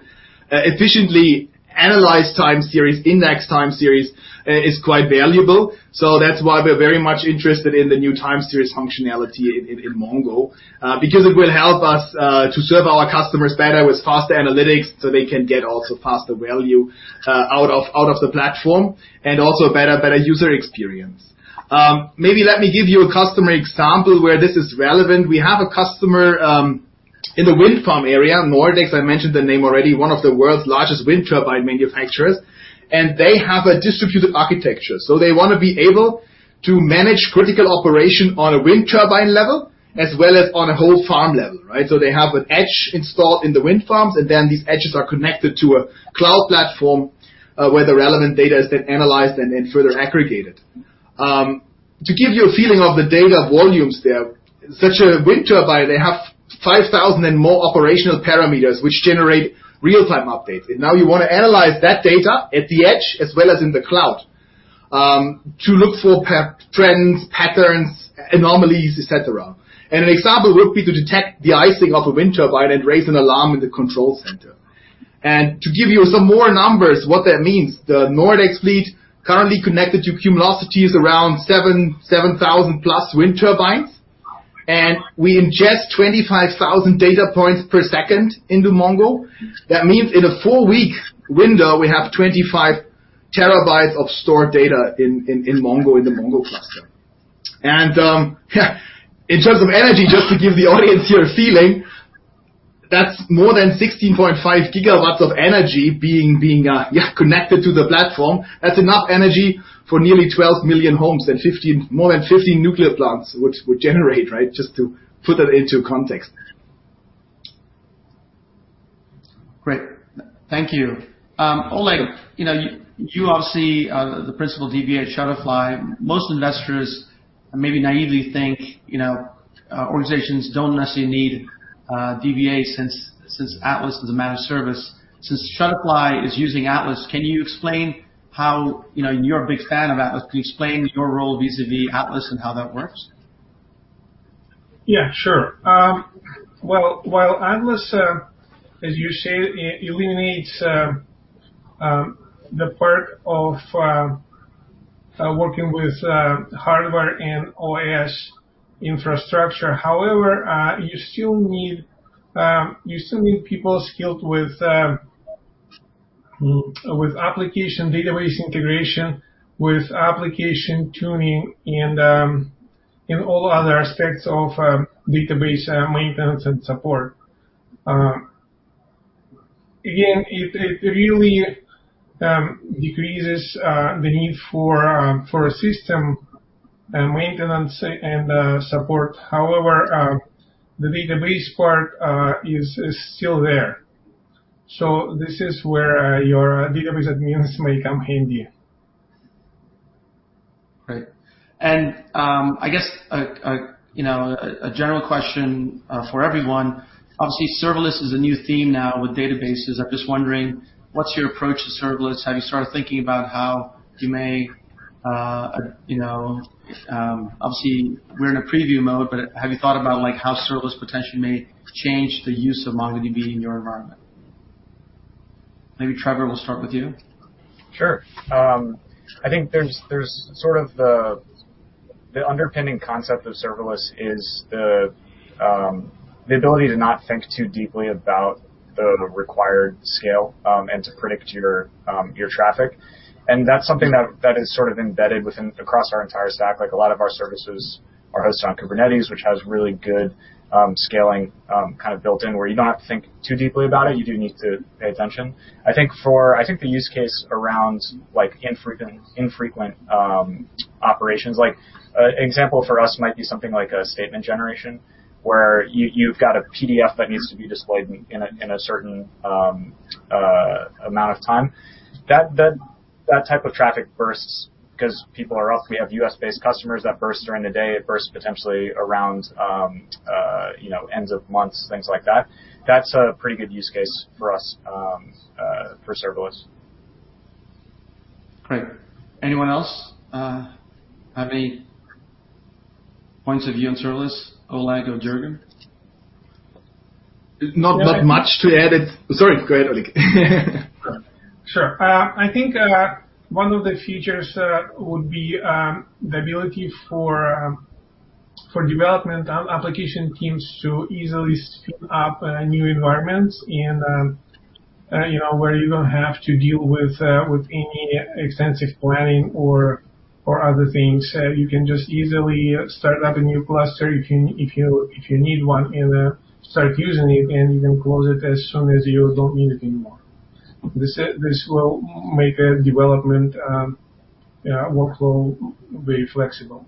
efficiently analyze time series, index time series, is quite valuable. That's why we're very much interested in the new time series functionality in MongoDB, because it will help us to serve our customers better with faster analytics so they can get also faster value out of the platform, and also a better user experience. Maybe let me give you a customer example where this is relevant. We have a customer in the wind farm area, Nordex, I mentioned the name already, one of the world's largest wind turbine manufacturers, and they have a distributed architecture. They want to be able to manage critical operation on a wind turbine level as well as on a whole farm level, right? They have an edge installed in the wind farms, and then these edges are connected to a cloud platform where the relevant data is then analyzed and then further aggregated. To give you a feeling of the data volumes there, such a wind turbine, they have 5,000 and more operational parameters, which generate real-time updates. Now you want to analyze that data at the edge as well as in the cloud, to look for trends, patterns, anomalies, et cetera. An example would be to detect the icing of a wind turbine and raise an alarm in the control center. To give you some more numbers, what that means, the Nordex fleet currently connected to Cumulocity is around 7,000+ wind turbines, and we ingest 25,000 data points per second into Mongo. That means in a four week window, we have 25 TB of stored data in Mongo, in the Mongo cluster. In terms of energy, just to give the audience here a feeling, that's more than 16.5 GW of energy being connected to the platform. That's enough energy for nearly 12 million homes and more than 50 nuclear plants, which would generate, right? Just to put that into context. Great. Thank you. Oleg, you obviously are the principal DBA at Shutterfly. Most investors maybe naively think organizations don't necessarily need DBA since Atlas is a managed service. Since Shutterfly is using Atlas, can you explain how you're a big fan of Atlas, please explain your role vis-a-vis Atlas and how that works. Yeah, sure. Well, Atlas, as you say, eliminates the part of working with hardware and OS infrastructure. However, you still need people skilled with application database integration, with application tuning, and all other aspects of database maintenance and support. Again, it really decreases the need for system maintenance and support. However, the database part is still there. This is where your database admins may come handy. Great. I guess, a general question for everyone. Obviously, serverless is a new theme now with databases. I'm just wondering, what's your approach to serverless? Have you started thinking about how you may Obviously, we're in a preview mode, but have you thought about how serverless potentially may change the use of MongoDB in your environment? Maybe Trevor, we'll start with you. Sure. I think there's sort of the underpinning concept of serverless is the ability to not think too deeply about the required scale, and to predict your traffic. That's something that is sort of embedded across our entire stack. A lot of our services are hosted on Kubernetes, which has really good scaling kind of built in, where you don't have to think too deeply about it. You do need to pay attention. I think the use case around infrequent operations, like an example for us might be something like a statement generation, where you've got a PDF that needs to be displayed in a certain amount of time. That type of traffic bursts because people are up. We have U.S.-based customers that burst during the day. It bursts potentially around ends of months, things like that. That's a pretty good use case for us, for serverless. Great. Anyone else have any points of view on serverless? Oleg or Jürgen? Not much to add it. Sorry. Go ahead, Oleg. Sure. I think one of the features would be the ability for development application teams to easily spin up new environments and where you don't have to deal with any extensive planning or other things. You can just easily start up a new cluster if you need one, and start using it, and you can close it as soon as you don't need it anymore. This will make a development workflow very flexible.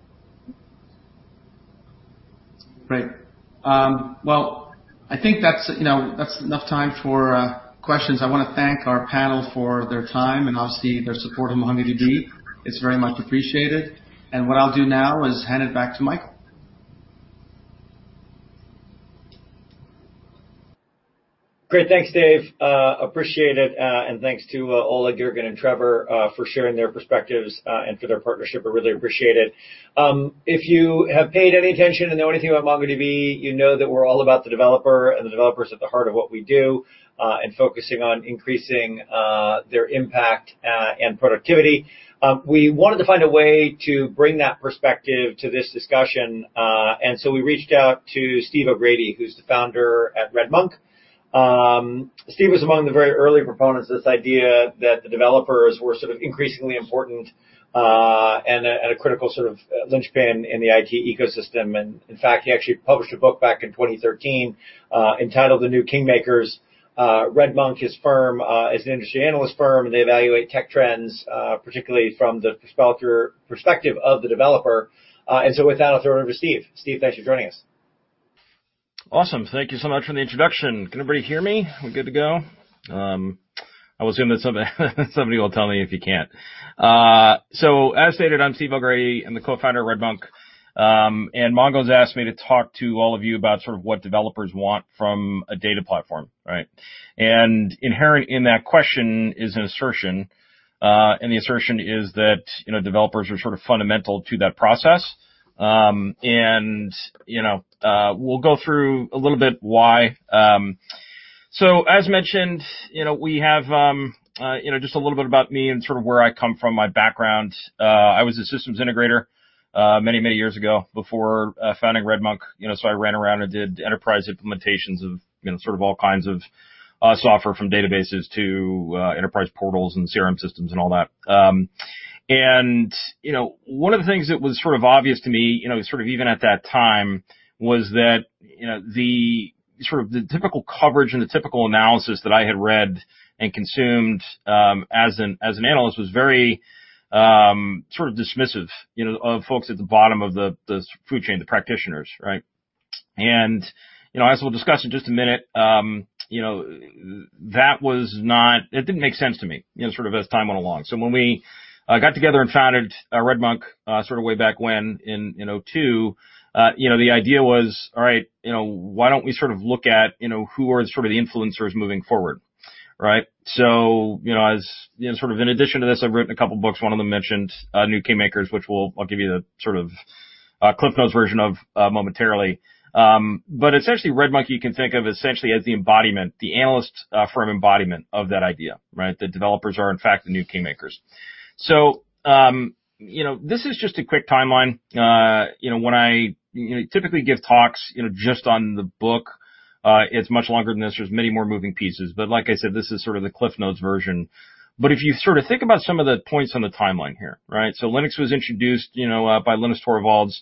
Great. Well, I think that is enough time for questions. I want to thank our panel for their time, and obviously their support of MongoDB. It is very much appreciated. What I will do now is hand it back to Michael. Great. Thanks, Dev. Appreciate it. Thanks to Oleg, Jürgen, and Trevor, for sharing their perspectives, and for their partnership. I really appreciate it. If you have paid any attention and know anything about MongoDB, you know that we're all about the developer, and the developer's at the heart of what we do, and focusing on increasing their impact and productivity. We wanted to find a way to bring that perspective to this discussion, and so we reached out to Steve O'Grady, who's the Founder at RedMonk. Steve was among the very early proponents of this idea that the developers were sort of increasingly important, and a critical sort of linchpin in the IT ecosystem, and in fact, he actually published a book back in 2013, entitled "The New Kingmakers." RedMonk, his firm, is an industry analyst firm, and they evaluate tech trends, particularly from the perspective of the developer. With that, I'll throw it over to Steve. Steve, thanks for joining us. Awesome. Thank you so much for the introduction. Can everybody hear me? We good to go? I'll assume that somebody will tell me if you can't. As stated, I'm Steve O'Grady. I'm the co-Founder of RedMonk. Mongo's asked me to talk to all of you about sort of what developers want from a data platform, right? Inherent in that question is an assertion, and the assertion is that developers are sort of fundamental to that process. We'll go through a little bit why. As mentioned, just a little bit about me and sort of where I come from, my background. I was a systems integrator many, many years ago before founding RedMonk. I ran around and did enterprise implementations of sort of all kinds of software from databases to enterprise portals and CRM systems and all that. One of the things that was sort of obvious to me, sort of even at that time, was that the typical coverage and the typical analysis that I had read and consumed, as an analyst, was very sort of dismissive of folks at the bottom of the food chain, the practitioners, right? As we'll discuss in just a minute, that didn't make sense to me, sort of as time went along. When we got together and founded RedMonk sort of way back when in 2002, the idea was, all right, why don't we sort of look at who are sort of the influencers moving forward, right? As sort of in addition to this, I've written a couple of books, one of them mentioned, "The New Kingmakers," which I'll give you the sort of a CliffsNotes version of momentarily. Essentially, RedMonk, you can think of essentially as the embodiment, the analyst firm embodiment of that idea, right? That developers are, in fact, the new kingmakers. This is just a quick timeline. When I typically give talks just on the book, it's much longer than this. There's many more moving pieces, but like I said, this is sort of the CliffsNotes version. If you think about some of the points on the timeline here, right? Linux was introduced by Linus Torvalds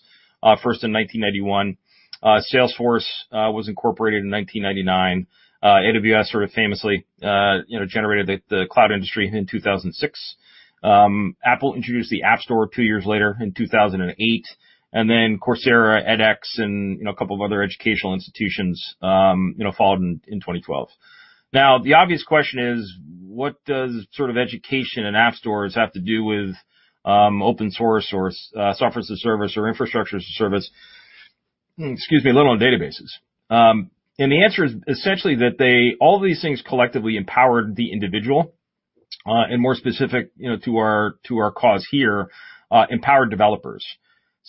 first in 1991. Salesforce was incorporated in 1999. AWS famously generated the cloud industry in 2006. Apple introduced the App Store two years later in 2008, and then Coursera, edX, and a couple of other educational institutions followed in 2012. The obvious question is, what does sort of education and app stores have to do with open source or software as a service or infrastructure as a service, excuse me, let alone databases? The answer is essentially that all these things collectively empowered the individual, and more specific to our cause here, empowered developers.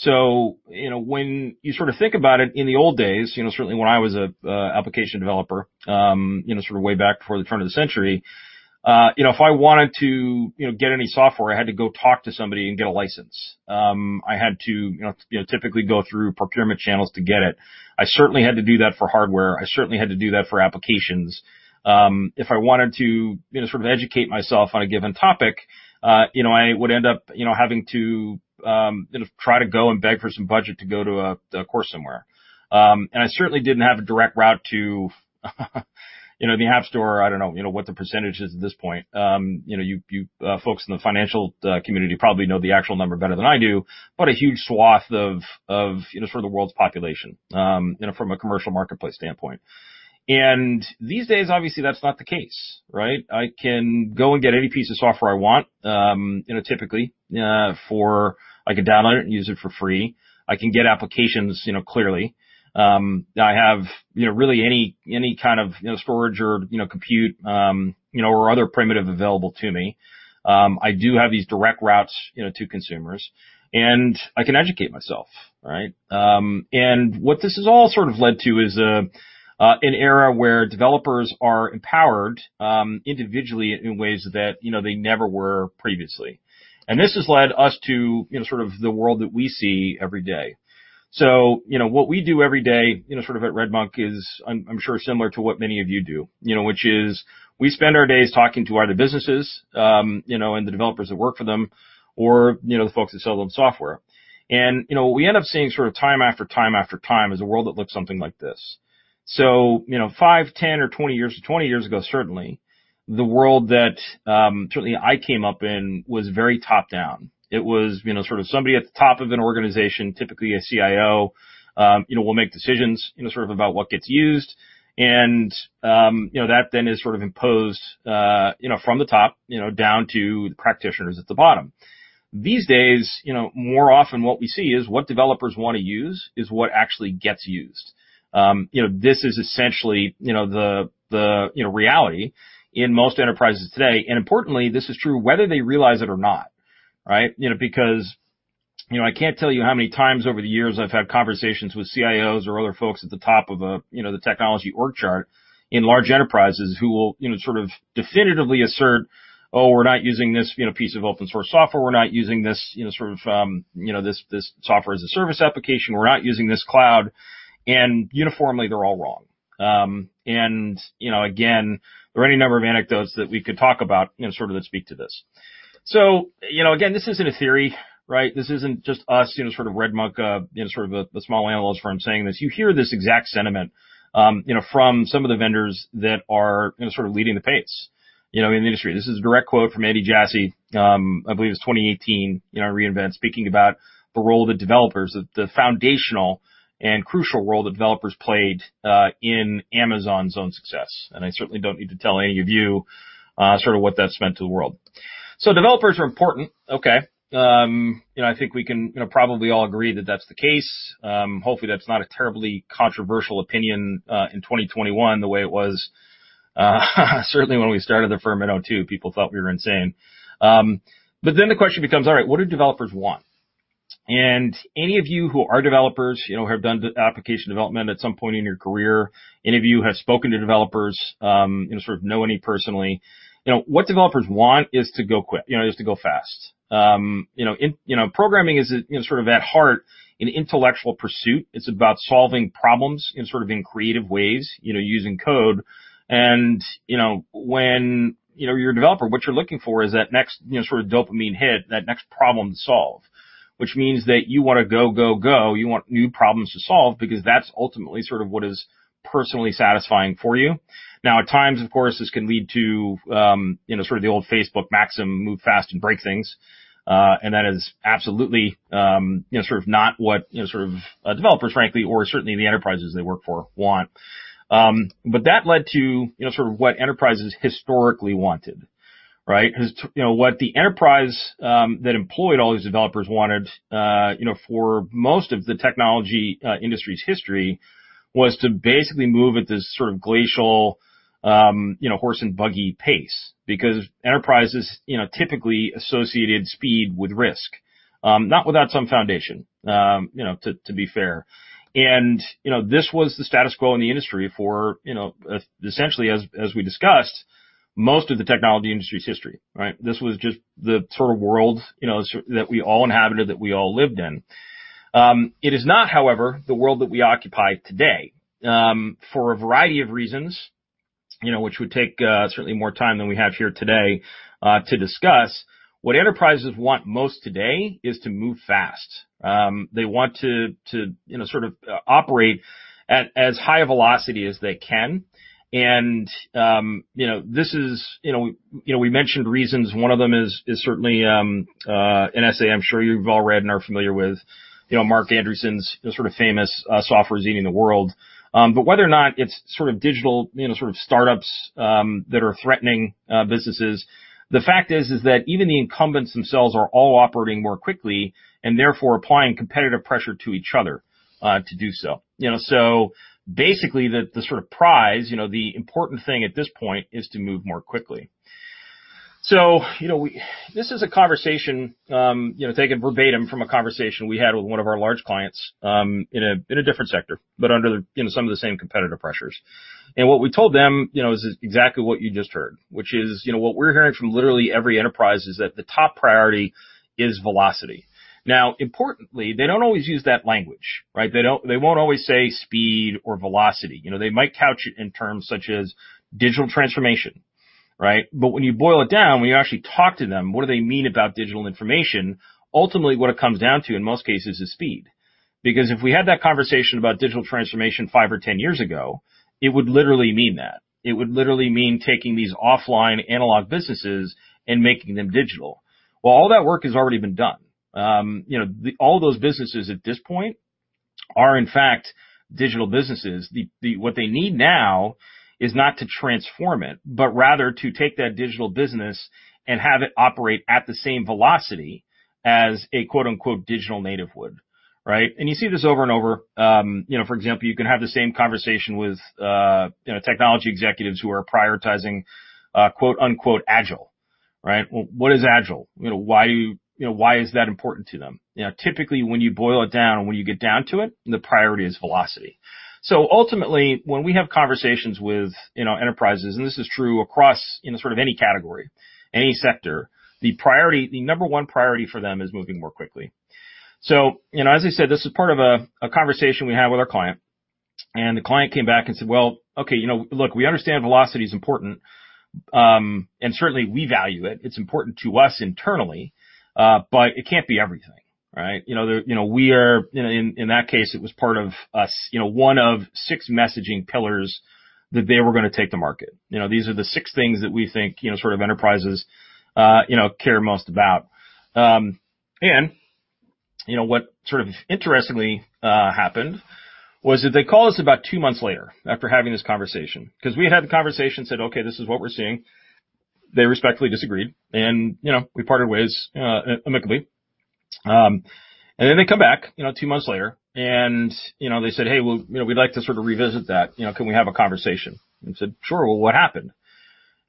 When you think about it, in the old days, certainly when I was an application developer way back before the turn of the century, if I wanted to get any software, I had to go talk to somebody and get a license. I had to typically go through procurement channels to get it. I certainly had to do that for hardware. I certainly had to do that for applications. If I wanted to educate myself on a given topic, I would end up having to try to go and beg for some budget to go to a course somewhere. I certainly didn't have a direct route to the App Store. I don't know what the percentage is at this point. You folks in the financial community probably know the actual number better than I do, but a huge swath of the world's population, from a commercial marketplace standpoint. These days, obviously, that's not the case, right? I can go and get any piece of software I want, typically. I can download it and use it for free. I can get applications, clearly. I have really any kind of storage or compute, or other primitive available to me. I do have these direct routes to consumers, and I can educate myself. What this has all led to is an era where developers are empowered individually in ways that they never were previously. This has led us to the world that we see every day. What we do every day at RedMonk is, I'm sure, similar to what many of you do. Which is we spend our days talking to other businesses, and the developers that work for them or the folks that sell them software. We end up seeing time after time after time is a world that looks something like this. 5, 10 or 20 years ago, certainly, the world that certainly I came up in was very top-down. It was somebody at the top of an organization, typically a CIO, will make decisions about what gets used. That then is imposed from the top down to practitioners at the bottom. These days, more often what we see is what developers want to use is what actually gets used. This is essentially the reality in most enterprises today. Importantly, this is true whether they realize it or not, right. I can't tell you how many times over the years I've had conversations with CIOs or other folks at the top of the technology org chart in large enterprises who will definitively assert, "Oh, we're not using this piece of open source software. We're not using this software as a service application. We're not using this cloud." Uniformly, they're all wrong. Again, there are any number of anecdotes that we could talk about that speak to this. Again, this isn't a theory, right. This isn't just us, RedMonk, the small analyst firm saying this. You hear this exact sentiment from some of the vendors that are leading the pace in the industry. This is a direct quote from Andy Jassy, I believe it's 2018, at re:Invent, speaking about the role of the developers, the foundational and crucial role developers played in Amazon's own success. I certainly don't need to tell any of you what that's meant to the world. Developers are important. Okay. I think we can probably all agree that that's the case. Hopefully, that's not a terribly controversial opinion in 2021 the way it was certainly when we started the firm in 2002, people thought we were insane. The question becomes, all right, what do developers want? Any of you who are developers, or have done application development at some point in your career, any of you who have spoken to developers, know any personally, what developers want is to go quick, is to go fast. Programming is at heart an intellectual pursuit. It's about solving problems in creative ways, using code. When you're a developer, what you're looking for is that next dopamine hit, that next problem solved, which means that you want to go, go. You want new problems to solve because that's ultimately what is personally satisfying for you. At times, of course, this can lead to the old Facebook maxim, "Move fast and break things." That is absolutely not what developers frankly, or certainly the enterprises they work for want. That led to what enterprises historically wanted, right? What the enterprise that employed all these developers wanted for most of the technology industry's history was to basically move at this glacial, horse and buggy pace. Enterprises typically associated speed with risk. Not without some foundation, to be fair. This was the status quo in the industry for essentially, as we discussed, most of the technology industry's history, right? This was just the world that we all inhabited, that we all lived in. It is not, however, the world that we occupy today. For a variety of reasons, which would take certainly more time than we have here today to discuss, what enterprises want most today is to move fast. They want to operate at as high velocity as they can. We mentioned reasons. One of them is certainly, and I say, I'm sure you've all read and are familiar with Marc Andreessen's famous software is eating the world. Whether or not it's digital startups that are threatening businesses, the fact is that even the incumbents themselves are all operating more quickly and therefore applying competitive pressure to each other to do so. Basically, the prize, the important thing at this point is to move more quickly. This is a conversation taken verbatim from a conversation we had with one of our large clients in a different sector, but under some of the same competitive pressures. What we told them is exactly what you just heard, which is what we're hearing from literally every enterprise is that the top priority is velocity. Now, importantly, they don't always use that language. They won't always say speed or velocity. They might couch it in terms such as digital transformation. When you boil it down, when you actually talk to them, what they mean about digital transformation, ultimately what it comes down to in most cases is speed. If we had that conversation about digital transformation five or 10 years ago, it would literally mean that. It would literally mean taking these offline analog businesses and making them digital. Well, all that work has already been done. All those businesses at this point are, in fact, digital businesses. What they need now is not to transform it, but rather to take that digital business and have it operate at the same velocity as a quote, unquote, "digital native" would. You see this over and over. For example, you can have the same conversation with technology executives who are prioritizing, quote, unquote, "agile." Well, what is agile? Why is that important to them? Typically, when you boil it down, when you get down to it, the priority is velocity. Ultimately, when we have conversations with enterprises, and this is true across any category, any sector, the number one priority for them is moving more quickly. As I said, this is part of a conversation we had with our client, and the client came back and said, "Well, okay, look, we understand velocity is important, and certainly we value it. It's important to us internally, but it can't be everything." In that case, it was part of one of six messaging pillars that they were going to take to market. These are the six things that we think enterprises care most about. What interestingly happened was that they called us about two months later after having this conversation, because we had the conversation, said, "Okay, this is what we're seeing." They respectfully disagreed, and we parted ways amicably. Then they come back two months later, and they said, "Hey, we'd like to revisit that. Can we have a conversation?" We said, "Sure. Well, what happened?"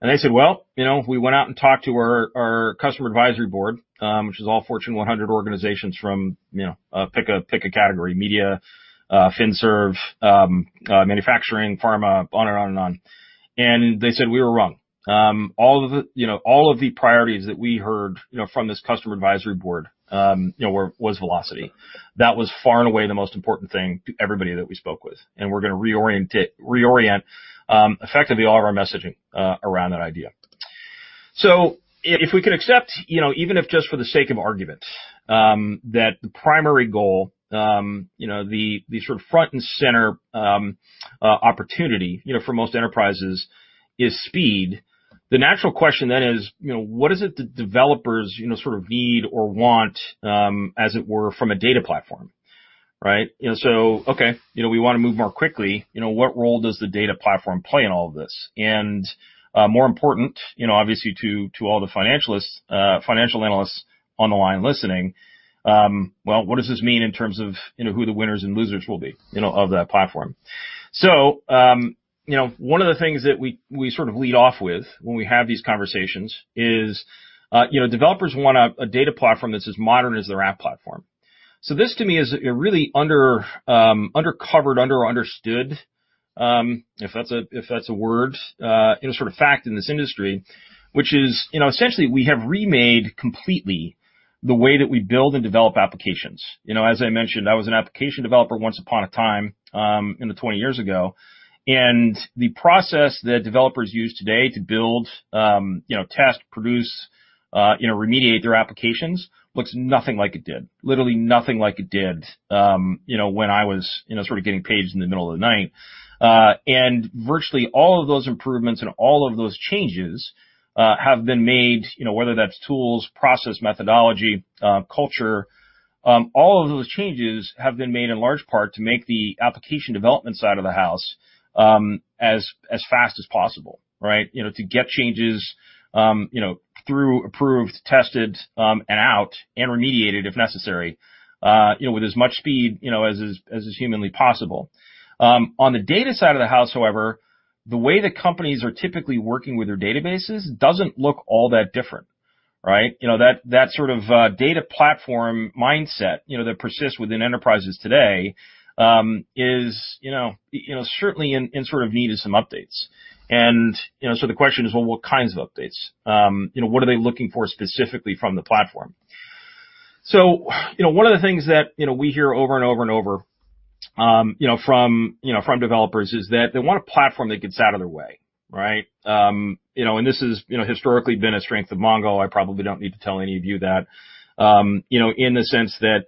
They said, "Well, we went out and talked to our customer advisory board," which is all Fortune 100 organizations from pick a category, media, finserve, manufacturing, pharma, on and on and on. They said, "We were wrong. All of the priorities that we heard from this customer advisory board was velocity. That was far and away the most important thing to everybody that we spoke with, and we're going to reorient effectively all our messaging around that idea. If we could accept, even if just for the sake of argument, that the primary goal the front and center opportunity, for most enterprises is speed. The natural question then is, what is it that developers need or want as it were from a data platform? Okay, we want to move more quickly. What role does the data platform play in all of this? More important, obviously to all the financial analysts on the line listening, well, what does this mean in terms of who the winners and losers will be of that platform? One of the things that we lead off with when we have these conversations is developers want a data platform that's as modern as their app platform. This to me is a really under-covered, understood, if that's a word, fact in this industry, which is essentially we have remade completely the way that we build and develop applications. As I mentioned, I was an application developer once upon a time 20 years ago. The process that developers use today to build, test, produce, remediate their applications looks nothing like it did. Literally nothing like it did when I was writing code in the middle of the night. Virtually all of those improvements and all of those changes have been made, whether that's tools, process, methodology, culture all of those changes have been made in large part to make the application development side of the house as fast as possible. To get changes through, approved, tested, and out, and remediated if necessary with as much speed as is humanly possible. On the data side of the house, however, the way that companies are typically working with their databases doesn't look all that different. That sort of data platform mindset that persists within enterprises today is certainly in need of some updates. The question is, well, what kinds of updates? What are they looking for specifically from the platform? So one of the things that we hear over and over and over from developers is that they want a platform that gets out of their way, right? This has historically been a strength of Mongo. I probably don't need to tell any of you that. In the sense that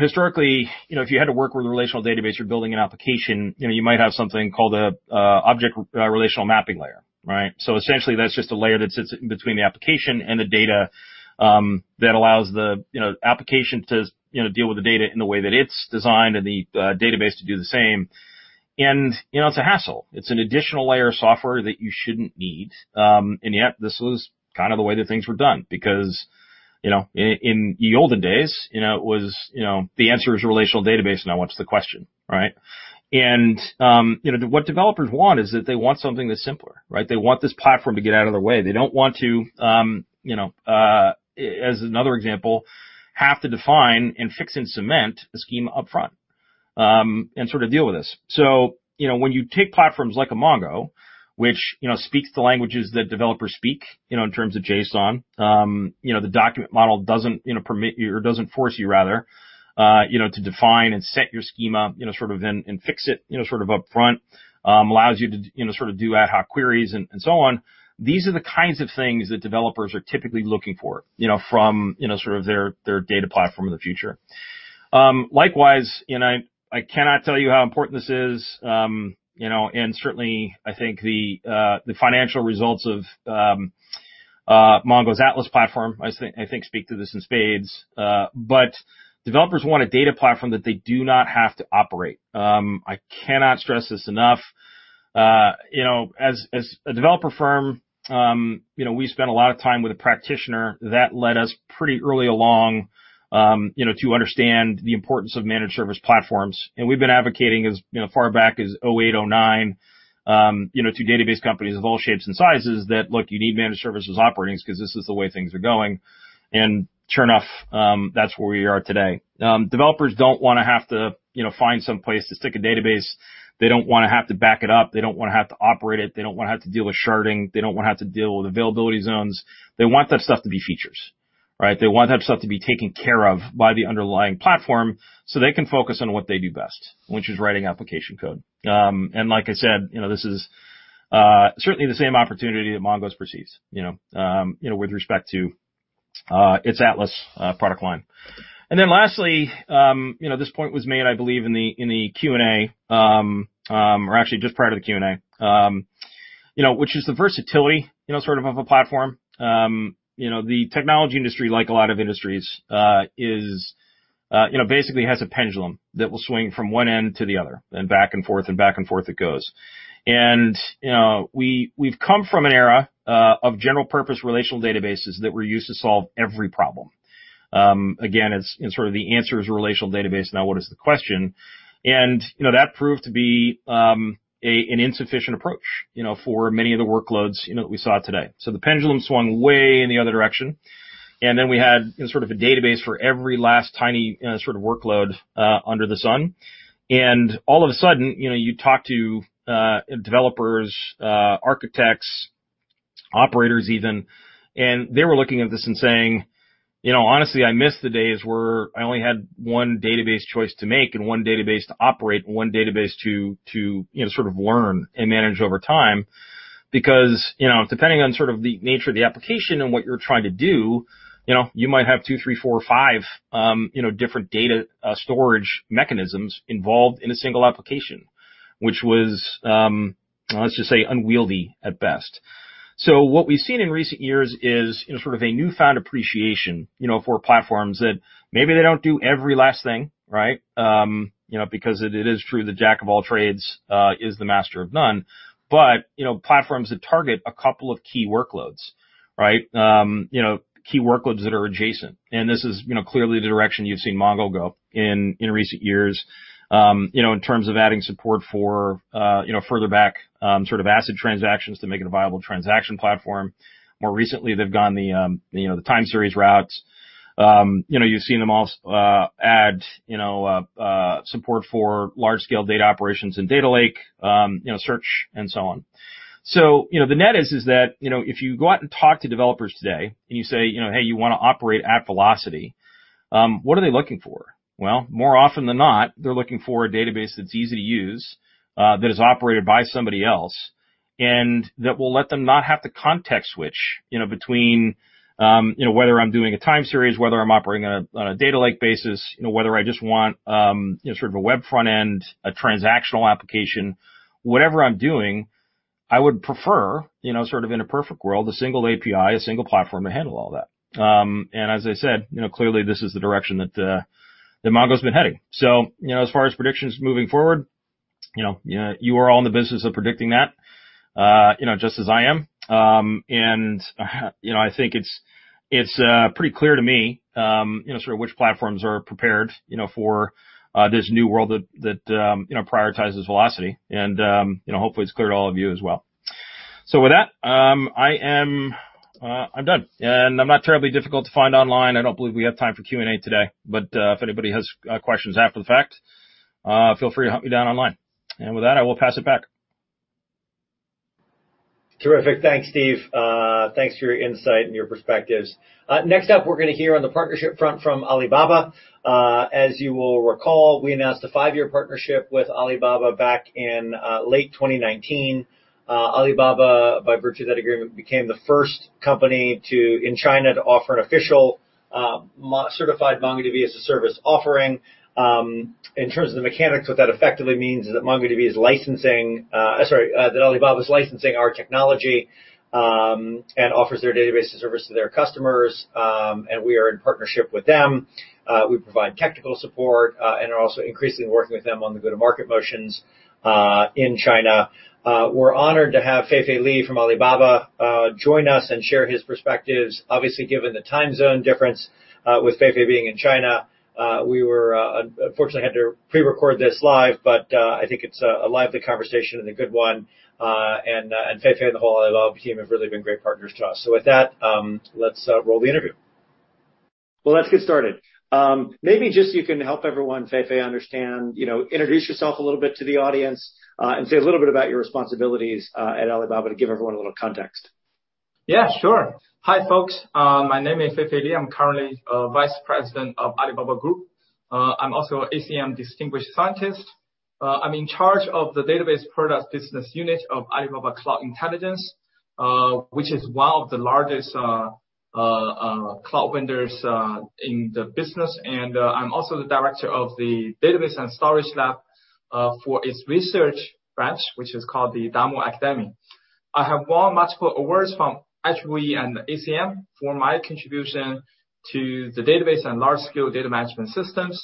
historically, if you had to work with a relational database, you're building an application, you might have something called an object relational mapping layer, right? Essentially, that's just a layer that sits in between the application and the data, that allows the application to deal with the data in the way that it's designed and the database to do the same. It's a hassle. It's an additional layer of software that you shouldn't need. Yet this was kind of the way that things were done because in the olden days, the answer is a relational database, now what's the question, right? What developers want is that they want something that's simpler, right? They want this platform to get out of their way. They don't want to, as another example, have to define and fix in cement the schema upfront, and sort of deal with this. When you take platforms like a MongoDB, which speaks the languages that developers speak in terms of JSON. The document model doesn't permit you or doesn't force you rather, to define and set your schema, sort of then fix it sort of upfront. Allows you to sort of do ad hoc queries and so on. These are the kinds of things that developers are typically looking for from sort of their data platform of the future. I cannot tell you how important this is, and certainly, I think the financial results of MongoDB's Atlas platform, I think speak to this in spades. Developers want a data platform that they do not have to operate. I cannot stress this enough. As a developer firm, we spent a lot of time with a practitioner. That led us pretty early along to understand the importance of managed service platforms. We've been advocating as far back as 2008, 2009, to database companies of all shapes and sizes that, look, you need managed services offerings because this is the way things are going. Sure enough, that's where we are today. Developers don't want to have to find some place to stick a database. They don't want to have to back it up. They don't want to have to operate it. They don't want to have to deal with sharding. They don't want to have to deal with availability zones. They want that stuff to be features, right? They want that stuff to be taken care of by the underlying platform so they can focus on what they do best, which is writing application code. Like I said, this is certainly the same opportunity that MongoDB perceives with respect to its Atlas product line. Lastly, this point was made, I believe in the Q&A, or actually just prior to the Q&A, which is the versatility sort of a platform. The technology industry, like a lot of industries, basically has a pendulum that will swing from one end to the other, and back and forth, and back and forth it goes. We've come from an era of general purpose relational databases that were used to solve every problem. Again, it's sort of the answer is relational database, now what is the question? That proved to be an insufficient approach for many of the workloads that we saw today. The pendulum swung way in the other direction, then we had sort of a database for every last tiny sort of workload under the sun. All of a sudden, you talk to developers, architects, operators even, and they were looking at this and saying, "Honestly, I miss the days where I only had one database choice to make and one database to operate and one database to sort of learn and manage over time." Because, depending on sort of the nature of the application and what you're trying to do, you might have 2, 3, 4, or 5 different data storage mechanisms involved in a single application, which was, let's just say, unwieldy at best. What we've seen in recent years is sort of a newfound appreciation for platforms that maybe they don't do every last thing, right? Because it is true, the jack of all trades is the master of none, but platforms that target a couple of key workloads, right? Key workloads that are adjacent, and this is clearly the direction you've seen Mongo go in recent years in terms of adding support for further back sort of ACID transactions to make it a viable transaction platform. More recently, they've gone the time series routes. You've seen them add support for large scale data operations in Data Lake, Search and so on. The net is that, if you go out and talk to developers today and you say, "Hey, you want to operate at velocity," what are they looking for? Well, more often than not, they're looking for a database that's easy to use, that is operated by somebody else, and that will let them not have to context switch between whether I'm doing a time series, whether I'm operating on a Data Lake basis, whether I just want sort of a web front end, a transactional application. Whatever I'm doing, I would prefer sort of in a perfect world, a single API, a single platform to handle all that. As I said, clearly, this is the direction that MongoDB's been heading. As far as predictions moving forward, you are all in the business of predicting that, just as I am. I think it's pretty clear to me sort of which platforms are prepared for this new world that prioritizes velocity and hopefully it's clear to all of you as well. With that, I'm done, and I'm not terribly difficult to find online. I don't believe we have time for Q&A today, but if anybody has questions after the fact, feel free to hunt me down online. With that, I will pass it back. Terrific. Thanks, Steve. Thanks for your insight and your perspectives. Next up, we're going to hear on the partnership front from Alibaba. As you will recall, we announced a five year partnership with Alibaba back in late 2019. Alibaba, by virtue of that agreement, became the first company in China to offer an official certified MongoDB as a service offering. In terms of mechanics, what that effectively means is that Alibaba's licensing our technology, and offers their database service to their customers. We are in partnership with them. We provide technical support, and are also increasingly working with them on the go-to-market motions in China. We're honored to have Feifei Li from Alibaba join us and share his perspectives. Obviously, given the time zone difference with Feifei being in China, we unfortunately had to pre-record this live. I think it's a lively conversation and a good one. Feifei and the whole Alibaba team have really been great partners to us. With that, let's roll the interview. Well, let's get started. Maybe just if you can help everyone, Feifei, understand, introduce yourself a little bit to the audience, and say a little bit about your responsibilities at Alibaba to give everyone a little context. Yeah, sure. Hi, folks. My name is Feifei Li. I'm currently Vice President of Alibaba Group. I'm also an ACM distinguished scientist. I'm in charge of the database product business unit of Alibaba Cloud Intelligence, which is one of the largest cloud vendors in the business. I'm also the director of the database and storage lab, for its research branch, which is called the DAMO Academy. I have won multiple awards from HUE and ACM for my contribution to the database and large-scale data management systems.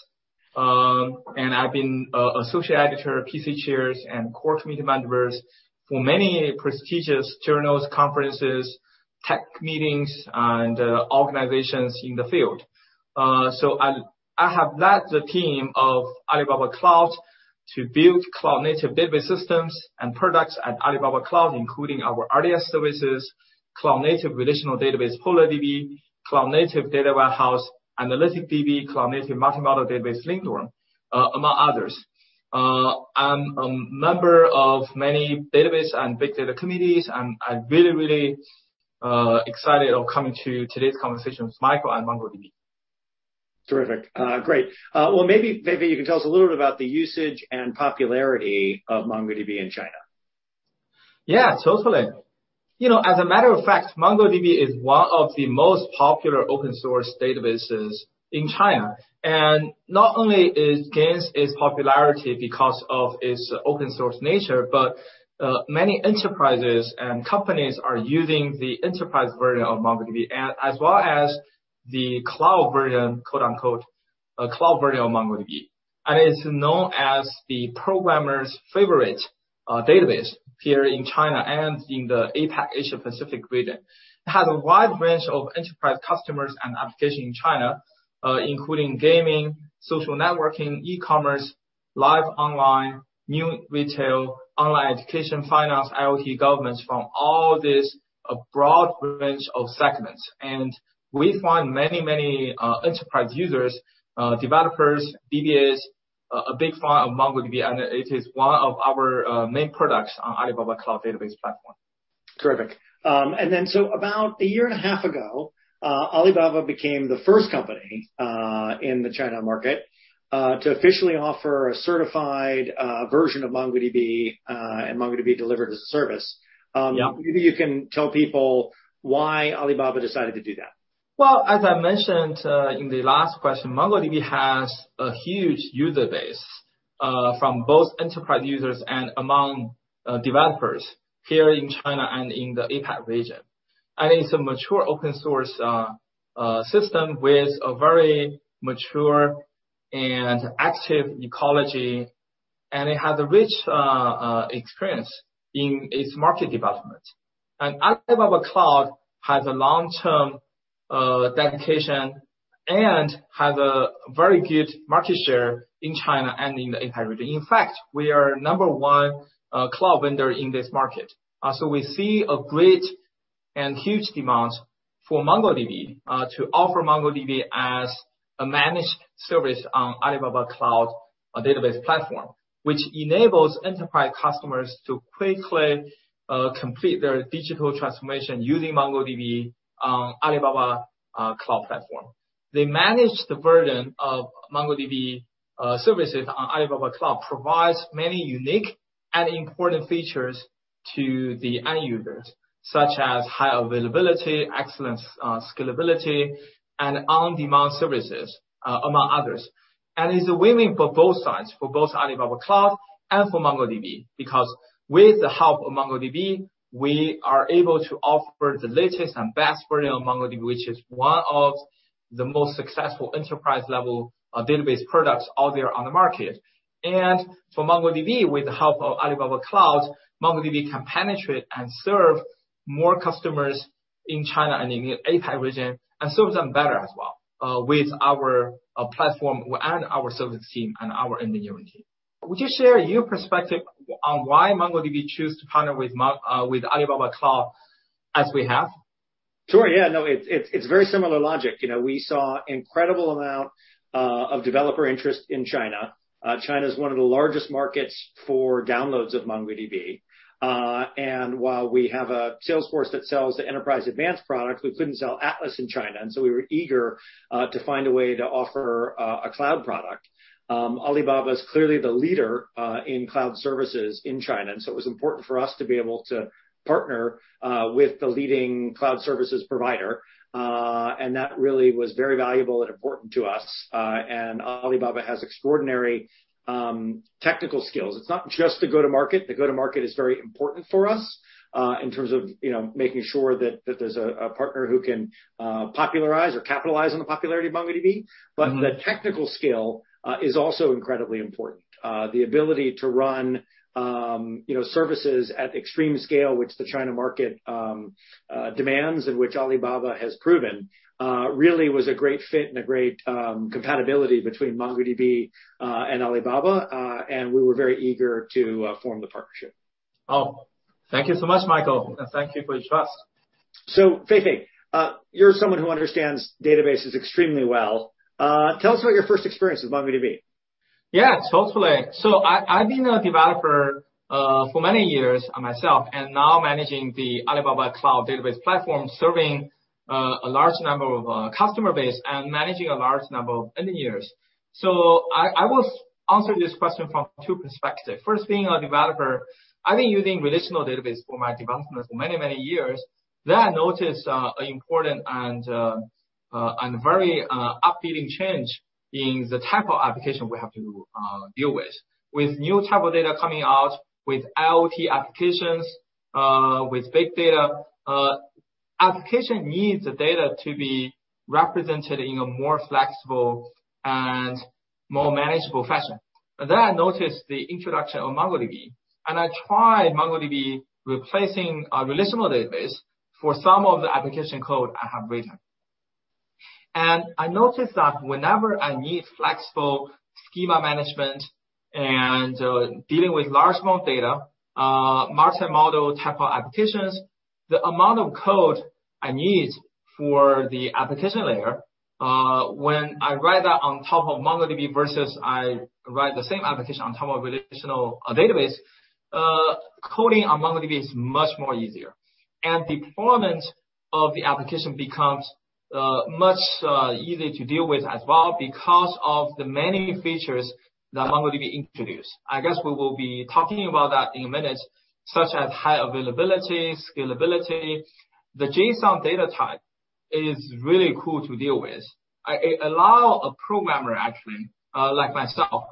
I've been Associate Editor, PC Chairs, and Core Committee Members for many prestigious journals, conferences, tech meetings, and organizations in the field. I have led the team of Alibaba Cloud to build cloud-native database systems and products at Alibaba Cloud, including our RDS services, cloud-native relational database, PolarDB, cloud-native data warehouse, AnalyticDB, cloud-native multi-model database Lindorm, among others. I'm a member of many database and big data committees, and I'm really excited of coming to today's conversation with Michael at MongoDB. Terrific. Great. Maybe if you can tell us a little bit about the usage and popularity of MongoDB in China? Yeah, totally. As a matter of fact, MongoDB is one of the most popular open source databases in China. Not only it gains its popularity because of its open source nature, but many enterprises and companies are using the enterprise version of MongoDB, as well as the "cloud version" of MongoDB. It's known as the programmer's favorite database here in China and in the APAC, Asia-Pacific region. It has a wide range of enterprise customers and applications in China, including gaming, social networking, e-commerce, live online, new retail, online education, finance, IoT, governments, from all these broad range of segments. We find many enterprise users, developers, DBAs are big fan of MongoDB, and it is one of our main products on Alibaba Cloud Database platform. Terrific. About a year and a half ago, Alibaba became the first company in the China market to officially offer a certified version of MongoDB and MongoDB delivered as a service. Yeah. Maybe you can tell people why Alibaba decided to do that? Well, as I mentioned in the last question, MongoDB has a huge user base, from both enterprise users and among developers here in China and in the APAC region. It's a mature open source system with a very mature and active ecology, and it has a rich experience in its market development. Alibaba Cloud has a long-term dedication and has a very good market share in China and in the entire region. In fact, we are number one cloud vendor in this market. We see a great and huge demand for MongoDB to offer MongoDB as a managed service on Alibaba Cloud Database platform, which enables enterprise customers to quickly complete their digital transformation using MongoDB on Alibaba Cloud platform. They manage the burden of MongoDB services on Alibaba Cloud, provides many unique and important features to the end users, such as high availability, excellent scalability, and on-demand services, among others. It's a winning for both sides, for both Alibaba Cloud and for MongoDB. With the help of MongoDB, we are able to offer the latest and best version of MongoDB, which is one of the most successful enterprise-level database products out there on the market. For MongoDB, with the help of Alibaba Cloud, MongoDB can penetrate and serve more customers in China and in the APAC region and serve them better as well, with our platform and our service team and our engineering team. Would you share your perspective on why MongoDB chose to partner with Alibaba Cloud as we have? Sure. Yeah, no, it's very similar logic. We saw incredible amount of developer interest in China. China's one of the largest markets for downloads of MongoDB. While we have a sales force that sells the enterprise advanced product, we couldn't sell Atlas in China, so we were eager to find a way to offer a cloud product. Alibaba's clearly the leader in cloud services in China, so it was important for us to be able to partner with the leading cloud services provider. That really was very valuable and important to us. Alibaba has extraordinary technical skills. It's not just the go-to-market. The go-to-market is very important for us, in terms of making sure that there's a partner who can popularize or capitalize on the popularity of MongoDB. The technical skill is also incredibly important. The ability to run services at extreme scale, which the China market demands and which Alibaba has proven, really was a great fit and a great compatibility between MongoDB and Alibaba. We were very eager to form the partnership. Oh, thank you so much, Michael, and thank you for the intro. Feifei, you're someone who understands databases extremely well. Tell us about your first experience with MongoDB. Totally. I've been a developer for many years myself, and now managing the Alibaba Cloud database platform, serving a large number of customer base and managing a large number of engineers. I will answer this question from two perspective. First thing, a developer, I've been using relational database for my development for many, many years. I noticed an important and very updating change in the type of application we have to deal with. With new type of data coming out, with IoT applications, with big data, application needs the data to be represented in a more flexible and more manageable fashion. I noticed the introduction of MongoDB, and I try MongoDB replacing relational database for some of the application code I have written. I noticed that whenever I need flexible schema management and dealing with large amount data, multi-model type of applications, the amount of code I need for the application layer, when I write that on top of MongoDB versus I write the same application on top of relational database, coding on MongoDB is much more easier. Deployment of the application becomes much easier to deal with as well because of the many features that MongoDB introduced. I guess we will be talking about that in a minute, such as high availability, scalability. The JSON data type is really cool to deal with. It allow a programmer, actually, like myself,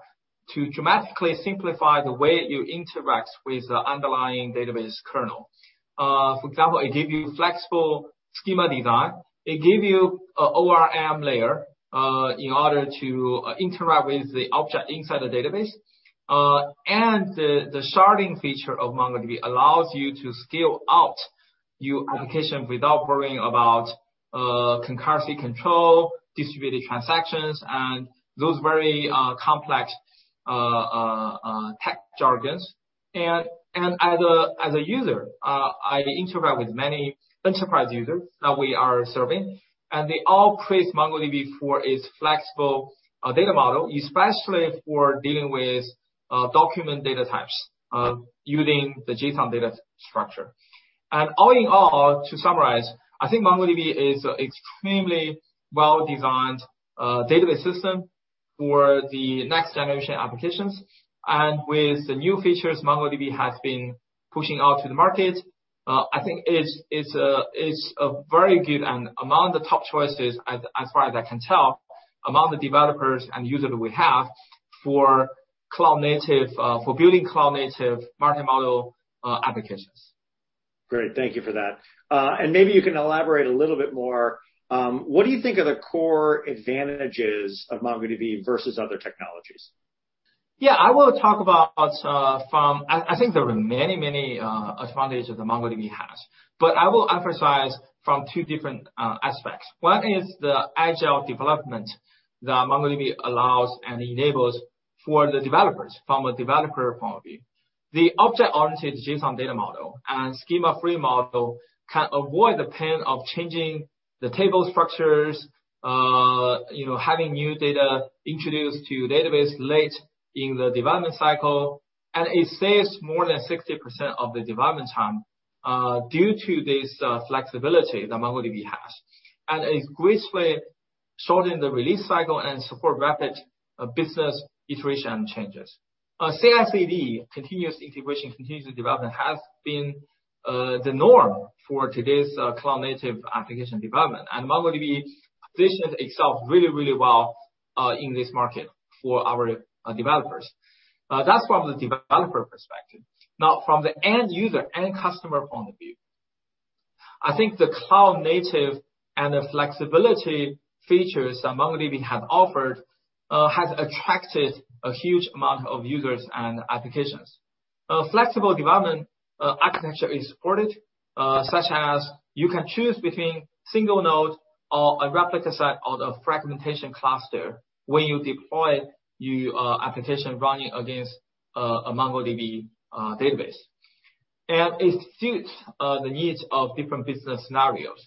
to dramatically simplify the way you interact with the underlying database kernel. For example, it give you flexible schema design. It give you a ORM layer, in order to interact with the object inside the database. The sharding feature of MongoDB allows you to scale out your application without worrying about concurrency control, distributed transactions, and those very complex tech jargons. As a user, I interact with many enterprise users that we are serving, and they all praise MongoDB for its flexible data model, especially for dealing with document data types, using the JSON data structure. All in all, to summarize, I think MongoDB is extremely well-designed database system for the next generation applications. With the new features MongoDB has been pushing out to the market, I think it's very good and among the top choices, as far as I can tell, among the developers and user we have for building cloud-native multi-model applications. Great. Thank you for that. Maybe you can elaborate a little bit more. What do you think are the core advantages of MongoDB versus other technologies? I think there are many, many advantages that MongoDB has, but I will emphasize from two different aspects. One is the agile development that MongoDB allows and enables for the developers, from a developer point of view. The object-oriented JSON data model and schema-free model can avoid the pain of changing the table structures, having new data introduced to your database late in the development cycle, and it saves more than 60% of the development time due to this flexibility that MongoDB has. It greatly shorten the release cycle and support rapid business iteration changes. CI/CD, continuous integration, continuous development, has been the norm for today's cloud-native application development. MongoDB positions itself really, really well in this market for our developers. Now, that's from the developer perspective. From the end user, end customer point of view, I think the cloud native and the flexibility features that MongoDB have offered, have attracted a huge amount of users and applications. Flexible development architecture is supported, such as you can choose between single node or a replica set or the fragmentation cluster when you deploy your application running against a MongoDB database. It suits the needs of different business scenarios.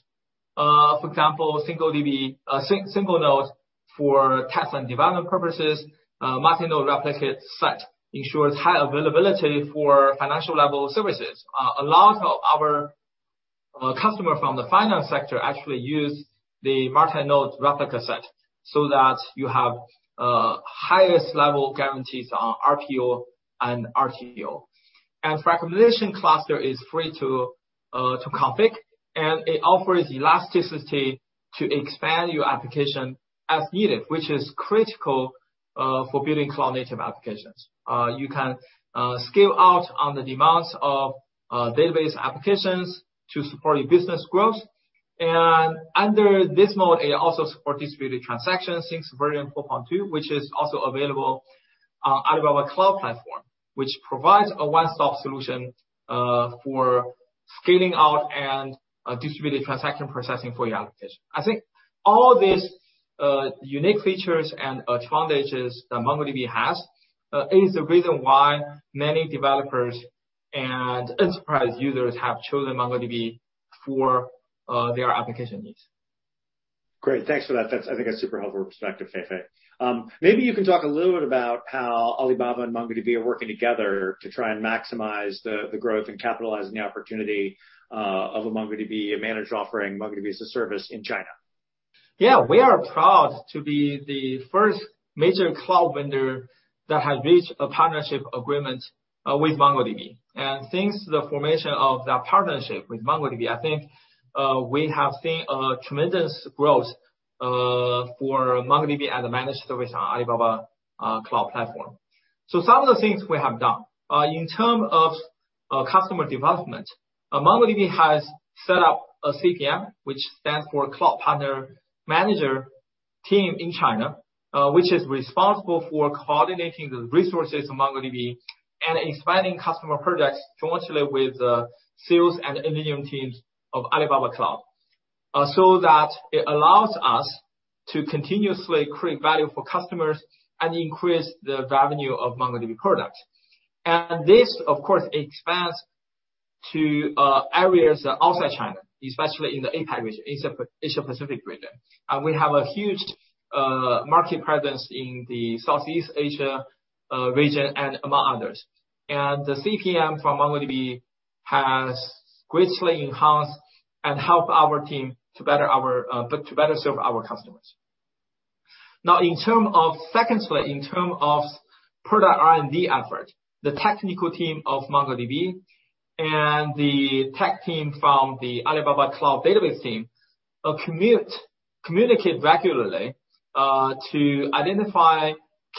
For example, single node for test and development purposes. Multi-node replica set ensures high availability for financial-level services. A lot of our customers from the finance sector actually use the multi-node replica set, so that you have highest level guarantees on RPO and RTO. Fragmentation cluster is free to config, and it offers elasticity to expand your application as needed, which is critical for building cloud-native applications. You can scale out on the demands of database applications to support your business growth. Under this mode, it also supports distributed transactions, seems very important too, which is also available on Alibaba Cloud platform, which provides a one-stop solution for scaling out and distributed transaction processing for your application. I think all these unique features and advantages that MongoDB has is the reason why many developers and enterprise users have chosen MongoDB for their application needs. Great. Thanks for that. That's, I think, a super helpful perspective, Feifei. Maybe you can talk a little bit about how Alibaba and MongoDB are working together to try and maximize the growth and capitalize on the opportunity of a MongoDB managed offering, MongoDB as a service in China. Yeah. We are proud to be the first major cloud vendor that has reached a partnership agreement with MongoDB. Since the formation of that partnership with MongoDB, I think we have seen tremendous growth for MongoDB and managed service on Alibaba Cloud platform. Some of the things we have done. In terms of customer development, MongoDB has set up a CPM, which stands for Cloud Partner Manager team in China, which is responsible for coordinating the resources in MongoDB and expanding customer products jointly with the sales and engineering teams of Alibaba Cloud. That it allows us to continuously create value for customers and increase the revenue of MongoDB products. This, of course, expands to areas outside China, especially in the APAC region, Asia-Pacific region. We have a huge market presence in the Southeast Asia region and among others. The CPM from MongoDB has greatly enhanced and helped our team to better serve our customers. Secondly, in terms of product R&D effort, the technical team of MongoDB and the tech team from the Alibaba Cloud database team communicate regularly to identify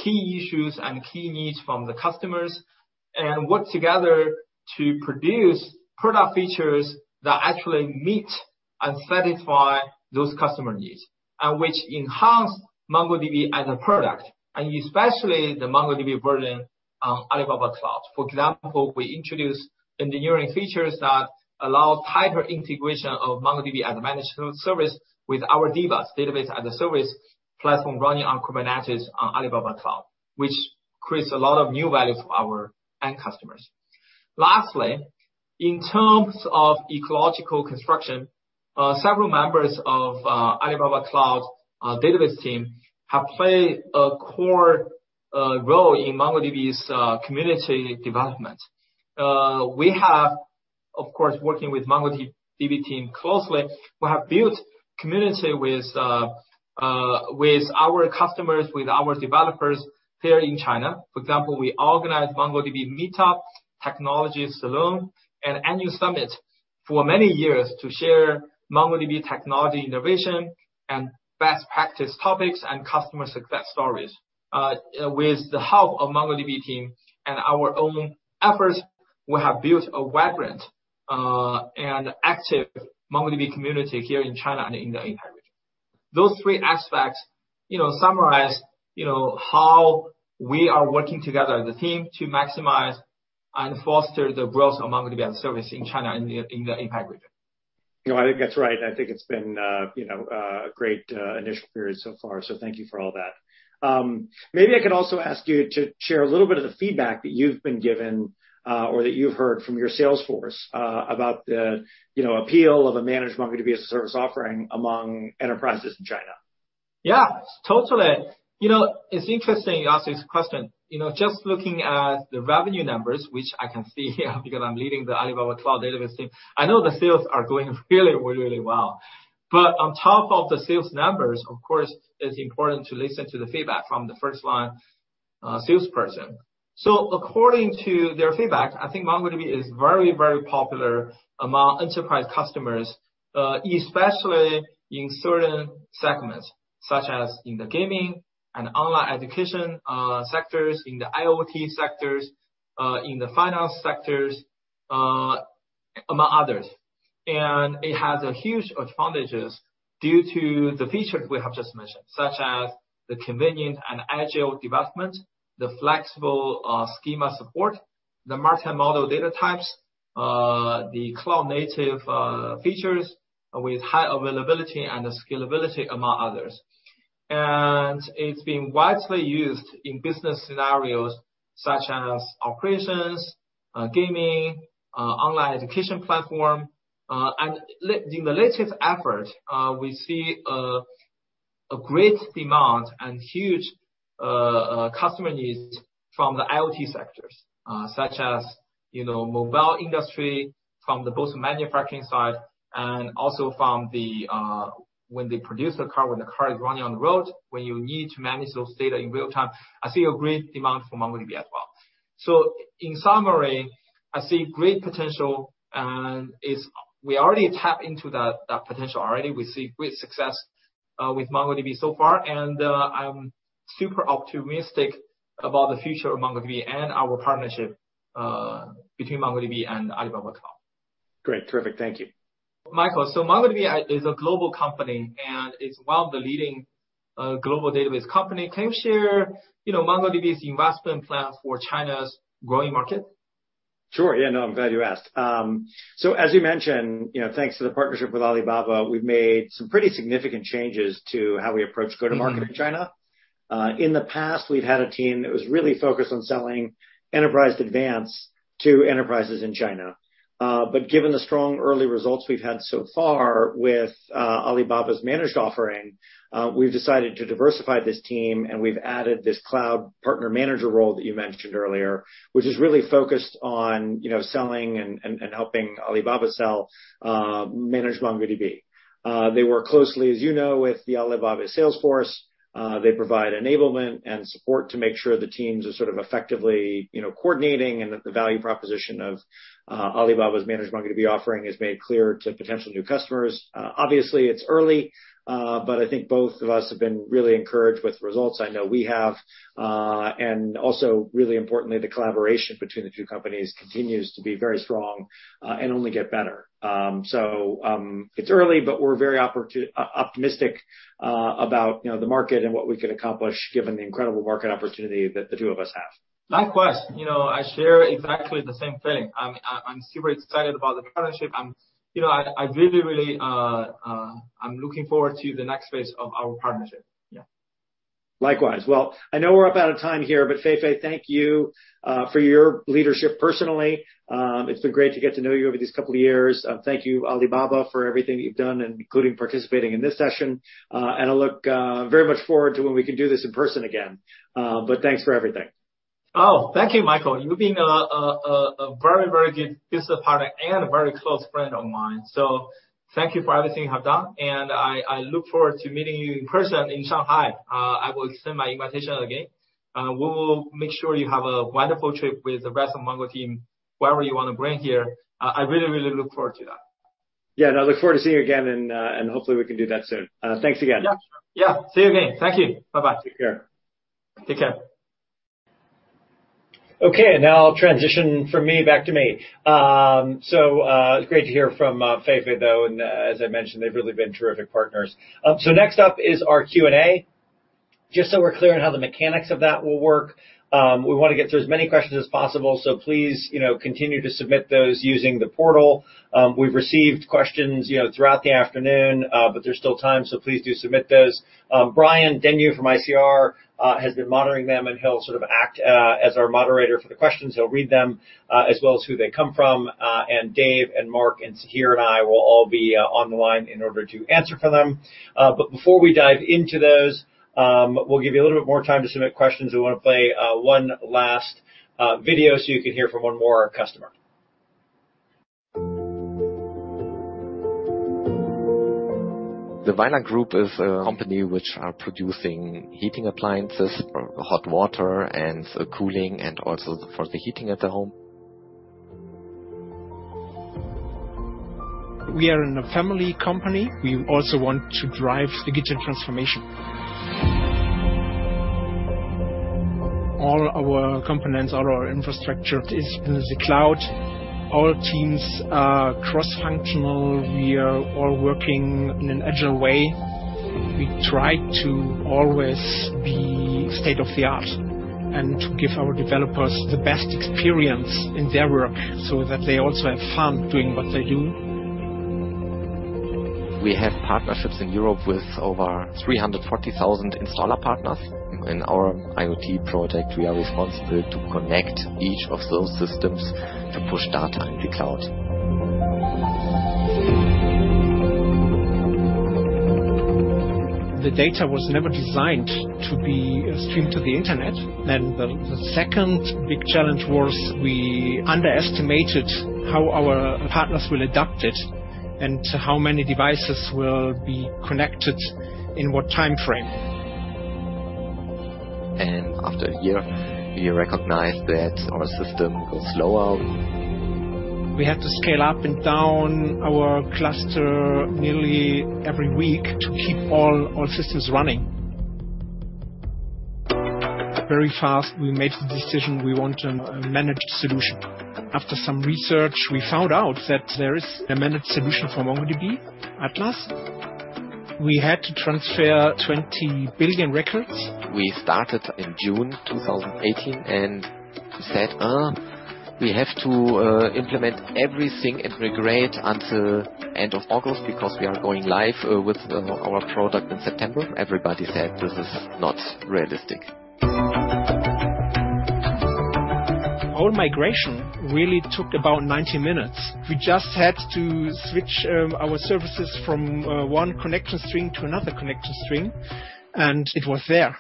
key issues and key needs from the customers, and work together to produce product features that actually meet and satisfy those customer needs, and which enhance MongoDB as a product, and especially the MongoDB version on Alibaba Cloud. For example, we introduced engineering features that allows tighter integration of MongoDB and managed service with our DBaaS, Database as a Service platform running on Kubernetes on Alibaba Cloud, which creates a lot of new values for our end customers. Lastly, in terms of ecological construction, several members of Alibaba Cloud's database team have played a core role in MongoDB's community development. We have, of course, working with MongoDB team closely, we have built community with our customers, with our developers here in China. For example, we organized MongoDB meetups, technology salon, and annual summit for many years to share MongoDB technology innovation and best practice topics and customer success stories. With the help of MongoDB team and our own efforts, we have built a vibrant and active MongoDB community here in China and in the APAC region. Those three aspects summarize how we are working together as a team to maximize and foster the growth of MongoDB service in China and in the APAC region. I think that's right. I think it's been a great initial period so far, so thank you for all that. Maybe I could also ask you to share a little bit of the feedback that you've been given, or that you've heard from your sales force, about the appeal of a managed MongoDB as a service offering among enterprises in China. Yeah, totally. It's interesting you ask this question. Just looking at the revenue numbers, which I can see here because I'm leading the Alibaba Cloud database team, I know the sales are going really, really well. On top of the sales numbers, of course, it's important to listen to the feedback from the first-line salesperson. According to their feedback, I think MongoDB is very, very popular among enterprise customers, especially in certain segments, such as in the gaming and online education sectors, in the IoT sectors, in the finance sectors, among others. It has huge advantages due to the features we have just mentioned, such as the convenient and agile development, the flexible schema support, the multi-model data types, the cloud native features with high availability and scalability, among others. It's been widely used in business scenarios such as operations, gaming, online education platform. In the latest effort, we see a great demand and huge customer needs from the IoT sectors, such as mobile industry from both the manufacturing side and also when they produce a car, when the car is running on the road, when you need to manage those data in real time, I see a great demand for MongoDB as well. In summary, I see great potential, and we already tap into that potential already. We see great success with MongoDB so far, and I'm super optimistic about the future of MongoDB and our partnership, between MongoDB and Alibaba Cloud. Great. Terrific. Thank you. Michael, MongoDB is a global company, and it's one of the leading Global Database company. Can you share MongoDB's investment plan for China's growing market? Sure. Yeah, no, I'm glad you asked. As you mentioned, thanks to the partnership with Alibaba, we've made some pretty significant changes to how we approach go-to-market in China. In the past, we've had a team that was really focused on selling Enterprise Advance to enterprises in China. Given the strong early results we've had so far with Alibaba's managed offering, we've decided to diversify this team, and we've added this Cloud Partner Manager role that you mentioned earlier, which is really focused on selling and helping Alibaba sell managed MongoDB. They work closely, as you know, with the Alibaba sales force. They provide enablement and support to make sure the teams are sort of effectively coordinating and that the value proposition of Alibaba's managed MongoDB offering is made clear to potential new customers. Obviously, it's early, but I think both of us have been really encouraged with the results. I know we have. Also really importantly, the collaboration between the two companies continues to be very strong, and only get better. It's early, but we're very optimistic about the market and what we can accomplish given the incredible market opportunity that the two of us have. Likewise. I share exactly the same feeling. I'm super excited about the partnership. I'm looking forward to the next phase of our partnership. Yeah. Likewise. Well, I know we're up out of time here, Feifei, thank you for your leadership personally. It's been great to get to know you over these couple of years. Thank you, Alibaba, for everything that you've done, including participating in this session. I look very much forward to when we can do this in person again. Thanks for everything. Oh, thank you, Michael. You've been a very good business partner and a very close friend of mine. Thank you for everything you have done, and I look forward to meeting you in person in Shanghai. I will extend my invitation again. We will make sure you have a wonderful trip with the rest of Mongo team, whoever you want to bring here. I really look forward to that. Yeah. No, I look forward to seeing you again, and hopefully we can do that soon. Thanks again. Yeah. See you again. Thank you. Bye-bye. Take care. Take care. Now I'll transition from me back to me. It was great to hear from Feifei, though, and as I mentioned, they've really been terrific partners. Next up is our Q&A. Just so we're clear on how the mechanics of that will work, we want to get through as many questions as possible, so please continue to submit those using the portal. We've received questions throughout the afternoon. There's still time, so please do submit those. Brian Denyeau from ICR has been monitoring them, and he'll sort of act as our moderator for the questions. He'll read them, as well as who they come from. Dev and Mark and Sahir and I will all be online in order to answer for them. Before we dive into those, we'll give you a little bit more time to submit questions. We want to play one last video so you can hear from one more customer. The Vaillant Group is a company which are producing heating appliances for hot water and cooling, and also for the heating at the home. We are in a family company. We also want to drive digital transformation. All our components, all our infrastructure is in the cloud. All teams are cross-functional. We are all working in an agile way. We try to always be state-of-the-art and to give our developers the best experience in their work so that they also have fun doing what they do. We have partnerships in Europe with over 340,000 installer partners. In our IoT project, we are responsible to connect each of those systems to push data in the cloud. The data was never designed to be streamed to the internet. The second big challenge was we underestimated how our partners will adopt it and how many devices will be connected in what timeframe. After a year, we recognized that our system goes slower. We have to scale up and down our cluster nearly every week to keep all our systems running. Very fast, we made the decision we want a managed solution. After some research, we found out that there is a managed solution for MongoDB, Atlas. We had to transfer 20 billion records. We started in June 2018 and said, "We have to implement everything and migrate until end of August because we are going live with our product in September." Everybody said this is not realistic. The whole migration really took about 90 minutes. We just had to switch our services from one connector string to another connector string. It was there.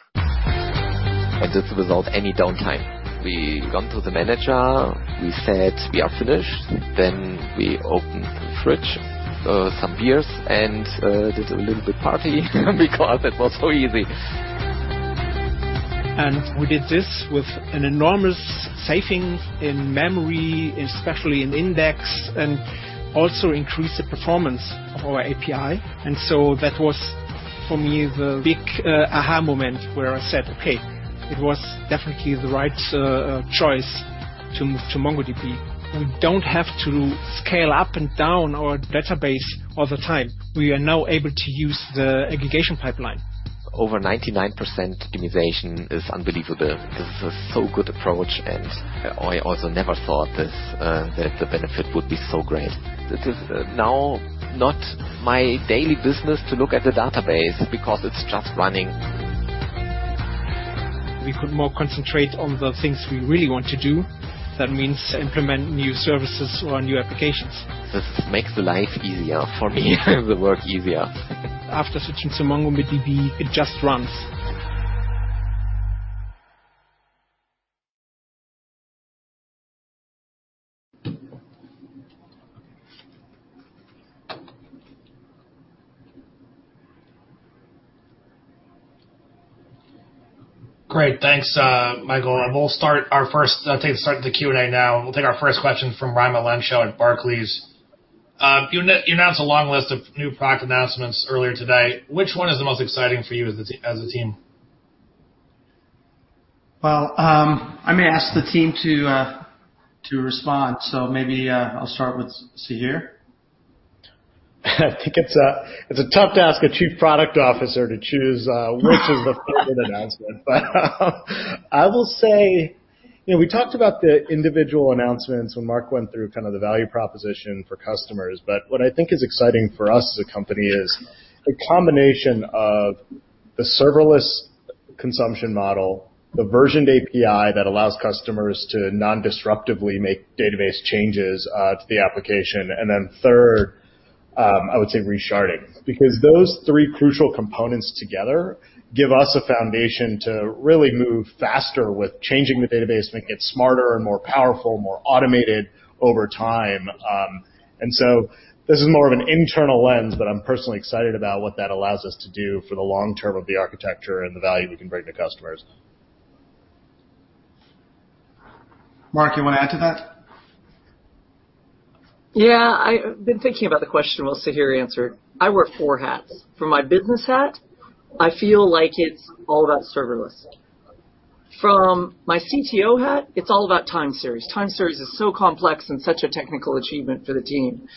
This without any downtime. We went to the manager, we said we are finished, then we opened the fridge, some beers, and did a little bit party because it was so easy. We did this with an enormous saving in memory, especially in index, and also increased the performance of our API. That was, for me, the big aha moment where I said, "Okay, it was definitely the right choice to move to MongoDB." We don't have to scale up and down our database all the time. We are now able to use the aggregation pipeline. Over 99% innovation is unbelievable. This is a so good approach, and I also never thought that the benefit would be so great. It is now not my daily business to look at the database because it's just running. We could more concentrate on the things we really want to do. That means implement new services or new applications. This makes life easier for me, the work easier. After switching to MongoDB, it just runs. Great. Thanks, Michael. We'll start the Q&A now. We'll take our first question from Raimo Lenschow at Barclays. You announced a long list of new product announcements earlier tonight. Which one is the most exciting for you as a team? Well, I'm going to ask the team to respond, so maybe I'll start with Sahir. I think it's a tough task, a Chief Product Officer to choose which is the favorite announcement. I will say, we talked about the individual announcements when Mark went through the value proposition for customers. But what I think is exciting for us as a company is the combination of the serverless consumption model, the versioned API that allows customers to non-disruptively make database changes to the application, and then third, I would say resharding. Because those three crucial components together give us a foundation to really move faster with changing the database, make it smarter and more powerful, more automated over time. This is more of an internal lens, but I'm personally excited about what that allows us to do for the long term with the architecture and the value we can bring to customers. Mark, do you want to add to that? Yeah. I've been thinking about the question while Sahir answered. I wear four hats. From my business hat, I feel like it's all about serverless. From my CTO hat, it's all about time series. Time series is so complex and such a technical achievement for the team.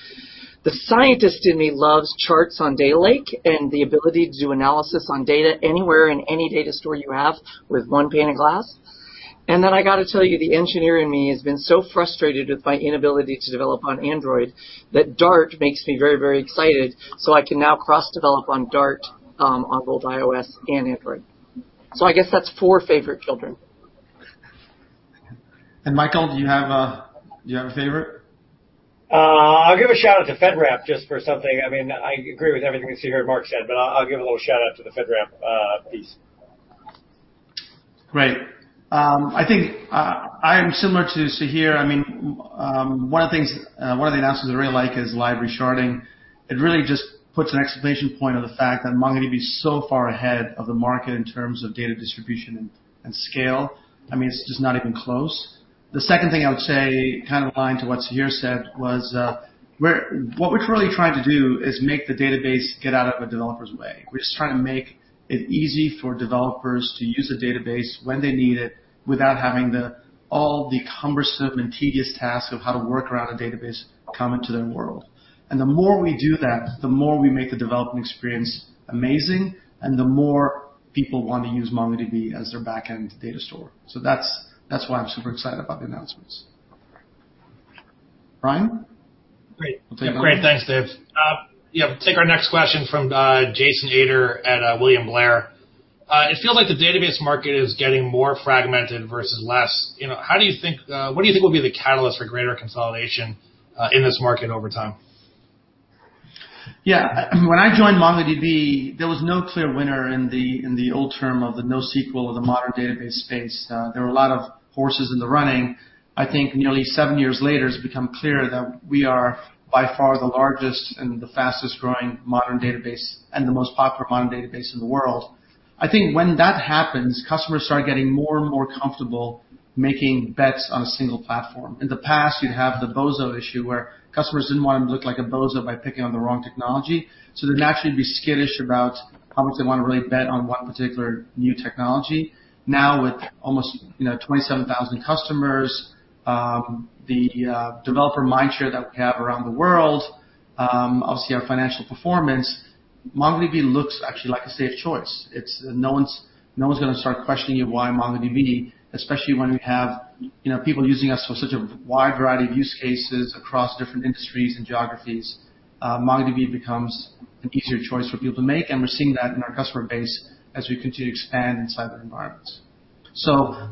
The scientist in me loves charts on Data Lake and the ability to do analysis on data anywhere in any data store you have with one pane of glass. I got to tell you, the engineer in me has been so frustrated with my inability to develop on Android that Dart makes me very, very excited. I can now cross-develop on Dart, on both iOS and Android. I guess that's four favorite children. Michael, do you have a favorite? I'll give a shout-out to FedRAMP just for something. I agree with everything Sahir and Mark said, but I'll give a little shout-out to the FedRAMP piece. Great. I think I'm similar to Sahir. One of the announcements I really like is live resharding. It really just puts an exclamation point on the fact that MongoDB is so far ahead of the market in terms of data distribution and scale. It's just not even close. The second thing I would say, kind of aligned to what Sahir said, was what we're really trying to do is make the database get out of a developer's way. We're just trying to make it easy for developers to use a database when they need it without having all the cumbersome and tedious tasks of how to work around a database come into their world. The more we do that, the more we make the development experience amazing, and the more people want to use MongoDB as their back-end data store. That's why I'm super excited about the announcements. Brian? Great. Thanks, Dev. Yeah, take our next question from Jason Ader at William Blair. It feels like the database market is getting more fragmented versus less. What do you think will be the catalyst for greater consolidation in this market over time? Yeah. When I joined MongoDB, there was no clear winner in the old term of the NoSQL or the modern database space. There were a lot of horses in the running. I think nearly seven years later, it's become clear that we are by far the largest and the fastest-growing modern database and the most popular modern database in the world. I think when that happens, customers start getting more and more comfortable making bets on a single platform. In the past, you'd have the bozo issue, where customers didn't want to look like a bozo by picking up the wrong technology, so they'd naturally be skittish about how much they want to really bet on one particular new technology. Now, with almost 27,000 customers, the developer mindshare that we have around the world, obviously our financial performance MongoDB looks actually like a safe choice. No one's going to start questioning you why MongoDB, especially when we have people using us for such a wide variety of use cases across different industries and geographies. MongoDB becomes an easier choice for people to make, and we're seeing that in our customer base as we continue to expand inside their environments.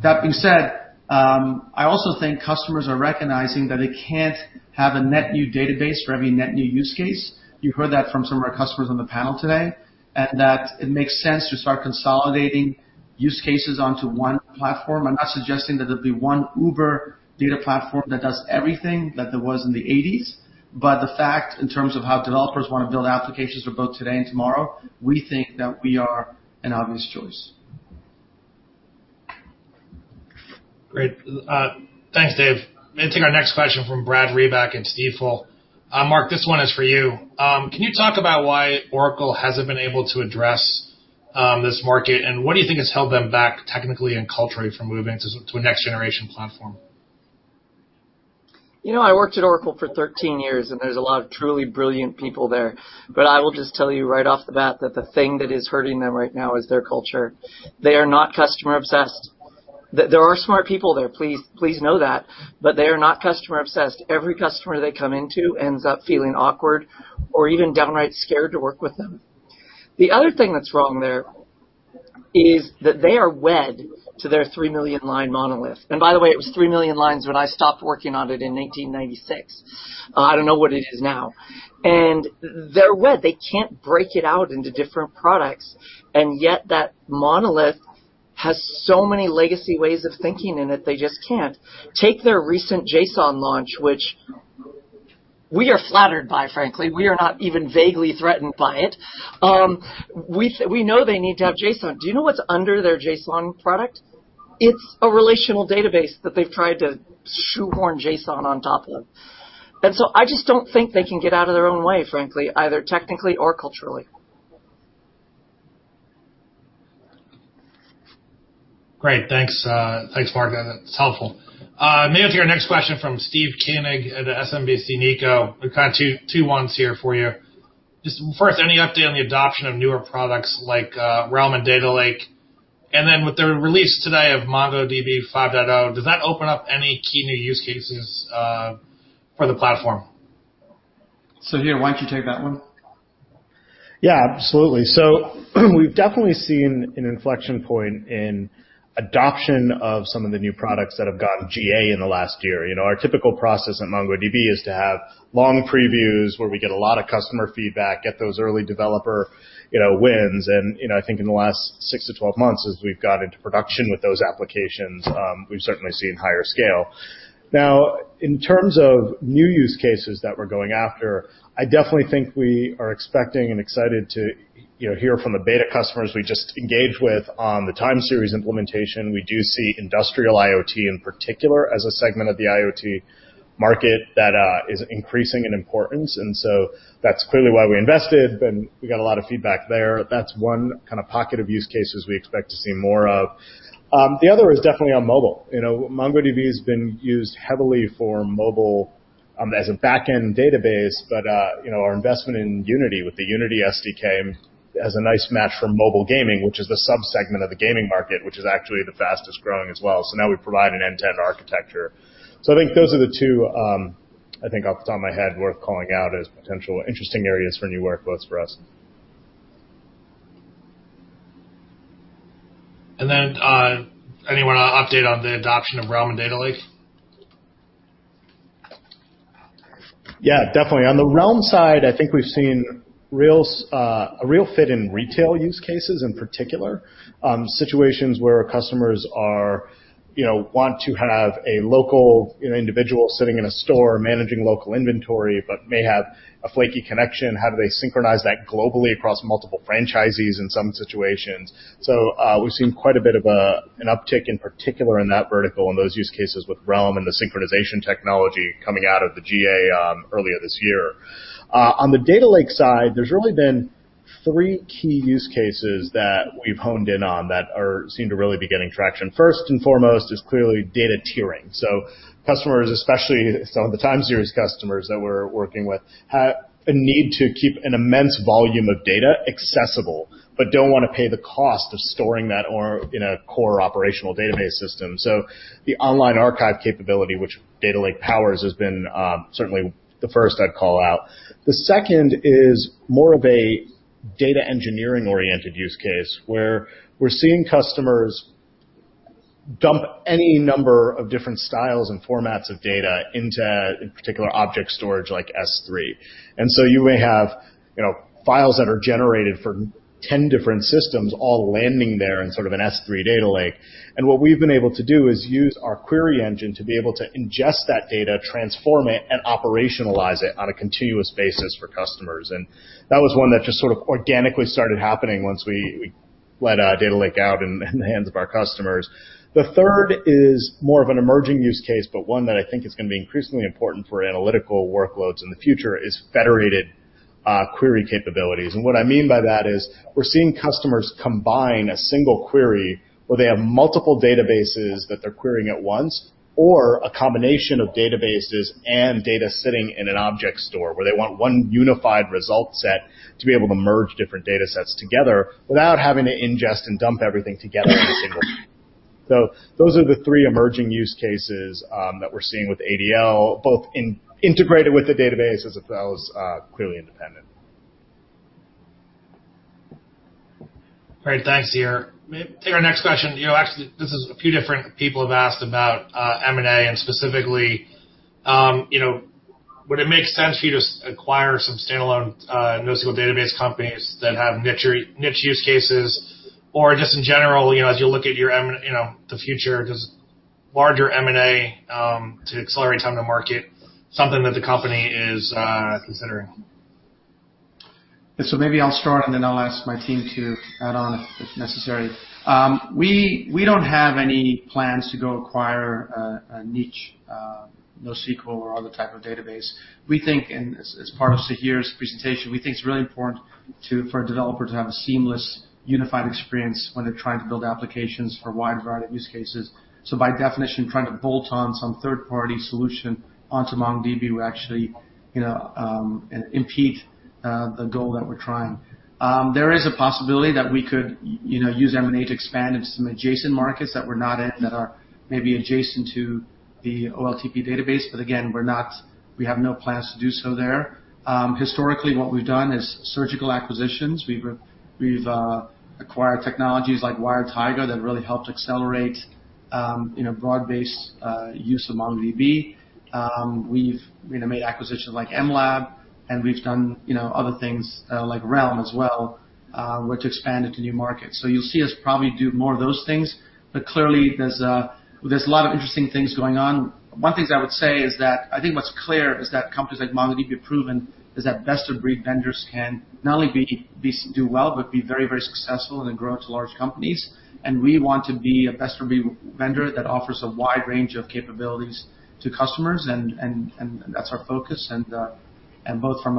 That being said, I also think customers are recognizing that they can't have a net new database for every net new use case. You heard that from some of our customers on the panel today, and that it makes sense to start consolidating use cases onto one platform. I'm not suggesting that there'll be one uber data platform that does everything that there was in the '80s, but the fact in terms of how developers want to build applications for both today and tomorrow, we think that we are an obvious choice. Great. Thanks, Dev. I'm going to take our next question from Brad Reback at Stifel. Mark, this one is for you. Can you talk about why Oracle hasn't been able to address this market, and what do you think has held them back technically and culturally from moving to a next generation platform? I worked at Oracle for 13 years. There's a lot of truly brilliant people there, I will just tell you right off the bat that the thing that is hurting them right now is their culture. They are not customer obsessed. There are smart people there, please know that. They are not customer obsessed. Every customer they come into ends up feeling awkward or even downright scared to work with them. The other thing that's wrong there is that they are wed to their 3 million line monolith. By the way, it was 3 million lines when I stopped working on it in 1996. I don't know what it is now. They're wed. They can't break it out into different products. Yet that monolith has so many legacy ways of thinking in it they just can't. Take their recent JSON launch, which we are flattered by, frankly. We are not even vaguely threatened by it. We know they need to have JSON. Do you know what's under their JSON product? It's a relational database that they've tried to shoehorn JSON on top of. I just don't think they can get out of their own way, frankly, either technically or culturally. Great. Thanks, Mark. That's helpful. I'm going to go to our next question from Steve Koenig at the SMBC Nikko. We've got two here for you. Just first, any update on the adoption of newer products like Realm and Data Lake? With the release today of MongoDB 5.0, does that open up any key new use cases for the platform? Sahir, why don't you take that one? Yeah, absolutely. We've definitely seen an inflection point in adoption of some of the new products that have gone GA in the last year. Our typical process at MongoDB is to have long previews where we get a lot of customer feedback, get those early developer wins, and I think in the last 6-12 months, as we've got into production with those applications, we've certainly seen higher scale. Now, in terms of new use cases that we're going after, I definitely think we are expecting and excited to hear from the beta customers we just engaged with on the time series implementation. We do see industrial IoT in particular as a segment of the IoT market that is increasing in importance, that's clearly why we invested, and we got a lot of feedback there. That's one kind of pocket of use cases we expect to see more of. The other is definitely on mobile. MongoDB has been used heavily for mobile, as a back-end database, but our investment in Unity with the Unity SDK has a nice match for mobile gaming, which is a sub-segment of the gaming market, which is actually the fastest-growing as well. Now we provide an end-to-end architecture. I think those are the two, I think off the top of my head, worth calling out as potential interesting areas for new workloads for us. Anyone want to update on the adoption of Realm and Data Lake? Definitely. On the Realm side, I think we've seen a real fit in retail use cases, in particular. Situations where customers want to have a local individual sitting in a store managing local inventory, but may have a flaky connection. How do they synchronize that globally across multiple franchisees in some situations? We've seen quite a bit of an uptick in particular in that vertical, in those use cases with Realm and the synchronization technology coming out of the GA earlier this year. On the Data Lake side, there's really been three key use cases that we've honed in on that seem to really be getting traction. First and foremost is clearly data tiering. Customers, especially some of the time series customers that we're working with, have a need to keep an immense volume of data accessible, but don't want to pay the cost of storing that in a core operational database system. The online archive capability, which Data Lake powers, has been certainly the first I'd call out. The second is more of a data engineering-oriented use case, where we're seeing customers dump any number of different styles and formats of data into, in particular, object storage like S3. You may have files that are generated from 10 different systems all landing there in sort of an S3 data lake. What we've been able to do is use our query engine to be able to ingest that data, transform it, and operationalize it on a continuous basis for customers. That was one that just sort of organically started happening once we let Atlas Data Lake out in the hands of our customers. The third is more of an emerging use case, but one that I think is going to be increasingly important for analytical workloads in the future, is federated query capabilities. What I mean by that is we're seeing customers combine a single query where they have multiple databases that they're querying at once, or a combination of databases and data sitting in an object store where they want one unified result set to be able to merge different data sets together without having to ingest and dump everything together. Those are the three emerging use cases that we're seeing with ADL, both integrated with the database as well as clearly independent. Great. Thanks, Sahir. Take our next question. This is a few different people have asked about M&A, and specifically, would it make sense for you to acquire some standalone NoSQL database companies that have niche use cases? Or just in general, as you look at the future, just larger M&A to accelerate time to market, something that the company is considering. Maybe I'll start, and then I'll ask my team to add on if necessary. We don't have any plans to go acquire a niche NoSQL or other type of database. As part of Sahir's presentation, we think it's really important for a developer to have a seamless, unified experience when they're trying to build applications for a wide variety of use cases. By definition, trying to bolt on some third-party solution onto MongoDB would actually impede the goal that we're trying. There is a possibility that we could use M&A to expand into some adjacent markets that we're not in that are maybe adjacent to the OLTP database. Again, we have no plans to do so there. Historically, what we've done is surgical acquisitions. We've acquired technologies like WiredTiger that really helped accelerate broad-based use of MongoDB. We've made acquisitions like mLab, and we've done other things like Realm as well, which expand into new markets. You'll see us probably do more of those things, but clearly, there's a lot of interesting things going on. One thing I would say is that I think what's clear is that companies like MongoDB have proven is that best-of-breed vendors can not only do well but be very successful and then grow into large companies. We want to be a best-of-breed vendor that offers a wide range of capabilities to customers, and that's our focus, both from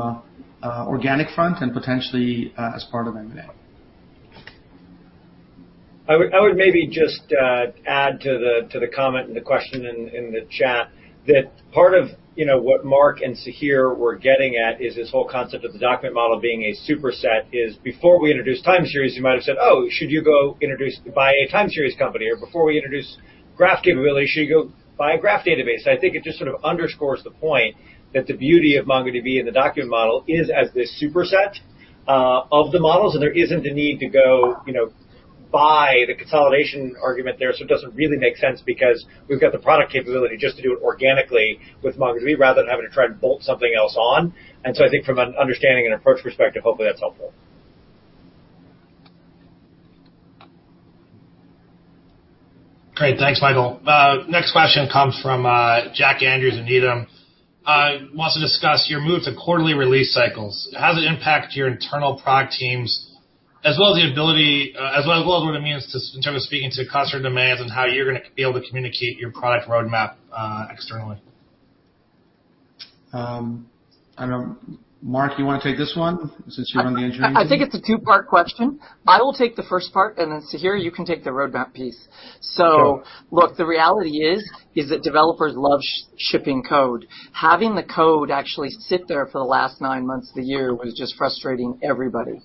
an organic front and potentially as part of M&A. I would maybe just add to the comment and the question in the chat that part of what Mark and Sahir were getting at is this whole concept of the document model being a superset is before we introduced time series, you might have said, "Oh, should you go buy a time series company?" Or before we introduce graph capability, should you go buy a graph database? I think it just sort of underscores the point that the beauty of MongoDB and the document model is as this superset of the models, and there isn't a need to go buy the consolidation argument there, so it doesn't really make sense because we've got the product capability just to do it organically with MongoDB rather than having to try to bolt something else on. I think from an understanding and approach perspective, hopefully, that's helpful. Great. Thanks, Michael. Next question comes from Jack Andrews in Needham. He wants to discuss your move to quarterly release cycles. How does it impact your internal product teams, as well as what it means in terms of speaking to customer demands and how you're going to be able to communicate your product roadmap externally? I don't know. Mark, you want to take this one since you run the engineering team? I think it's a two-part question. I will take the first part, and then, Sahir, you can take the roadmap piece. Sure. Look, the reality is that developers love shipping code. Having the code actually sit there for the last nine months of the year was just frustrating everybody.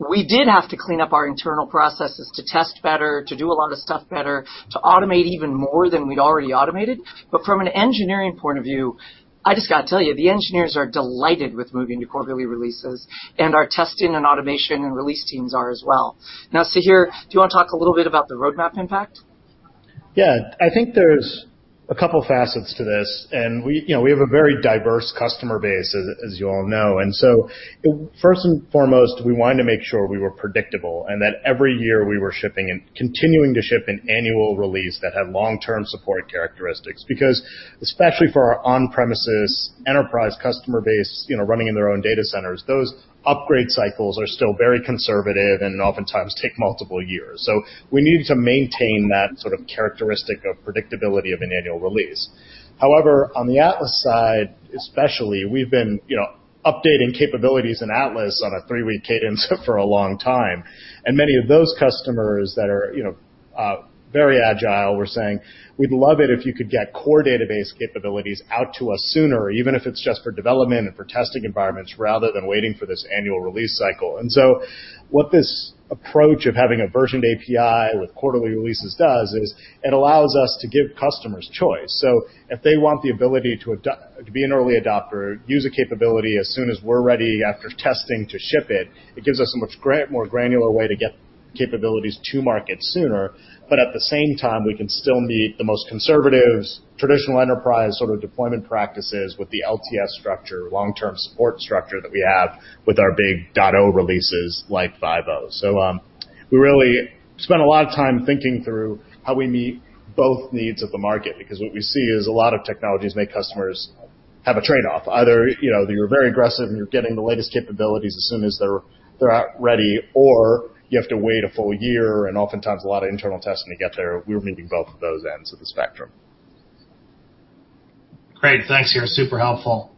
We did have to clean up our internal processes to test better, to do a lot of stuff better, to automate even more than we'd already automated. From an engineering point of view, I just got to tell you, the engineers are delighted with moving to quarterly releases, and our testing and automation and release teams are as well. Sahir, do you want to talk a little bit about the roadmap impact? Yeah. I think there's a couple of facets to this. We have a very diverse customer base, as you all know. First and foremost, we wanted to make sure we were predictable and that every year we were continuing to ship an annual release that had long-term support characteristics, because especially for our on-premises enterprise customer base running in their own data centers, those upgrade cycles are still very conservative and oftentimes take multiple years. We needed to maintain that sort of characteristic of predictability of an annual release. On the Atlas side, especially, we've been updating capabilities in Atlas on a three week cadence for a long time, many of those customers that are very agile were saying, "We'd love it if you could get core database capabilities out to us sooner, even if it's just for development and for testing environments rather than waiting for this annual release cycle." What this approach of having a versioned API with quarterly releases does is it allows us to give customers choice. If they want the ability to be an early adopter, use a capability as soon as we're ready after testing to ship it gives us a much more granular way to get capabilities to market sooner. At the same time, we can still meet the most conservative, traditional enterprise sort of deployment practices with the LTS structure, long-term support structure that we have with our big .0 releases like MongoDB 5.0. We really spent a lot of time thinking through how we meet both needs of the market because what we see is a lot of technologies make customers have a trade-off. Either you're very aggressive and you're getting the latest capabilities as soon as they're out ready, or you have to wait a full year and oftentimes a lot of internal testing to get there. We were meeting both of those ends of the spectrum. Great. Thanks, Sahir. Super helpful.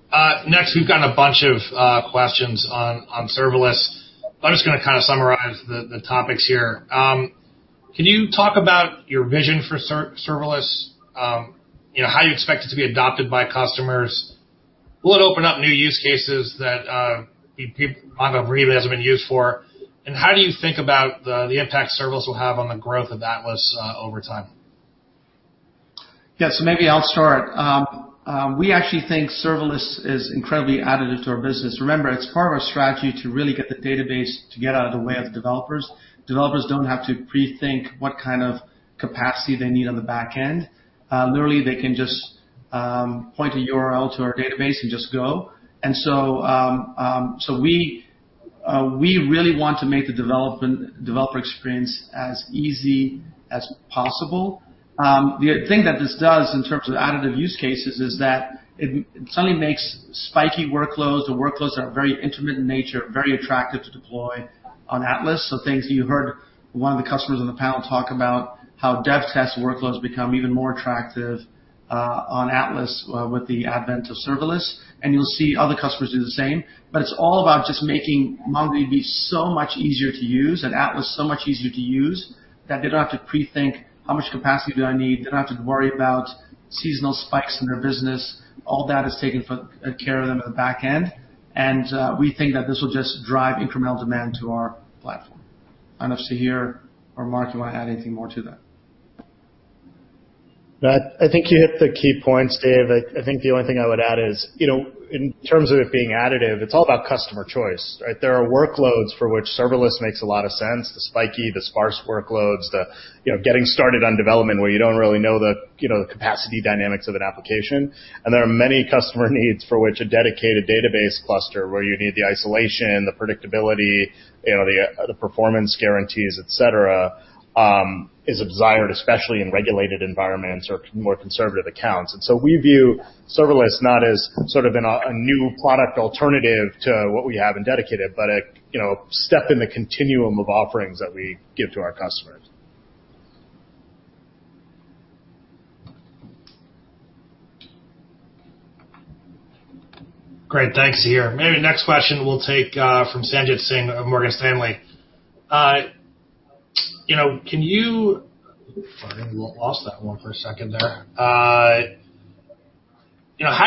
We've got a bunch of questions on serverless. I'm just going to kind of summarize the topics here. Can you talk about your vision for serverless? How you expect it to be adopted by customers? Will it open up new use cases that MongoDB really hasn't been used for? How do you think about the impact serverless will have on the growth of Atlas over time? Yeah. Maybe I'll start. We actually think serverless is incredibly additive to our business. Remember, it's part of our strategy to really get the database to get out of the way of the developers. Developers don't have to pre-think what kind of capacity they need on the back end. Literally, they can just point a URL to our database and just go. We really want to make the developer experience as easy as possible. The thing that this does in terms of additive use cases is that it suddenly makes spiky workloads or workloads that are very intermittent in nature, very attractive to deploy on Atlas. Things you heard one of the customers on the panel talk about how dev test workloads become even more attractive on Atlas with the advent of serverless, and you'll see other customers do the same. It's all about just making MongoDB so much easier to use and Atlas so much easier to use that they don't have to pre-think how much capacity do I need? They don't have to worry about seasonal spikes in their business. All that is taken care of in the back end. We think that this will just drive incremental demand to our platform. I don't know if Sahir or Mark, you want to add anything more to that. I think you hit the key points, Dev. I think the only thing I would add is, in terms of it being additive, it's all about customer choice, right? There are workloads for which serverless makes a lot of sense, the spiky, the sparse workloads, the getting started on development where you don't really know the capacity dynamics of an application. There are many customer needs for which a dedicated database cluster, where you need the isolation, the predictability, the performance guarantees, et cetera, is desired, especially in regulated environments or more conservative accounts. We view serverless not as sort of a new product alternative to what we have in Dedicated, but a step in the continuum of offerings that we give to our customers. Great. Thanks, Sahir. Maybe next question we'll take from Sanjit Singh of Morgan Stanley. I lost that one for a second there. How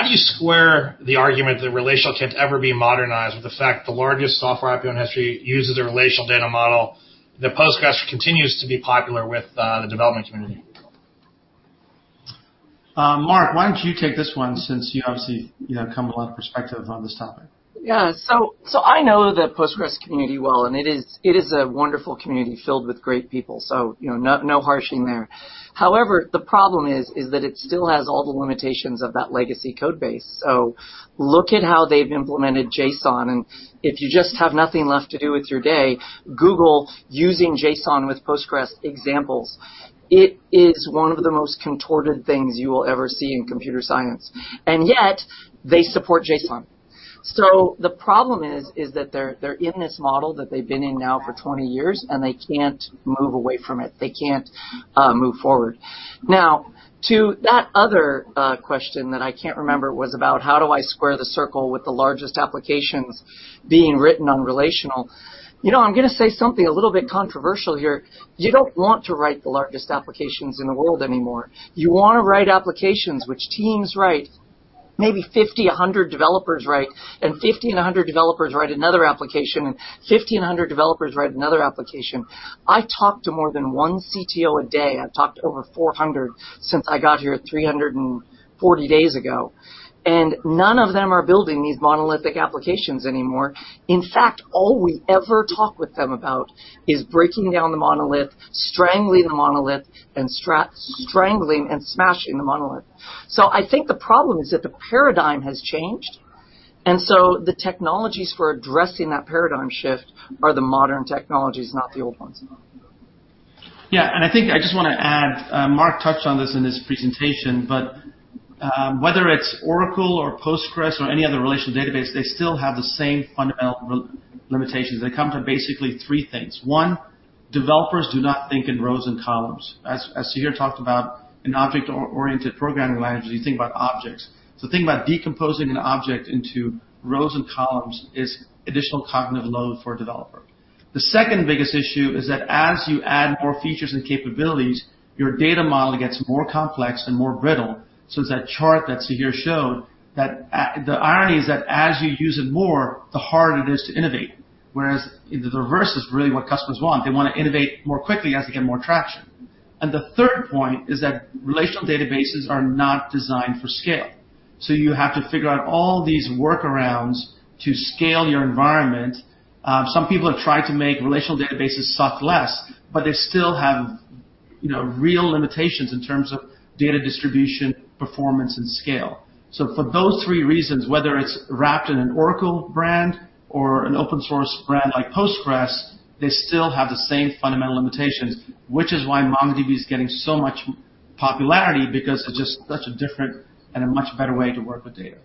do you square the argument that relational can't ever be modernized with the fact the largest software app in history uses a relational data model, that PostgreSQL continues to be popular with the development community? Mark, why don't you take this one since you obviously come with a lot of perspective on this topic. Yeah. I know the PostgreSQL community well, and it is a wonderful community filled with great people, so no harshing there. However, the problem is that it still has all the limitations of that legacy code base. Look at how they've implemented JSON, and if you just have nothing left to do with your day, Google using JSON with PostgreSQL examples. It is one of the most contorted things you will ever see in computer science. Yet they support JSON. The problem is that they're in this model that they've been in now for 20 years, and they can't move away from it. They can't move forward. To that other question that I can't remember was about how do I square the circle with the largest applications being written on relational. I'm going to say something a little bit controversial here. You don't want to write the largest applications in the world anymore. You want to write applications which teams write, maybe 50, 100 developers write, and 50 and 100 developers write another application, and 50 and 100 developers write another application. I talk to more than one CTO a day. I've talked to over 400 since I got here 340 days ago. None of them are building these monolithic applications anymore. In fact, all we ever talk with them about is breaking down the monolith, strangling the monolith, and smashing the monolith. I think the problem is that the paradigm has changed. The technologies for addressing that paradigm shift are the modern technologies, not the old ones. I think I just want to add, Mark touched on this in his presentation, but whether it's Oracle or PostgreSQL or any other relational database, they still have the same fundamental limitations. They come to basically three things. One, developers do not think in rows and columns. As Sahir talked about, in object-oriented programming languages, you think about objects. Think about decomposing an object into rows and columns is additional cognitive load for a developer. The second biggest issue is that as you add more features and capabilities, your data model gets more complex and more brittle. It's that chart that Sahir showed, that the irony is that as you use it more, the harder it is to innovate, whereas the reverse is really what customers want. They want to innovate more quickly as they get more traction. The third point is that relational databases are not designed for scale. You have to figure out all these workarounds to scale your environment. Some people have tried to make relational databases suck less, but they still have real limitations in terms of data distribution, performance, and scale. For those three reasons, whether it's wrapped in an Oracle brand or an open source brand like PostgreSQL, they still have the same fundamental limitations, which is why MongoDB is getting so much popularity because it's just such a different and a much better way to work with data.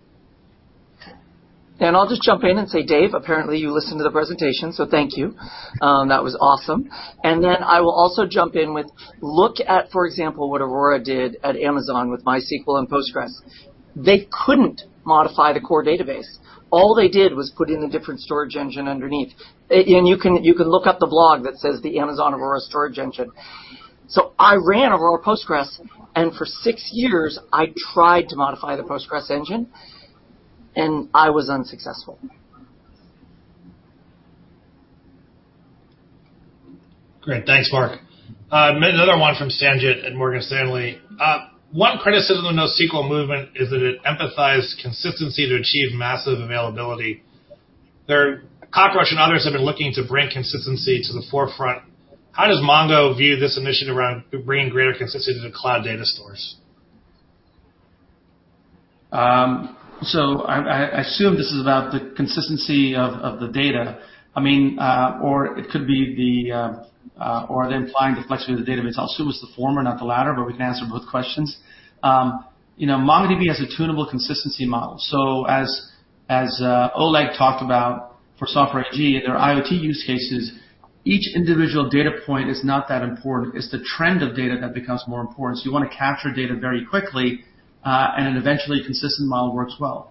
I'll just jump in and say, Dev, apparently you listened to the presentation, so thank you. That was awesome. I will also jump in with, look at, for example, what Aurora did at Amazon with MySQL and PostgreSQL. They couldn't modify the core database. All they did was put in a different storage engine underneath. You can look up the blog that says the Amazon Aurora storage engine. So I ran Aurora Postgres, and for six years, I tried to modify the Postgres engine, and I was unsuccessful. Great. Thanks, Mark. Another one from Sanjit at Morgan Stanley. One criticism of NoSQL movement is that it emphasized consistency to achieve massive availability. There are CockroachDB and others that are looking to bring consistency to the forefront. How does Mongo view this initiative around bringing greater consistency to cloud data stores? I assume this is about the consistency of the data, or it could be the implied flexibility of the data itself. It was the former, not the latter, we can answer both questions. MongoDB has a tunable consistency model. As Oleg talked about for Software AG, their IoT use cases, each individual data point is not that important. It's the trend of data that becomes more important. You want to capture data very quickly, and an eventually consistent model works well.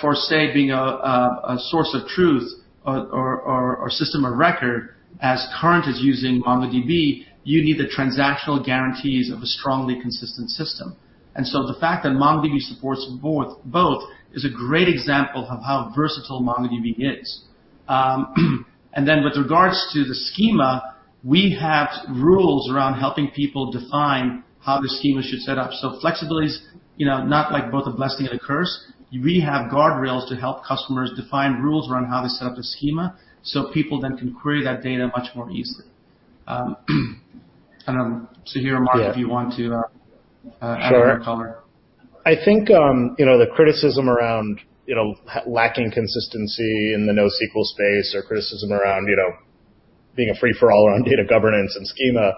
For, say, being a source of truth or system of record as Current is using MongoDB, you need the transactional guarantees of a strongly consistent system. The fact that MongoDB supports both is a great example of how versatile MongoDB is. With regards to the schema, we have rules around helping people define how the schema should set up. Flexibility is not like both a blessing and a curse. We have guardrails to help customers define rules around how to set up a schema so people then can query that data much more easily. Here, Mark, if you want to add any color. Sure. I think, the criticism around lacking consistency in the NoSQL space or criticism around being a free-for-all around data governance and schema,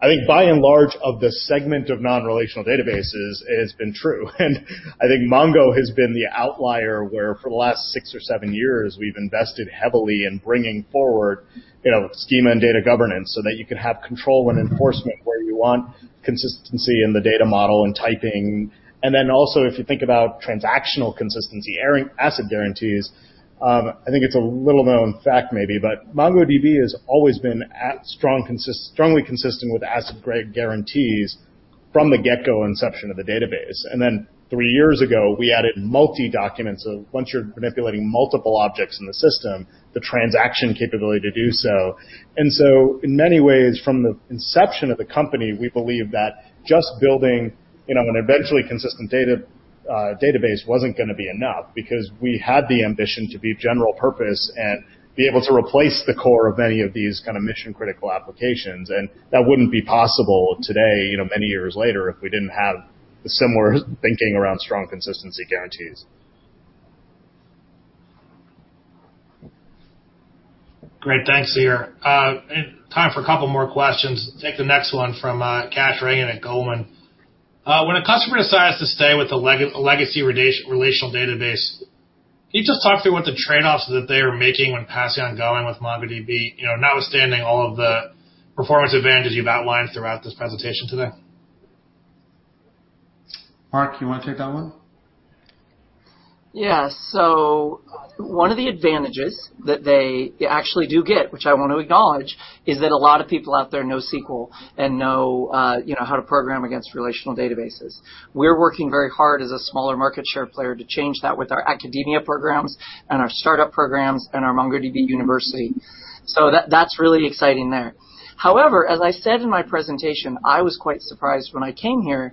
I think by and large of the segment of non-relational databases, it has been true. I think MongoDB has been the outlier where for the last six or seven years, we've invested heavily in bringing forward schema and data governance so that you can have control and enforcement where you want consistency in the data model and typing. Also, if you think about transactional consistency, ACID guarantees, I think it's a little-known fact maybe, but MongoDB has always been strongly consistent with ACID guarantees from the get-go inception of the database. Then three years ago, we added multi-document. Once you're manipulating multiple objects in the system, the transaction capability to do so. In many ways, from the inception of the company, we believed that just building an eventually consistent database wasn't going to be enough because we had the ambition to be general purpose and be able to replace the core of any of these mission-critical applications. That wouldn't be possible today, many years later, if we didn't have similar thinking around strong consistency guarantees. Great. Thanks, Sahir. Time for a couple more questions. Take the next one from Kash Rangan at Goldman. When a customer decides to stay with a legacy relational database, can you just talk through what the trade-offs that they are making when passing on going with MongoDB, notwithstanding all of the performance advantages you've outlined throughout this presentation today? Mark, do you want to take that one? One of the advantages that they actually do get, which I want to acknowledge, is that a lot of people out there know SQL and know how to program against relational databases. We're working very hard as a smaller market share player to change that with our academia programs and our startup programs and our MongoDB University. That's really exciting there. However, as I said in my presentation, I was quite surprised when I came here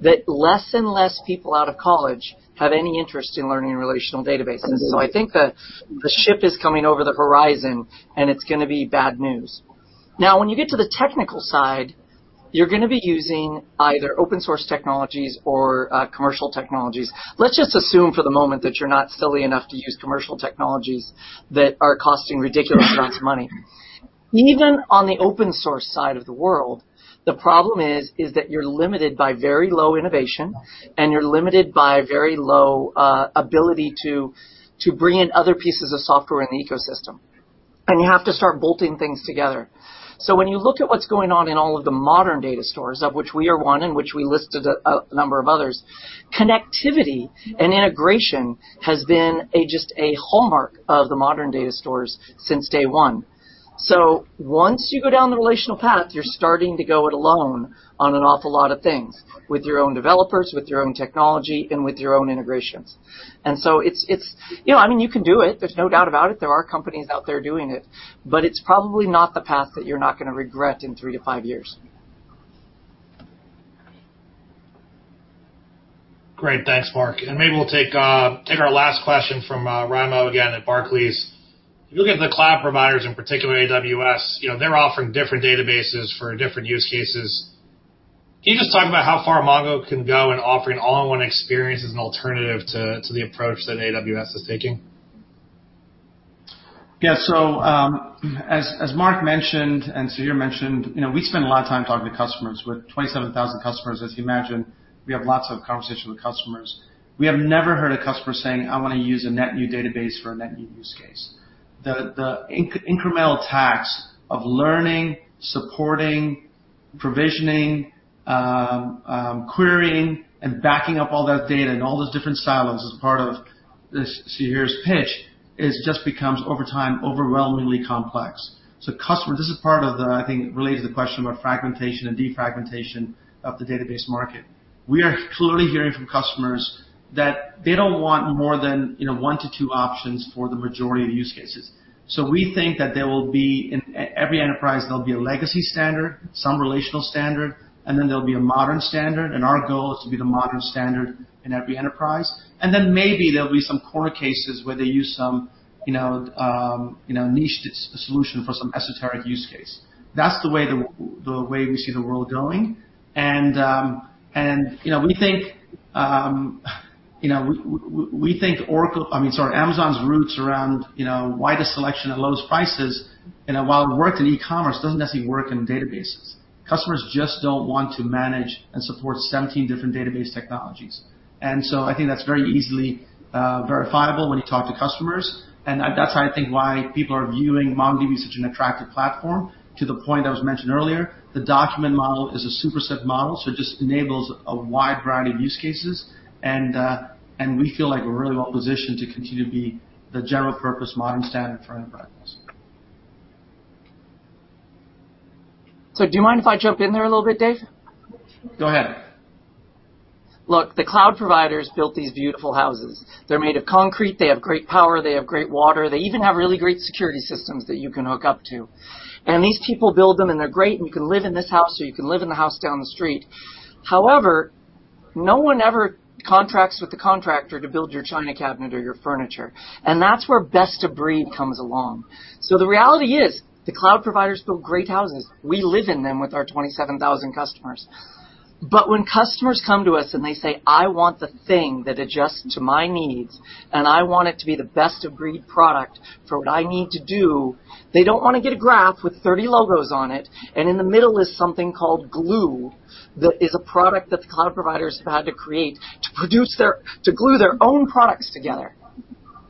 that less and less people out of college have any interest in learning relational databases. I think the ship is coming over the horizon, and it's going to be bad news. When you get to the technical side, you're going to be using either open source technologies or commercial technologies. Let's just assume for the moment that you're not silly enough to use commercial technologies that are costing ridiculous amounts of money. Even on the open source side of the world, the problem is that you're limited by very low innovation, and you're limited by very low ability to bring in other pieces of software in the ecosystem, and you have to start bolting things together. When you look at what's going on in all of the modern data stores, of which we are one, in which we listed a number of others, connectivity and integration has been just a hallmark of the modern data stores since day one. Once you go down the relational path, you're starting to go it alone on an awful lot of things with your own developers, with your own technology, and with your own integrations. You can do it. There's no doubt about it. There are companies out there doing it, but it's probably not the path that you're not going to regret in three to five years. Great. Thanks, Mark. Maybe we'll take our last question from Raimo again at Barclays. Looking at the cloud providers, in particular AWS, they're offering different databases for different use cases. Can you just talk about how far Mongo can go in offering all-in-one experience as an alternative to the approach that AWS is taking? Yeah. As Mark mentioned, and Sahir mentioned, we spend a lot of time talking to customers. With 27,000 customers, as you imagine, we have lots of conversations with customers. We have never heard a customer saying, "I want to use a net new database for a net new use case." The incremental tax of learning, supporting, provisioning, querying, and backing up all that data in all the different silos as part of this CEO's pitch, it just becomes over time overwhelmingly complex. Customer, this is part of that I think relates to the question about fragmentation and defragmentation of the database market. We are clearly hearing from customers that they don't want more than one to two options for the majority of use cases. We think that there will be, in every enterprise, there'll be a legacy standard, some relational standard, and then there'll be a modern standard, and our goal is to be the modern standard in every enterprise. Then maybe there'll be some corner cases where they use some niche solution for some esoteric use case. That's the way we see the world going. We think Amazon's roots around wide selection and low prices and while it worked in e-commerce, doesn't necessarily work in databases. Customers just don't want to manage and support 17 different database technologies. I think that's very easily verifiable when you talk to customers. That's, I think, why people are viewing MongoDB as such an attractive platform to the point that was mentioned earlier. The document model is a superset model, so it just enables a wide variety of use cases. We feel like we're really well positioned to continue to be the general purpose modern standard for enterprises. Do you mind if I jump in there a little bit, Dev? Go ahead. Look, the cloud providers built these beautiful houses. They're made of concrete. They have great power. They have great water. They even have really great security systems that you can hook up to. These people build them, and they're great, and you can live in this house, or you can live in a house down the street. No one ever contracts with the contractor to build your china cabinet or your furniture. That's where best of breed comes along. The reality is, the cloud providers build great houses. We live in them with our 27,000 customers. When customers come to us and they say, "I want the thing that adjusts to my needs, and I want it to be the best of breed product for what I need to do," they don't want to get a graph with 30 logos on it, and in the middle is something called Glue that is a product that the cloud providers have had to create to glue their own products together.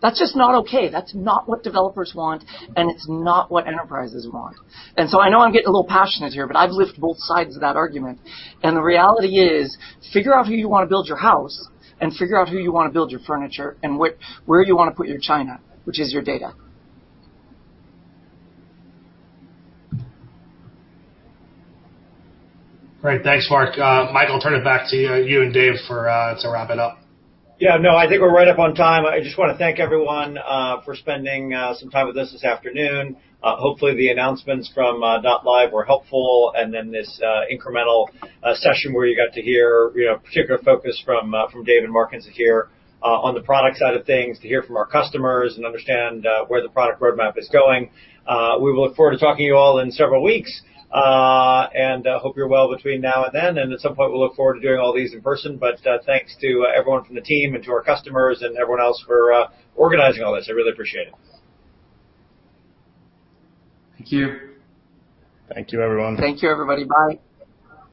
That's just not okay. That's not what developers want, and it's not what enterprises want. I know I get a little passionate here, but I've lived both sides of that argument. The reality is, figure out who you want to build your house, and figure out who you want to build your furniture, and where do you want to put your china, which is your data. Great. Thanks, Mark. Michael, I'll turn it back to you and Dev to wrap it up. Yeah, no, I think we're right up on time. I just want to thank everyone for spending some time with us this afternoon. Hopefully, the announcements from MongoDB.live were helpful, then this incremental session where you got to hear a particular focus from Dev and Mark Porter here on the product side of things, to hear from our customers and understand where the product roadmap is going. We look forward to talking to you all in several weeks, hope you're well between now and then. At some point, we look forward to doing all these in person. Thanks to everyone from the team and to our customers and everyone else for organizing all this. I really appreciate it. Thank you. Thank you, everyone. Thank you, everybody. Bye.